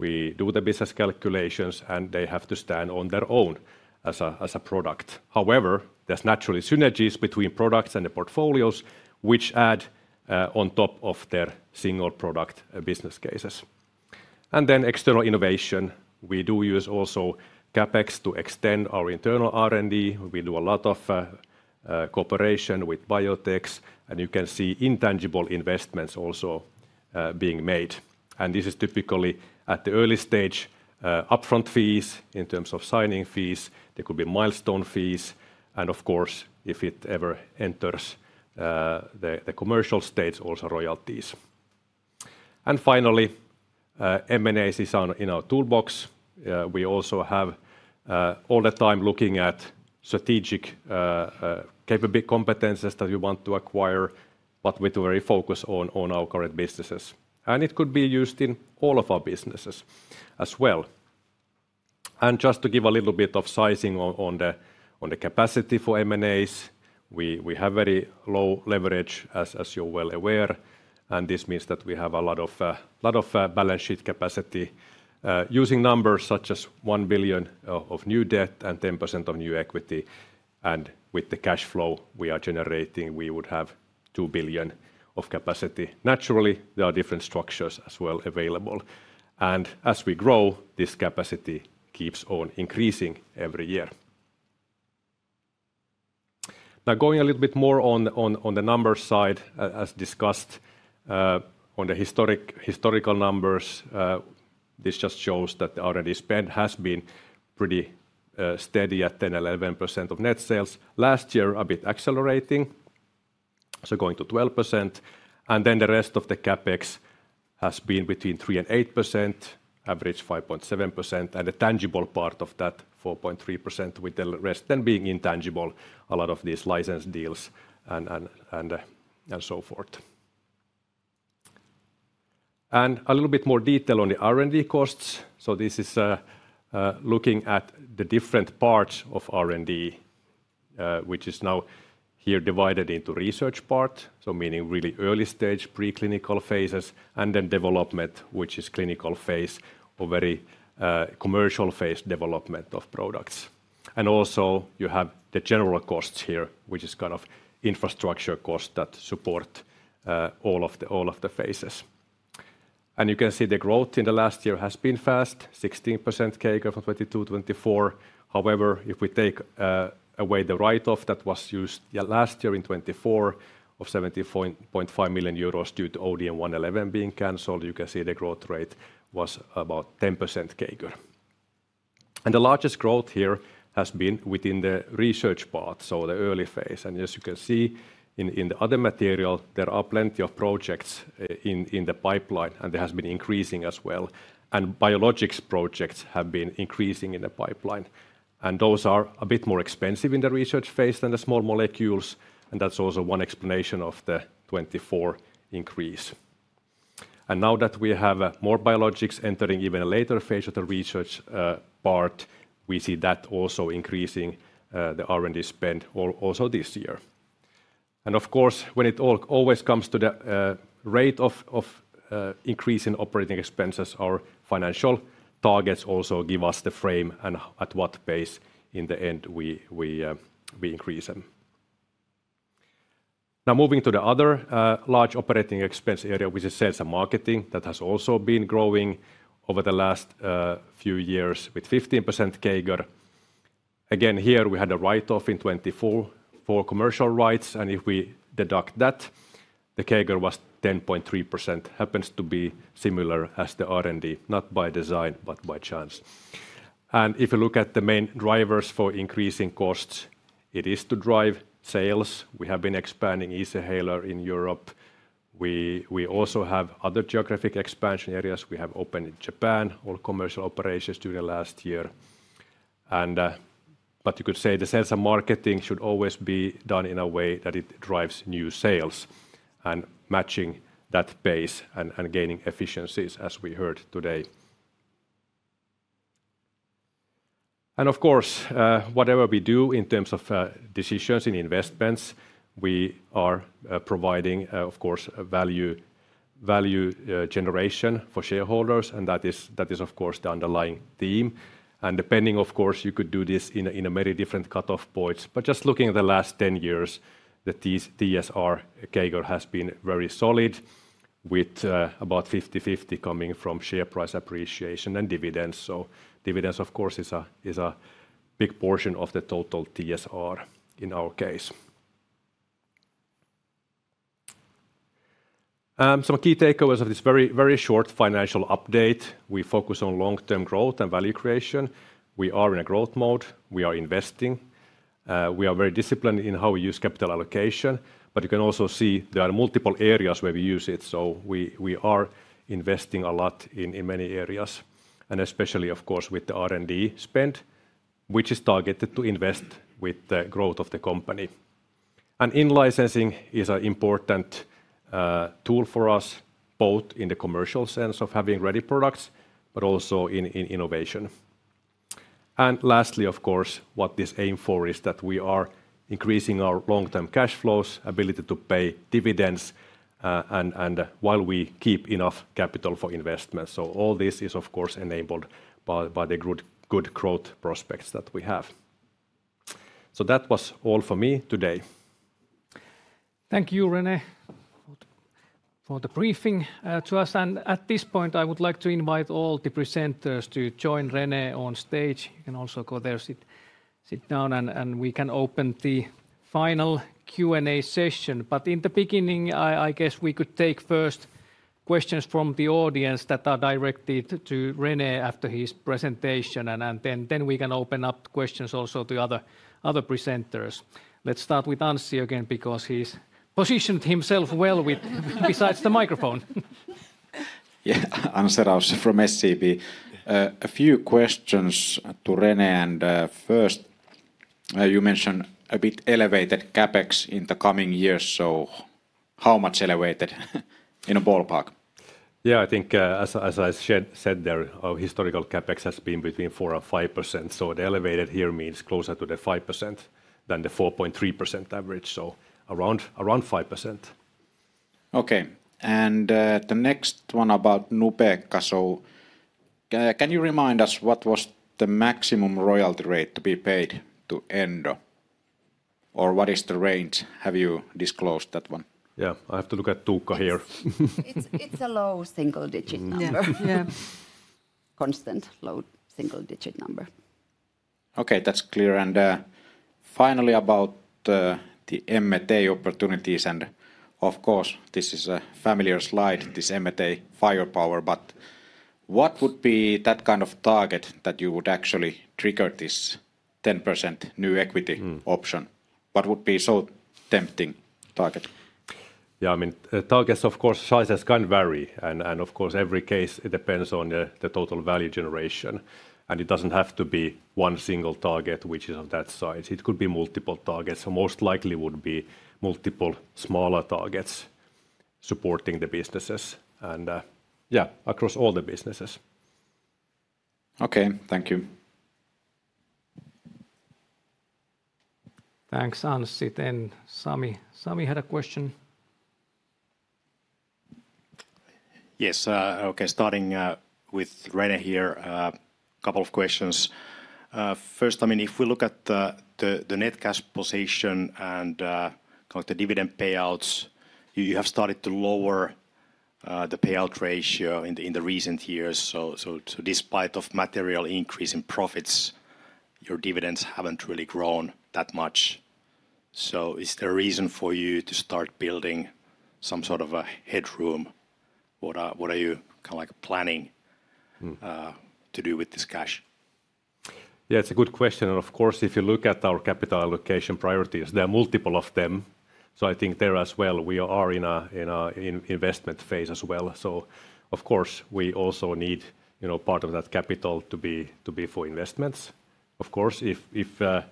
We do the business calculations, and they have to stand on their own as a product. However, there's naturally synergies between products and the portfolios, which add on top of their single product business cases. Then external innovation, we do use also CapEx to extend our internal R&D. We do a lot of cooperation with BioVet, and you can see intangible investments also being made. This is typically at the early stage, upfront fees in terms of signing fees. There could be milestone fees. Of course, if it ever enters the commercial stage, also royalties. Finally, M&As is in our toolbox. We also have all the time looking at strategic capability competences that we want to acquire, but with a very focus on our current businesses. It could be used in all of our businesses as well. Just to give a little bit of sizing on the capacity for M&As, we have very low leverage, as you're well aware. This means that we have a lot of balance sheet capacity using numbers such as €1 billion of new debt and 10% of new equity. With the cash flow we are generating, we would have €2 billion of capacity. Naturally, there are different structures as well available. As we grow, this capacity keeps on increasing every year. Now, going a little bit more on the numbers side, as discussed on the historical numbers, this just shows that the R&D spend has been pretty steady at 10-11% of net sales. Last year, a bit accelerating, so going to 12%. The rest of the CapEx has been between 3-8%, average 5.7%, and the tangible part of that, 4.3%, with the rest then being intangible, a lot of these license deals and so forth. A little bit more detail on the R&D costs. This is looking at the different parts of R&D, which is now here divided into research part, so meaning really early stage, preclinical phases, and then development, which is clinical phase or very commercial phase development of products. Also you have the general costs here, which is kind of infrastructure costs that support all of the phases. You can see the growth in the last year has been fast, 16% CAGR from 2022-2024. However, if we take away the write-off that was used last year in 2024 of €70.5 million due to ODM-111 being canceled, you can see the growth rate was about 10% CAGR. The largest growth here has been within the research part, so the early phase. As you can see in the other material, there are plenty of projects in the pipeline, and there has been increasing as well. Biologics projects have been increasing in the pipeline, and those are a bit more expensive in the research phase than the small molecules. That is also one explanation of the 24% increase. Now that we have more biologics entering even a later phase of the research part, we see that also increasing the R&D spend also this year. Of course, when it always comes to the rate of increasing operating expenses, our financial targets also give us the frame and at what pace in the end we increase them. Now moving to the other large operating expense area, which is sales and marketing, that has also been growing over the last few years with 15% CAGR. Again, here we had a write-off in 2024 for commercial rights. If we deduct that, the CAGR was 10.3%, happens to be similar as the R&D, not by design, but by chance. If you look at the main drivers for increasing costs, it is to drive sales. We have been expanding Easyhaler in Europe. We also have other geographic expansion areas. We have opened in Japan all commercial operations during the last year. You could say the sales and marketing should always be done in a way that it drives new sales and matching that pace and gaining efficiencies as we heard today. Of course, whatever we do in terms of decisions in investments, we are providing, of course, value generation for shareholders. That is, of course, the underlying theme. Depending, of course, you could do this in many different cutoff points. Just looking at the last 10 years, the TSR CAGR has been very solid with about 50-50 coming from share price appreciation and dividends. Dividends, of course, are a big portion of the total TSR in our case. Some key takeaways of this very short financial update. We focus on long-term growth and value creation. We are in a growth mode. We are investing. We are very disciplined in how we use capital allocation. You can also see there are multiple areas where we use it. We are investing a lot in many areas. Especially, of course, with the R&D spend, which is targeted to invest with the growth of the company. In-licensing is an important tool for us, both in the commercial sense of having ready products, but also in innovation. Lastly, of course, what this aims for is that we are increasing our long-term cash flows, ability to pay dividends, and while we keep enough capital for investments. All this is, of course, enabled by the good growth prospects that we have. That was all for me today. Thank you, René, for the briefing to us. At this point, I would like to invite all the presenters to join René on stage. You can also go there, sit down, and we can open the final Q&A session. In the beginning, I guess we could take first questions from the audience that are directed to René after his presentation. Then we can open up questions also to other presenters. Let's start with Anssi again because he's positioned himself well beside the microphone. Yeah, Anssi Rausch from SCB. A few questions to René. First, you mentioned a bit elevated CapEx in the coming years. How much elevated in a ballpark? I think as I said there, our historical CapEx has been between 4% and 5%. The elevated here means closer to the 5% than the 4.3% average. Around 5%. Okay. The next one about Nubeqa. Can you remind us what was the maximum royalty rate to be paid to Endo? Or what is the range? Have you disclosed that one? I have to look at Tuukka here. It's a low single-digit number. Constant low single-digit number. Okay, that's clear. Finally, about the M&A opportunities. This is a familiar slide, this M&A firepower. What would be that kind of target that you would actually trigger this 10% new equity option? What would be so tempting target? Yeah, I mean, targets, of course, sizes can vary. And of course, every case depends on the total value generation. It doesn't have to be one single target, which is of that size. It could be multiple targets. Most likely would be multiple smaller targets supporting the businesses. Yeah, across all the businesses. Okay, thank you. Thanks, Anssi. Then Sami had a question. Yes, okay, starting with René here, a couple of questions. First, I mean, if we look at the net cash position and the dividend payouts, you have started to lower the payout ratio in the recent years. Despite a material increase in profits, your dividends haven't really grown that much. Is there a reason for you to start building some sort of a headroom? What are you kind of like planning to do with this cash? Yeah, it's a good question. Of course, if you look at our capital allocation priorities, there are multiple of them. I think there as well, we are in an investment phase as well. Of course, we also need part of that capital to be for investments. Of course, if there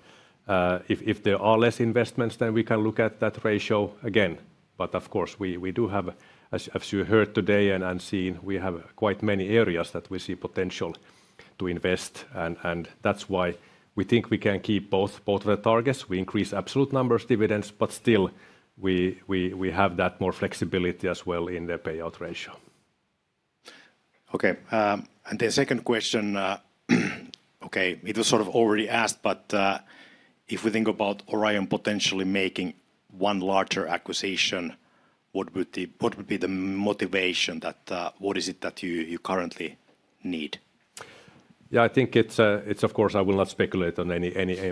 are less investments, then we can look at that ratio again. Of course, we do have, as you heard today and seen, we have quite many areas that we see potential to invest. That is why we think we can keep both of the targets. We increase absolute numbers, dividends, but still we have that more flexibility as well in the payout ratio. Okay, and the second question, okay, it was sort of already asked, but if we think about Orion potentially making one larger acquisition, what would be the motivation that what is it that you currently need? Yeah, I think it's, of course, I will not speculate on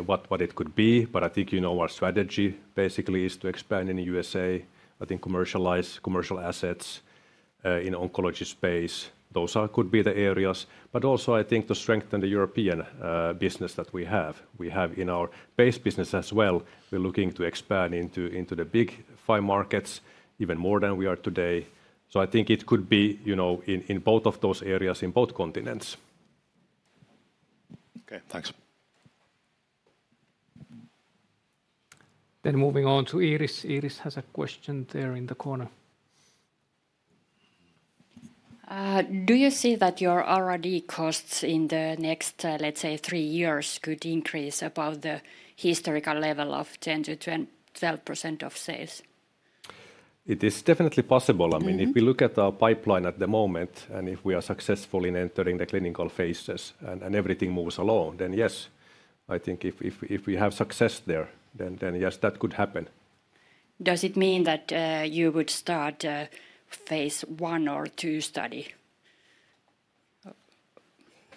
what it could be, but I think you know our strategy basically is to expand in the U.S. I think commercial assets in the oncology space, those could be the areas. Also, I think to strengthen the European business that we have. We have in our base business as well, we're looking to expand into the big five markets even more than we are today. I think it could be in both of those areas in both continents. Okay, thanks. Then moving on to Iiris. Iiris has a question there in the corner. Do you see that your R&D costs in the next, let's say, three years could increase above the historical level of 10-12% of sales? It is definitely possible. I mean, if we look at our pipeline at the moment and if we are successful in entering the clinical phases and everything moves along, then yes, I think if we have success there, then yes, that could happen. Does it mean that you would start phase one or two study?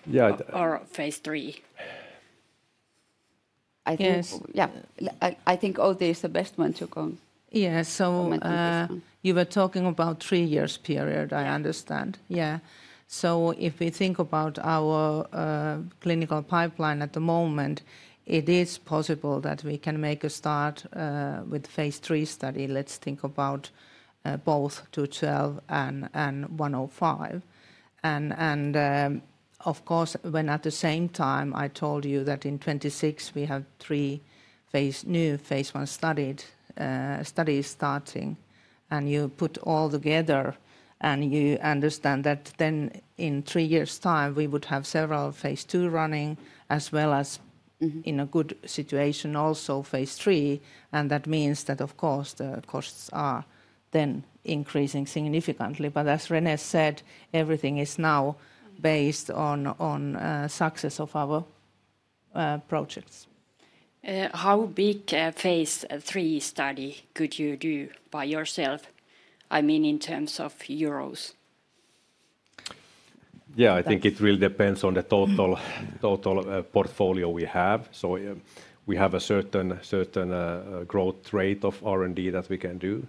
Yeah. Or phase three? I think, yeah, I think OD is the best one to come. Yeah, you were talking about three years period, I understand. Yeah. If we think about our clinical pipeline at the moment, it is possible that we can make a start with phase three study. Let's think about both 212 and 105. Of course, when at the same time I told you that in 2026 we have three new phase I studies starting and you put all together and you understand that then in three years' time we would have several phase II running as well as in a good situation also phase III. That means that of course the costs are then increasing significantly. As René said, everything is now based on success of our projects. How big phase III study could you do by yourself? I mean in terms of EUR. Yeah, I think it really depends on the total portfolio we have. We have a certain growth rate of R&D that we can do.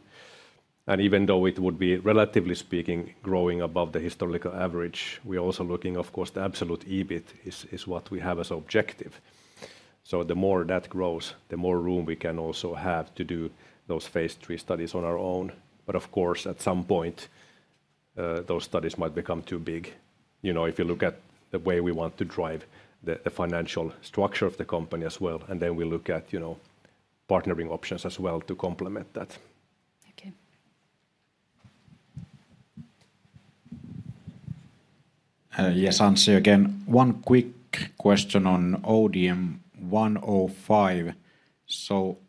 Even though it would be relatively speaking growing above the historical average, we are also looking of course the absolute EBIT is what we have as objective. The more that grows, the more room we can also have to do those phase three studies on our own. Of course, at some point those studies might become too big. You know, if you look at the way we want to drive the financial structure of the company as well. We look at partnering options as well to complement that. Okay. Yes, Anssi again. One quick question on ODM-105.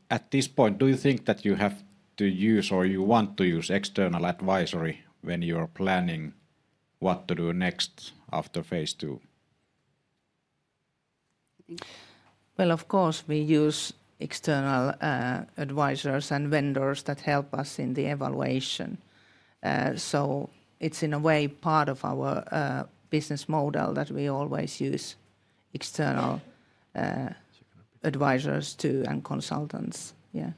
At this point, do you think that you have to use or you want to use external advisory when you are planning what to do next after phase two? Of course we use external advisors and vendors that help us in the evaluation. It is in a way part of our business model that we always use external advisors too and consultants. Yeah.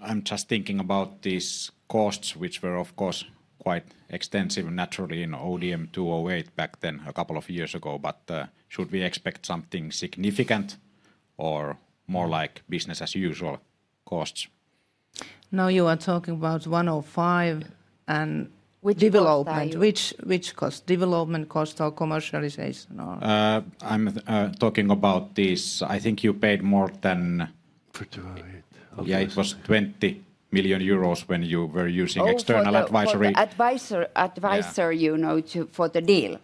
I'm just thinking about these costs, which were of course quite extensive naturally in ODM-208 back then a couple of years ago. Should we expect something significant or more like business as usual costs? No, you are talking about 105 and development. Which cost? Development cost or commercialization? I'm talking about this. I think you paid more than... Yeah, it was 20 million euros when you were using external advisory. Advisor, you know, for the deal.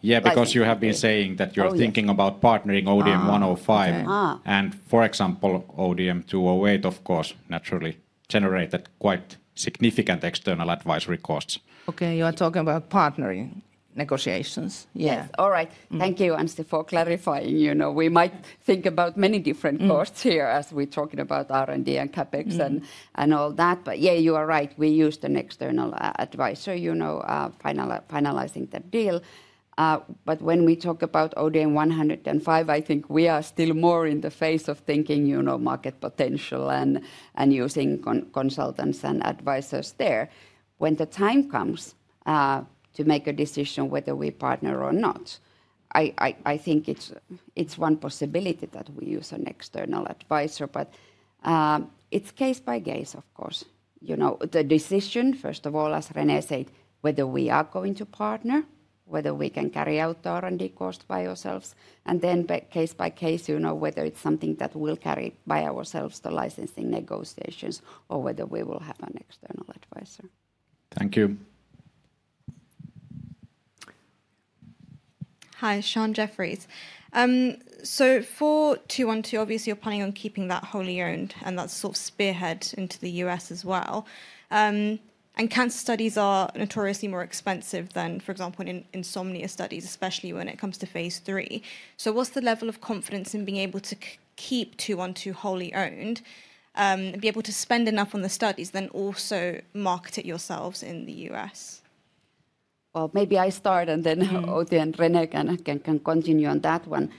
Yeah, because you have been saying that you're thinking about partnering ODM-105. For example, ODM-208, of course, naturally generated quite significant external advisory costs. Okay, you are talking about partnering negotiations. Yeah. All right. Thank you, Anssi, for clarifying. You know, we might think about many different costs here as we're talking about R&D and CapEx and all that. Yeah, you are right. We used an external advisor, you know, finalizing that deal. When we talk about ODM-105, I think we are still more in the phase of thinking, you know, market potential and using consultants and advisors there. When the time comes to make a decision whether we partner or not, I think it is one possibility that we use an external advisor. It is case by case, of course. You know, the decision, first of all, as René said, whether we are going to partner, whether we can carry out the R&D cost by ourselves. Then case by case, you know, whether it is something that we will carry by ourselves, the licensing negotiations, or whether we will have an external advisor. Thank you. Hi, Sean Jeffries. For 212, obviously you are planning on keeping that wholly owned and that sort of spearhead into the U.S. as well. Cancer studies are notoriously more expensive than, for example, insomnia studies, especially when it comes to phase three. What's the level of confidence in being able to keep 212 wholly owned, be able to spend enough on the studies, then also market it yourselves in the U.S.? Maybe I start and then Outi and René can continue on that one.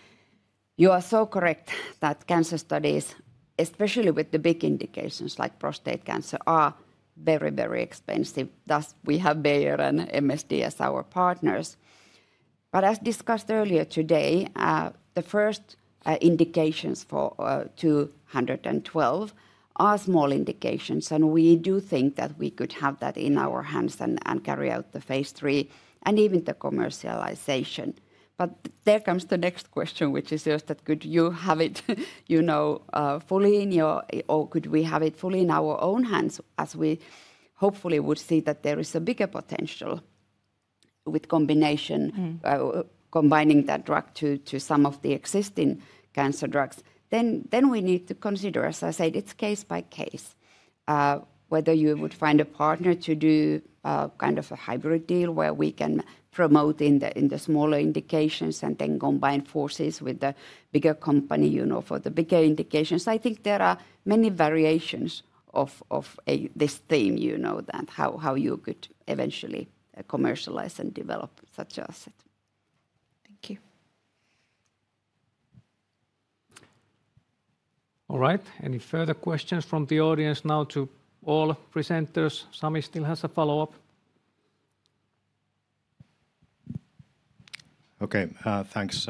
You are so correct that cancer studies, especially with the big indications like prostate cancer, are very, very expensive. Thus we have Bayer and MSD as our partners. As discussed earlier today, the first indications for 212 are small indications. We do think that we could have that in our hands and carry out the phase three and even the commercialization. There comes the next question, which is just that could you have it, you know, fully in your, or could we have it fully in our own hands as we hopefully would see that there is a bigger potential with combination, combining that drug to some of the existing cancer drugs. We need to consider, as I said, it's case by case, whether you would find a partner to do kind of a hybrid deal where we can promote in the smaller indications and then combine forces with the bigger company, you know, for the bigger indications. I think there are many variations of this theme, you know, that how you could eventually commercialize and develop such an asset. Thank you. All right. Any further questions from the audience now to all presenters? Sami still has a follow-up. Okay, thanks.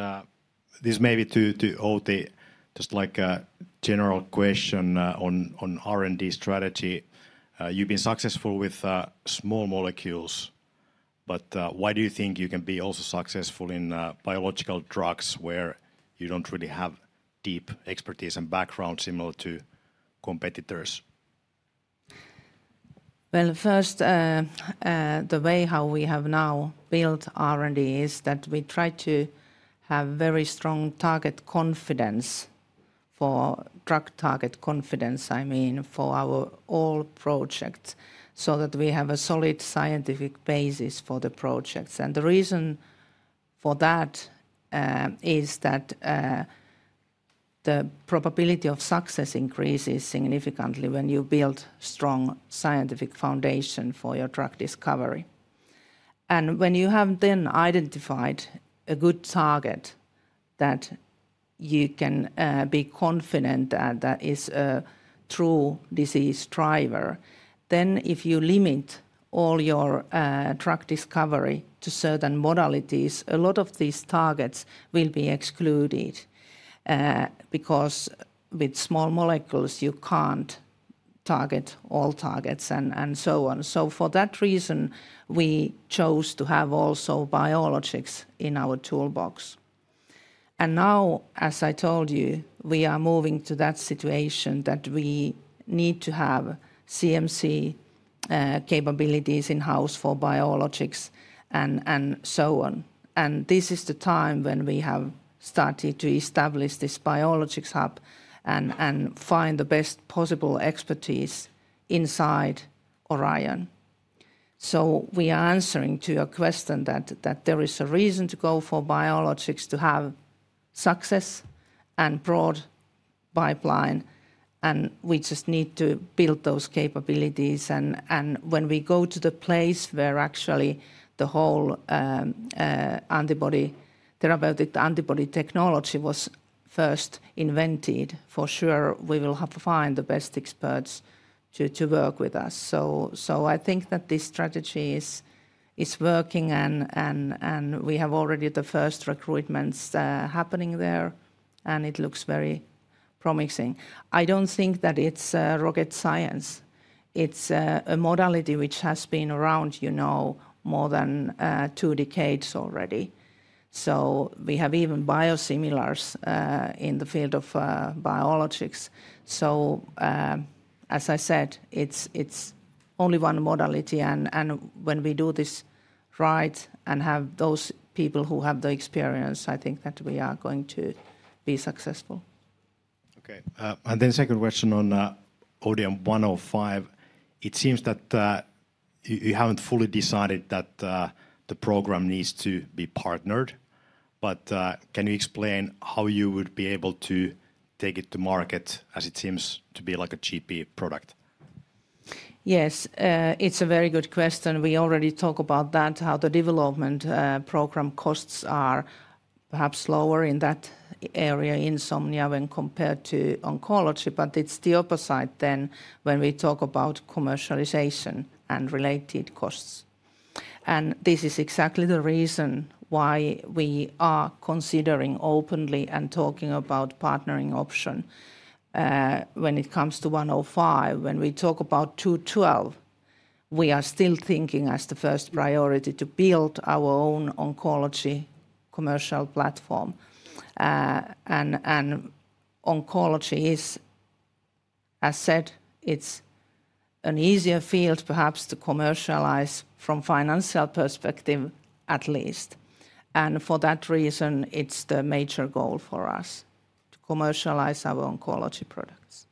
This may be to Outi, just like a general question on R&D strategy. You've been successful with small molecules, but why do you think you can be also successful in biological drugs where you don't really have deep expertise and background similar to competitors? First, the way how we have now built R&D is that we try to have very strong target confidence for drug target confidence, I mean, for our all projects so that we have a solid scientific basis for the projects. The reason for that is that the probability of success increases significantly when you build a strong scientific foundation for your drug discovery. When you have then identified a good target that you can be confident is a true disease driver, if you limit all your drug discovery to certain modalities, a lot of these targets will be excluded because with small molecules you can't target all targets and so on. For that reason, we chose to have also biologics in our toolbox. As I told you, we are moving to that situation that we need to have CMC capabilities in-house for biologics and so on. This is the time when we have started to establish this biologics hub and find the best possible expertise inside Orion. We are answering your question that there is a reason to go for biologics to have success and a broad pipeline, and we just need to build those capabilities. When we go to the place where actually the whole antibody therapeutic antibody technology was first invented, for sure we will find the best experts to work with us. I think that this strategy is working and we have already the first recruitments happening there, and it looks very promising. I do not think that it is rocket science. It is a modality which has been around, you know, more than two decades already. We have even biosimilars in the field of biologics. As I said, it is only one modality. When we do this right and have those people who have the experience, I think that we are going to be successful. Okay. Then second question on ODM-105. It seems that you have not fully decided that the program needs to be partnered. Can you explain how you would be able to take it to market as it seems to be like a cheap product? Yes, it's a very good question. We already talked about that, how the development program costs are perhaps lower in that area, insomnia when compared to oncology. It is the opposite then when we talk about commercialization and related costs. This is exactly the reason why we are considering openly and talking about partnering option when it comes to 105. When we talk about 212, we are still thinking as the first priority to build our own oncology commercial platform. Oncology is, as said, it's an easier field perhaps to commercialize from financial perspective at least. For that reason, it's the major goal for us to commercialize our oncology products.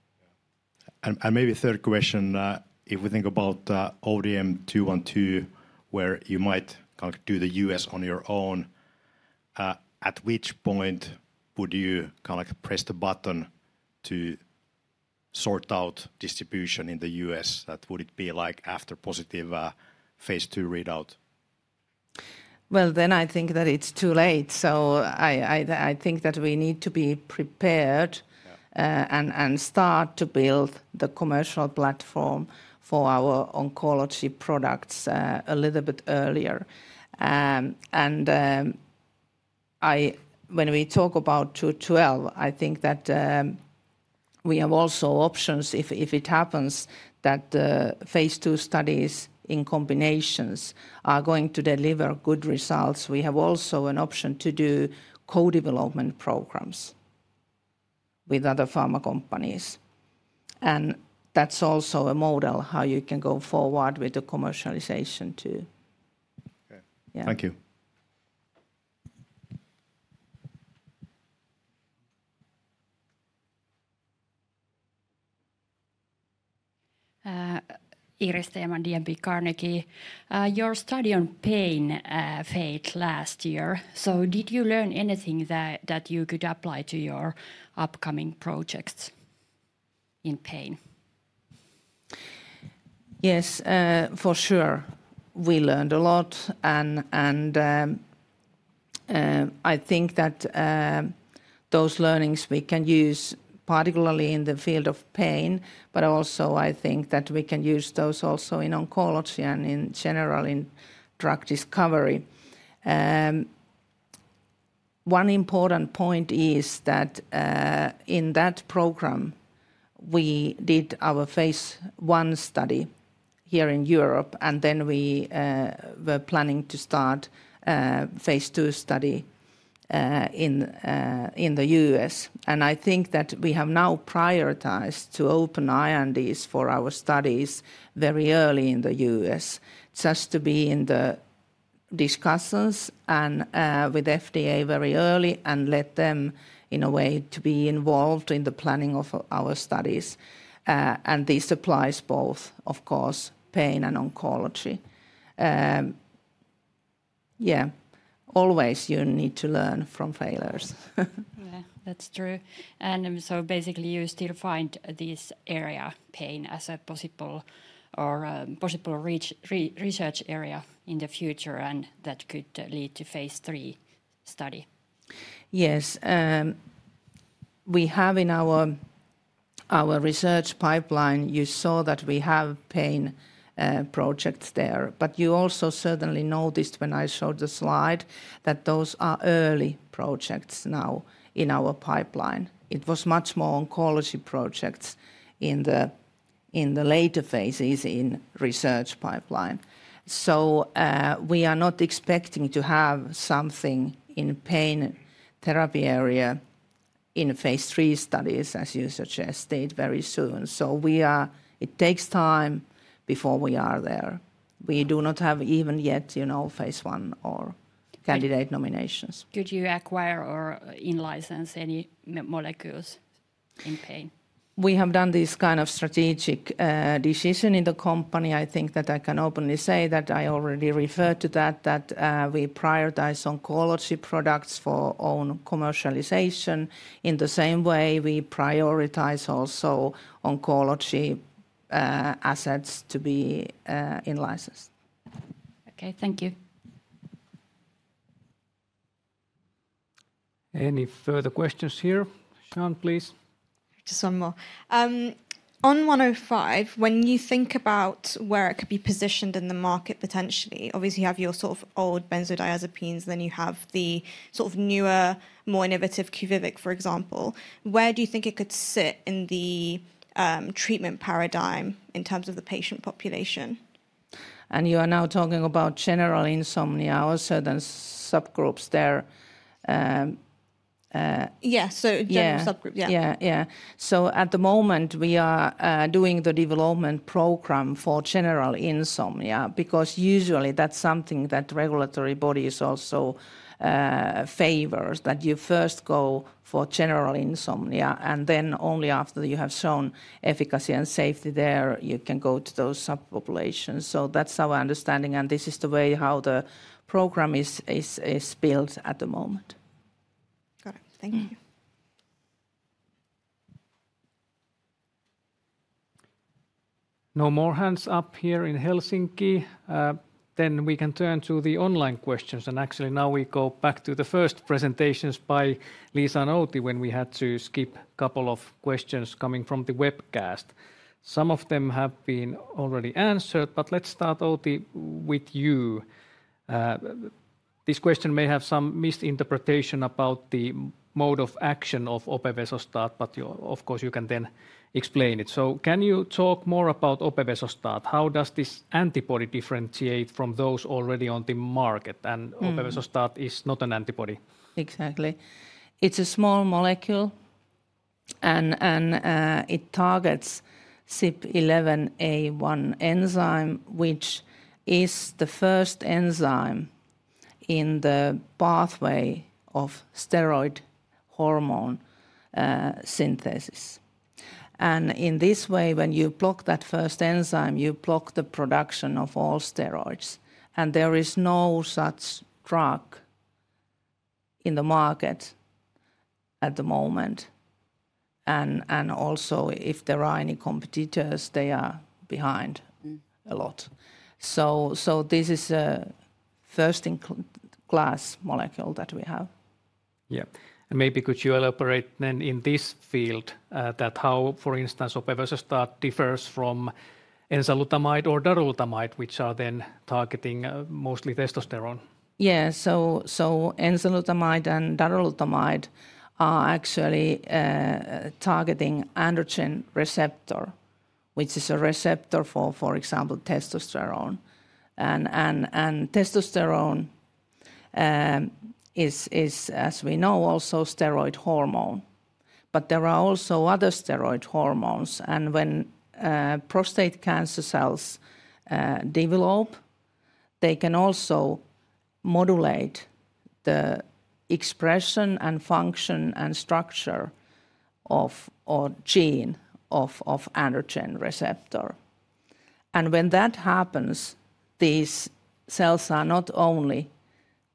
Maybe a third question. If we think about ODM-212, where you might kind of do the U.S. on your own, at which point would you kind of press the button to sort out distribution in the U.S.? That, would it be like after positive phase two readout? I think that it's too late. I think that we need to be prepared and start to build the commercial platform for our oncology products a little bit earlier. When we talk about 212, I think that we have also options if it happens that phase two studies in combinations are going to deliver good results. We have also an option to do co-development programs with other pharma companies. That's also a model how you can go forward with the commercialization too. Okay. Thank you. Iiris ja Mandia Bikarnecki. Your study on pain failed last year. Did you learn anything that you could apply to your upcoming projects in pain? Yes, for sure. We learned a lot. I think that those learnings we can use particularly in the field of pain, but also I think that we can use those also in oncology and in general in drug discovery. One important point is that in that program, we did our phase one study here in Europe, and then we were planning to start phase two study in the U.S. I think that we have now prioritized to open INDs for our studies very early in the U.S., just to be in the discussions with FDA very early and let them in a way to be involved in the planning of our studies. This applies both, of course, pain and oncology. Yeah, always you need to learn from failures. Yeah, that's true. You still find this area, pain, as a possible or possible research area in the future and that could lead to a phase three study. Yes. We have in our research pipeline, you saw that we have pain projects there. You also certainly noticed when I showed the slide that those are early projects now in our pipeline. It was much more oncology projects in the later phases in the research pipeline. We are not expecting to have something in the pain therapy area in phase three studies, as you suggested, very soon. It takes time before we are there. We do not have even yet, you know, phase one or candidate nominations. Could you acquire or in-license any molecules in pain? We have done this kind of strategic decision in the company. I think that I can openly say that I already referred to that, that we prioritize oncology products for own commercialization in the same way we prioritize also oncology assets to be in-licensed. Okay, thank you. Any further questions here? Sean, please. Just one more. On 105, when you think about where it could be positioned in the market potentially, obviously you have your sort of old benzodiazepines, then you have the sort of newer, more innovative Quvivic, for example. Where do you think it could sit in the treatment paradigm in terms of the patient population? And you are now talking about general insomnia, also then subgroups there. Yeah, so general subgroups, yeah. Yeah, yeah. At the moment we are doing the development program for general insomnia because usually that's something that regulatory bodies also favor, that you first go for general insomnia and then only after you have shown efficacy and safety there you can go to those subpopulations. That's our understanding and this is the way how the program is built at the moment. Got it. Thank you. No more hands up here in Helsinki. We can turn to the online questions. Actually, now we go back to the first presentations by Liisa and Outi when we had to skip a couple of questions coming from the webcast. Some of them have been already answered, but let's start, Outi, with you. This question may have some misinterpretation about the mode of action of Opevesostat, but of course you can then explain it. Can you talk more about Opevesostat? How does this antibody differentiate from those already on the market? Opevesostat is not an antibody. Exactly. It is a small molecule and it targets CYP11A1 enzyme, which is the first enzyme in the pathway of steroid hormone synthesis. In this way, when you block that first enzyme, you block the production of all steroids. There is no such drug in the market at the moment. Also, if there are any competitors, they are behind a lot. This is a first-in-class molecule that we have. Yeah. Maybe could you elaborate then in this field how, for instance, Opevesostat differs from enzalutamide or darolutamide, which are then targeting mostly testosterone? Yeah, enzalutamide and darolutamide are actually targeting androgen receptor, which is a receptor for, for example, testosterone. Testosterone is, as we know, also a steroid hormone. There are also other steroid hormones. When prostate cancer cells develop, they can also modulate the expression and function and structure of a gene of androgen receptor. When that happens, these cells are not only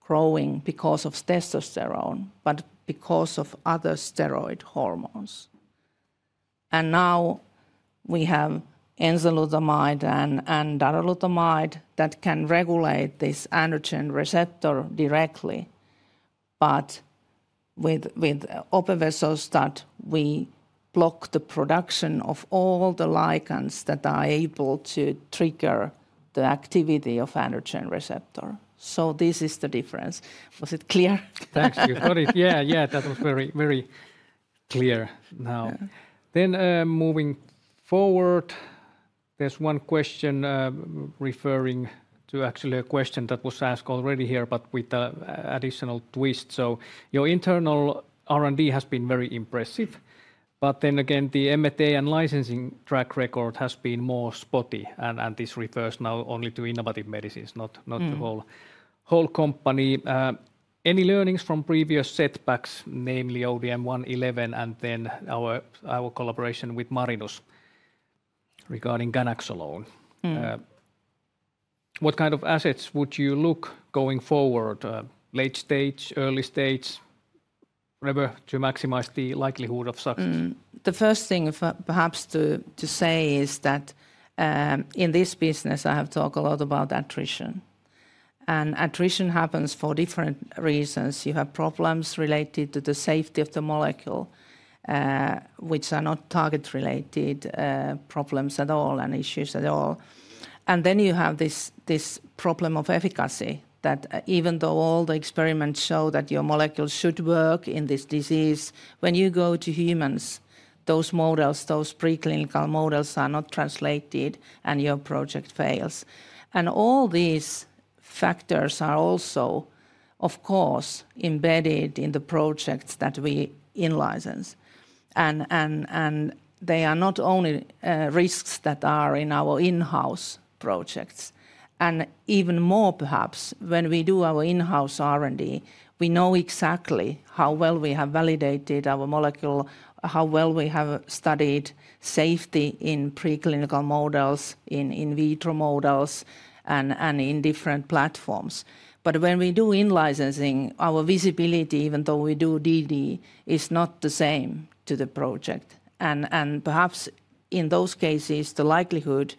growing because of testosterone, but because of other steroid hormones. Now we have enzalutamide and darolutamide that can regulate this androgen receptor directly. With Opevesostat, we block the production of all the ligands that are able to trigger the activity of androgen receptor. This is the difference. Was it clear? Thanks. You got it. Yeah, yeah. That was very, very clear now. Moving forward, there's one question referring to actually a question that was asked already here, but with the additional twist. Your internal R&D has been very impressive. Then again, the M&A and licensing track record has been more spotty. This refers now only to innovative medicines, not the whole company. Any learnings from previous setbacks, namely ODM-111 and then our collaboration with Marinus regarding Ganaxolone? What kind of assets would you look at going forward, late stage, early stage, whatever to maximize the likelihood of success? The first thing perhaps to say is that in this business, I have talked a lot about attrition. Attrition happens for different reasons. You have problems related to the safety of the molecule, which are not target-related problems at all and issues at all. You have this problem of efficacy that even though all the experiments show that your molecule should work in this disease, when you go to humans, those models, those preclinical models are not translated and your project fails. All these factors are also, of course, embedded in the projects that we in-license. They are not only risks that are in our in-house projects. Even more perhaps, when we do our in-house R&D, we know exactly how well we have validated our molecule, how well we have studied safety in preclinical models, in in vitro models, and in different platforms. When we do in-licensing, our visibility, even though we do DD, is not the same to the project. Perhaps in those cases, the likelihood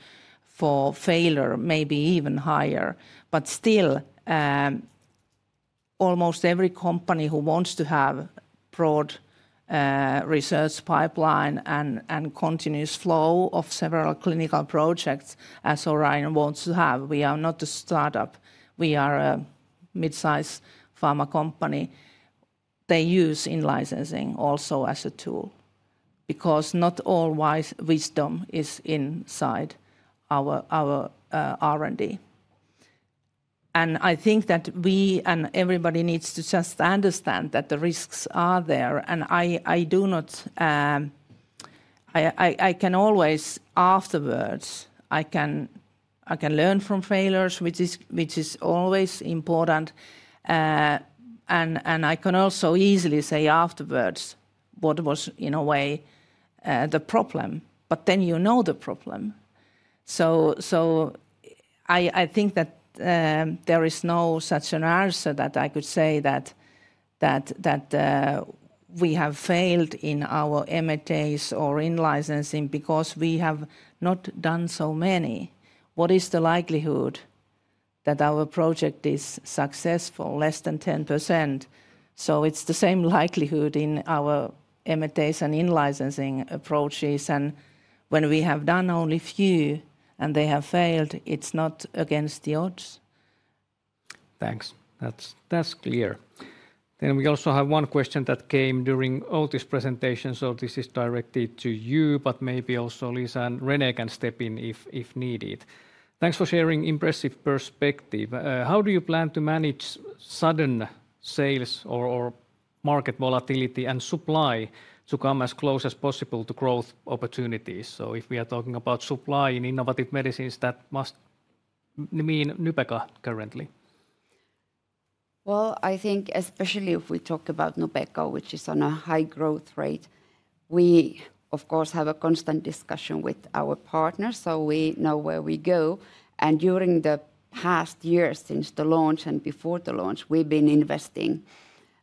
for failure may be even higher. Still, almost every company who wants to have a broad research pipeline and continuous flow of several clinical projects, as Orion wants to have, we are not a startup. We are a mid-size pharma company. They use in-licensing also as a tool because not all wisdom is inside our R&D. I think that we and everybody need to just understand that the risks are there. I do not, I can always afterwards, I can learn from failures, which is always important. I can also easily say afterwards, what was in a way the problem. You know the problem. I think that there is no such an answer that I could say that we have failed in our MFAs or in-licensing because we have not done so many. What is the likelihood that our project is successful? Less than 10%. It is the same likelihood in our MFAs and in-licensing approaches. When we have done only a few and they have failed, it is not against the odds. Thanks. That is clear. We also have one question that came during Outi's presentation. This is directed to you, but maybe also Liisa and René can step in if needed. Thanks for sharing impressive perspective. How do you plan to manage sudden sales or market volatility and supply to come as close as possible to growth opportunities? If we are talking about supply in innovative medicines, that must mean Nubeqa currently. I think especially if we talk about Nubeqa, which is on a high growth rate, we of course have a constant discussion with our partners. We know where we go. During the past year since the launch and before the launch, we have been investing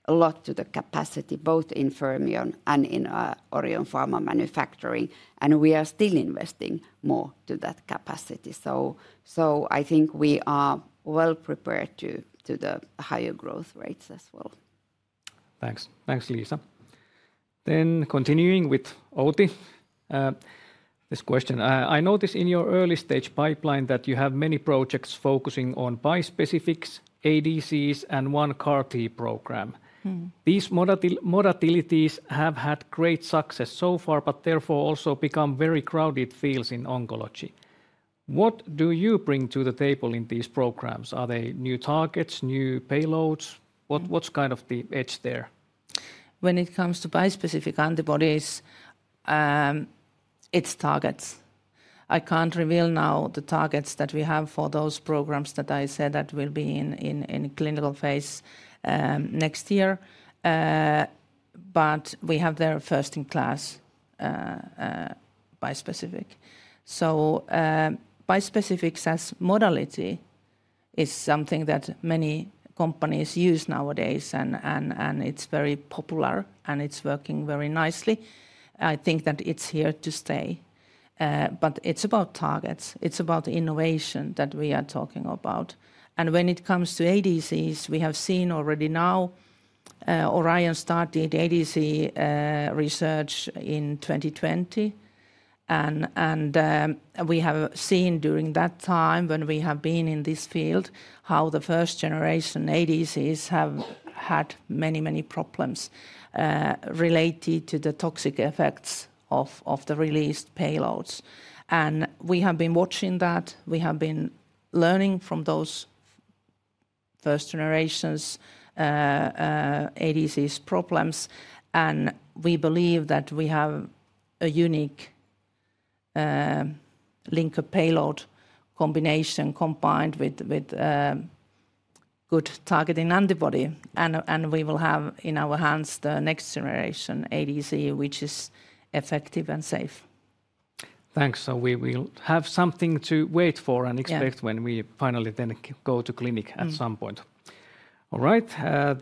a lot to the capacity both in Fermion and in Orion Pharma manufacturing. We are still investing more to that capacity. I think we are well prepared to the higher growth rates as well. Thanks. Thanks, Liisa. Continuing with Outi, this question. I noticed in your early stage pipeline that you have many projects focusing on bispecifics, ADCs, and one CAR-T program. These modalities have had great success so far, but therefore also become very crowded fields in oncology. What do you bring to the table in these programs? Are they new targets, new payloads? What's kind of the edge there? When it comes to bispecific antibodies, it's targets. I can't reveal now the targets that we have for those programs that I said that will be in clinical phase next year. We have their first-in-class bispecific. Bispecifics as a modality is something that many companies use nowadays. It's very popular and it's working very nicely. I think that it's here to stay. It's about targets. It's about innovation that we are talking about. When it comes to ADCs, we have seen already now Orion started ADC research in 2020. We have seen during that time when we have been in this field how the first generation ADCs have had many, many problems related to the toxic effects of the released payloads. We have been watching that. We have been learning from those first generation ADCs problems. We believe that we have a unique linker payload combination combined with good targeting antibody. We will have in our hands the next generation ADC, which is effective and safe. Thanks. We will have something to wait for and expect when we finally then go to clinic at some point. All right.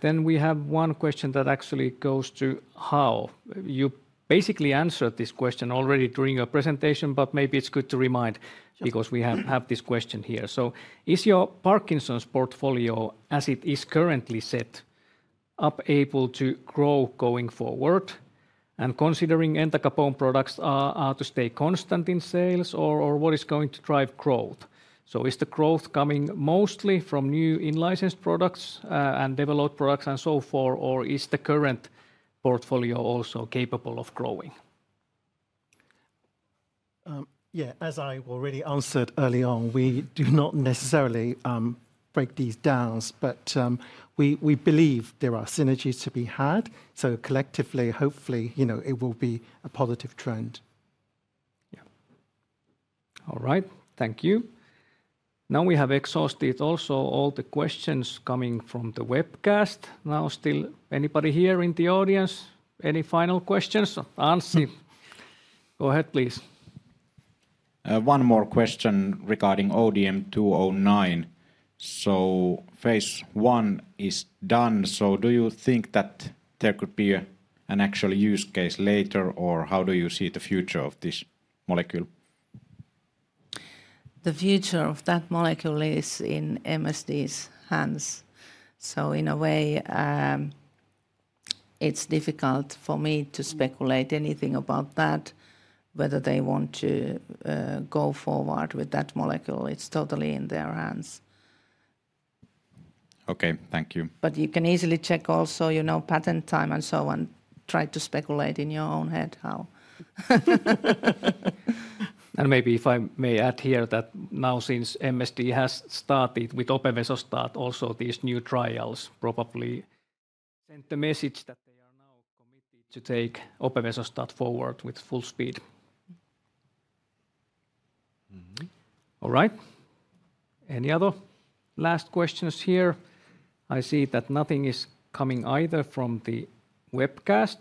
We have one question that actually goes to how. You basically answered this question already during your presentation, but maybe it is good to remind because we have this question here. Is your Parkinson's portfolio, as it is currently set up, able to grow going forward? Considering entacapone products are to stay constant in sales, or what is going to drive growth? Is the growth coming mostly from new in-licensed products and developed products and so forth, or is the current portfolio also capable of growing? Yeah, as I already answered early on, we do not necessarily break these down, but we believe there are synergies to be had. Collectively, hopefully, it will be a positive trend. Yeah. All right. Thank you. Now we have exhausted also all the questions coming from the webcast. Now, still, anybody here in the audience? Any final questions? Answer. Go ahead, please. One more question regarding ODM-209. Phase one is done. Do you think that there could be an actual use case later, or how do you see the future of this molecule? The future of that molecule is in MSD's hands. In a way, it's difficult for me to speculate anything about that, whether they want to go forward with that molecule. It's totally in their hands. Okay. Thank you. You can easily check also, you know, patent time and so on. Try to speculate in your own head how. Maybe if I may add here that now since MSD has started with Opevesostat, also these new trials probably send the message that they are now committed to take Opevesostat forward with full speed. All right. Any other last questions here? I see that nothing is coming either from the webcast.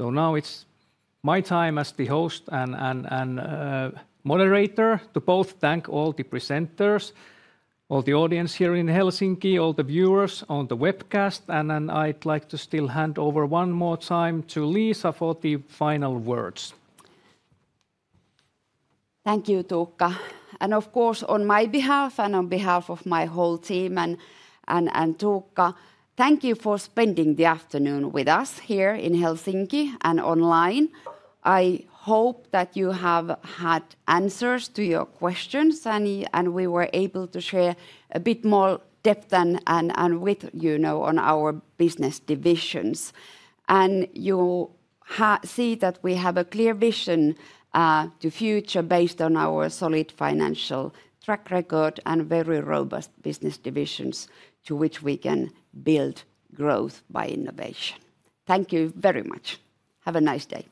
Now it's my time as the host and moderator to both thank all the presenters, all the audience here in Helsinki, all the viewers on the webcast. I'd like to still hand over one more time to Liisa for the final words. Thank you, Tuukka. Of course, on my behalf and on behalf of my whole team and Tuukka, thank you for spending the afternoon with us here in Helsinki and online. I hope that you have had answers to your questions and we were able to share a bit more depth and width on our business divisions. You see that we have a clear vision to future based on our solid financial track record and very robust business divisions to which we can build growth by innovation. Thank you very much. Have a nice day.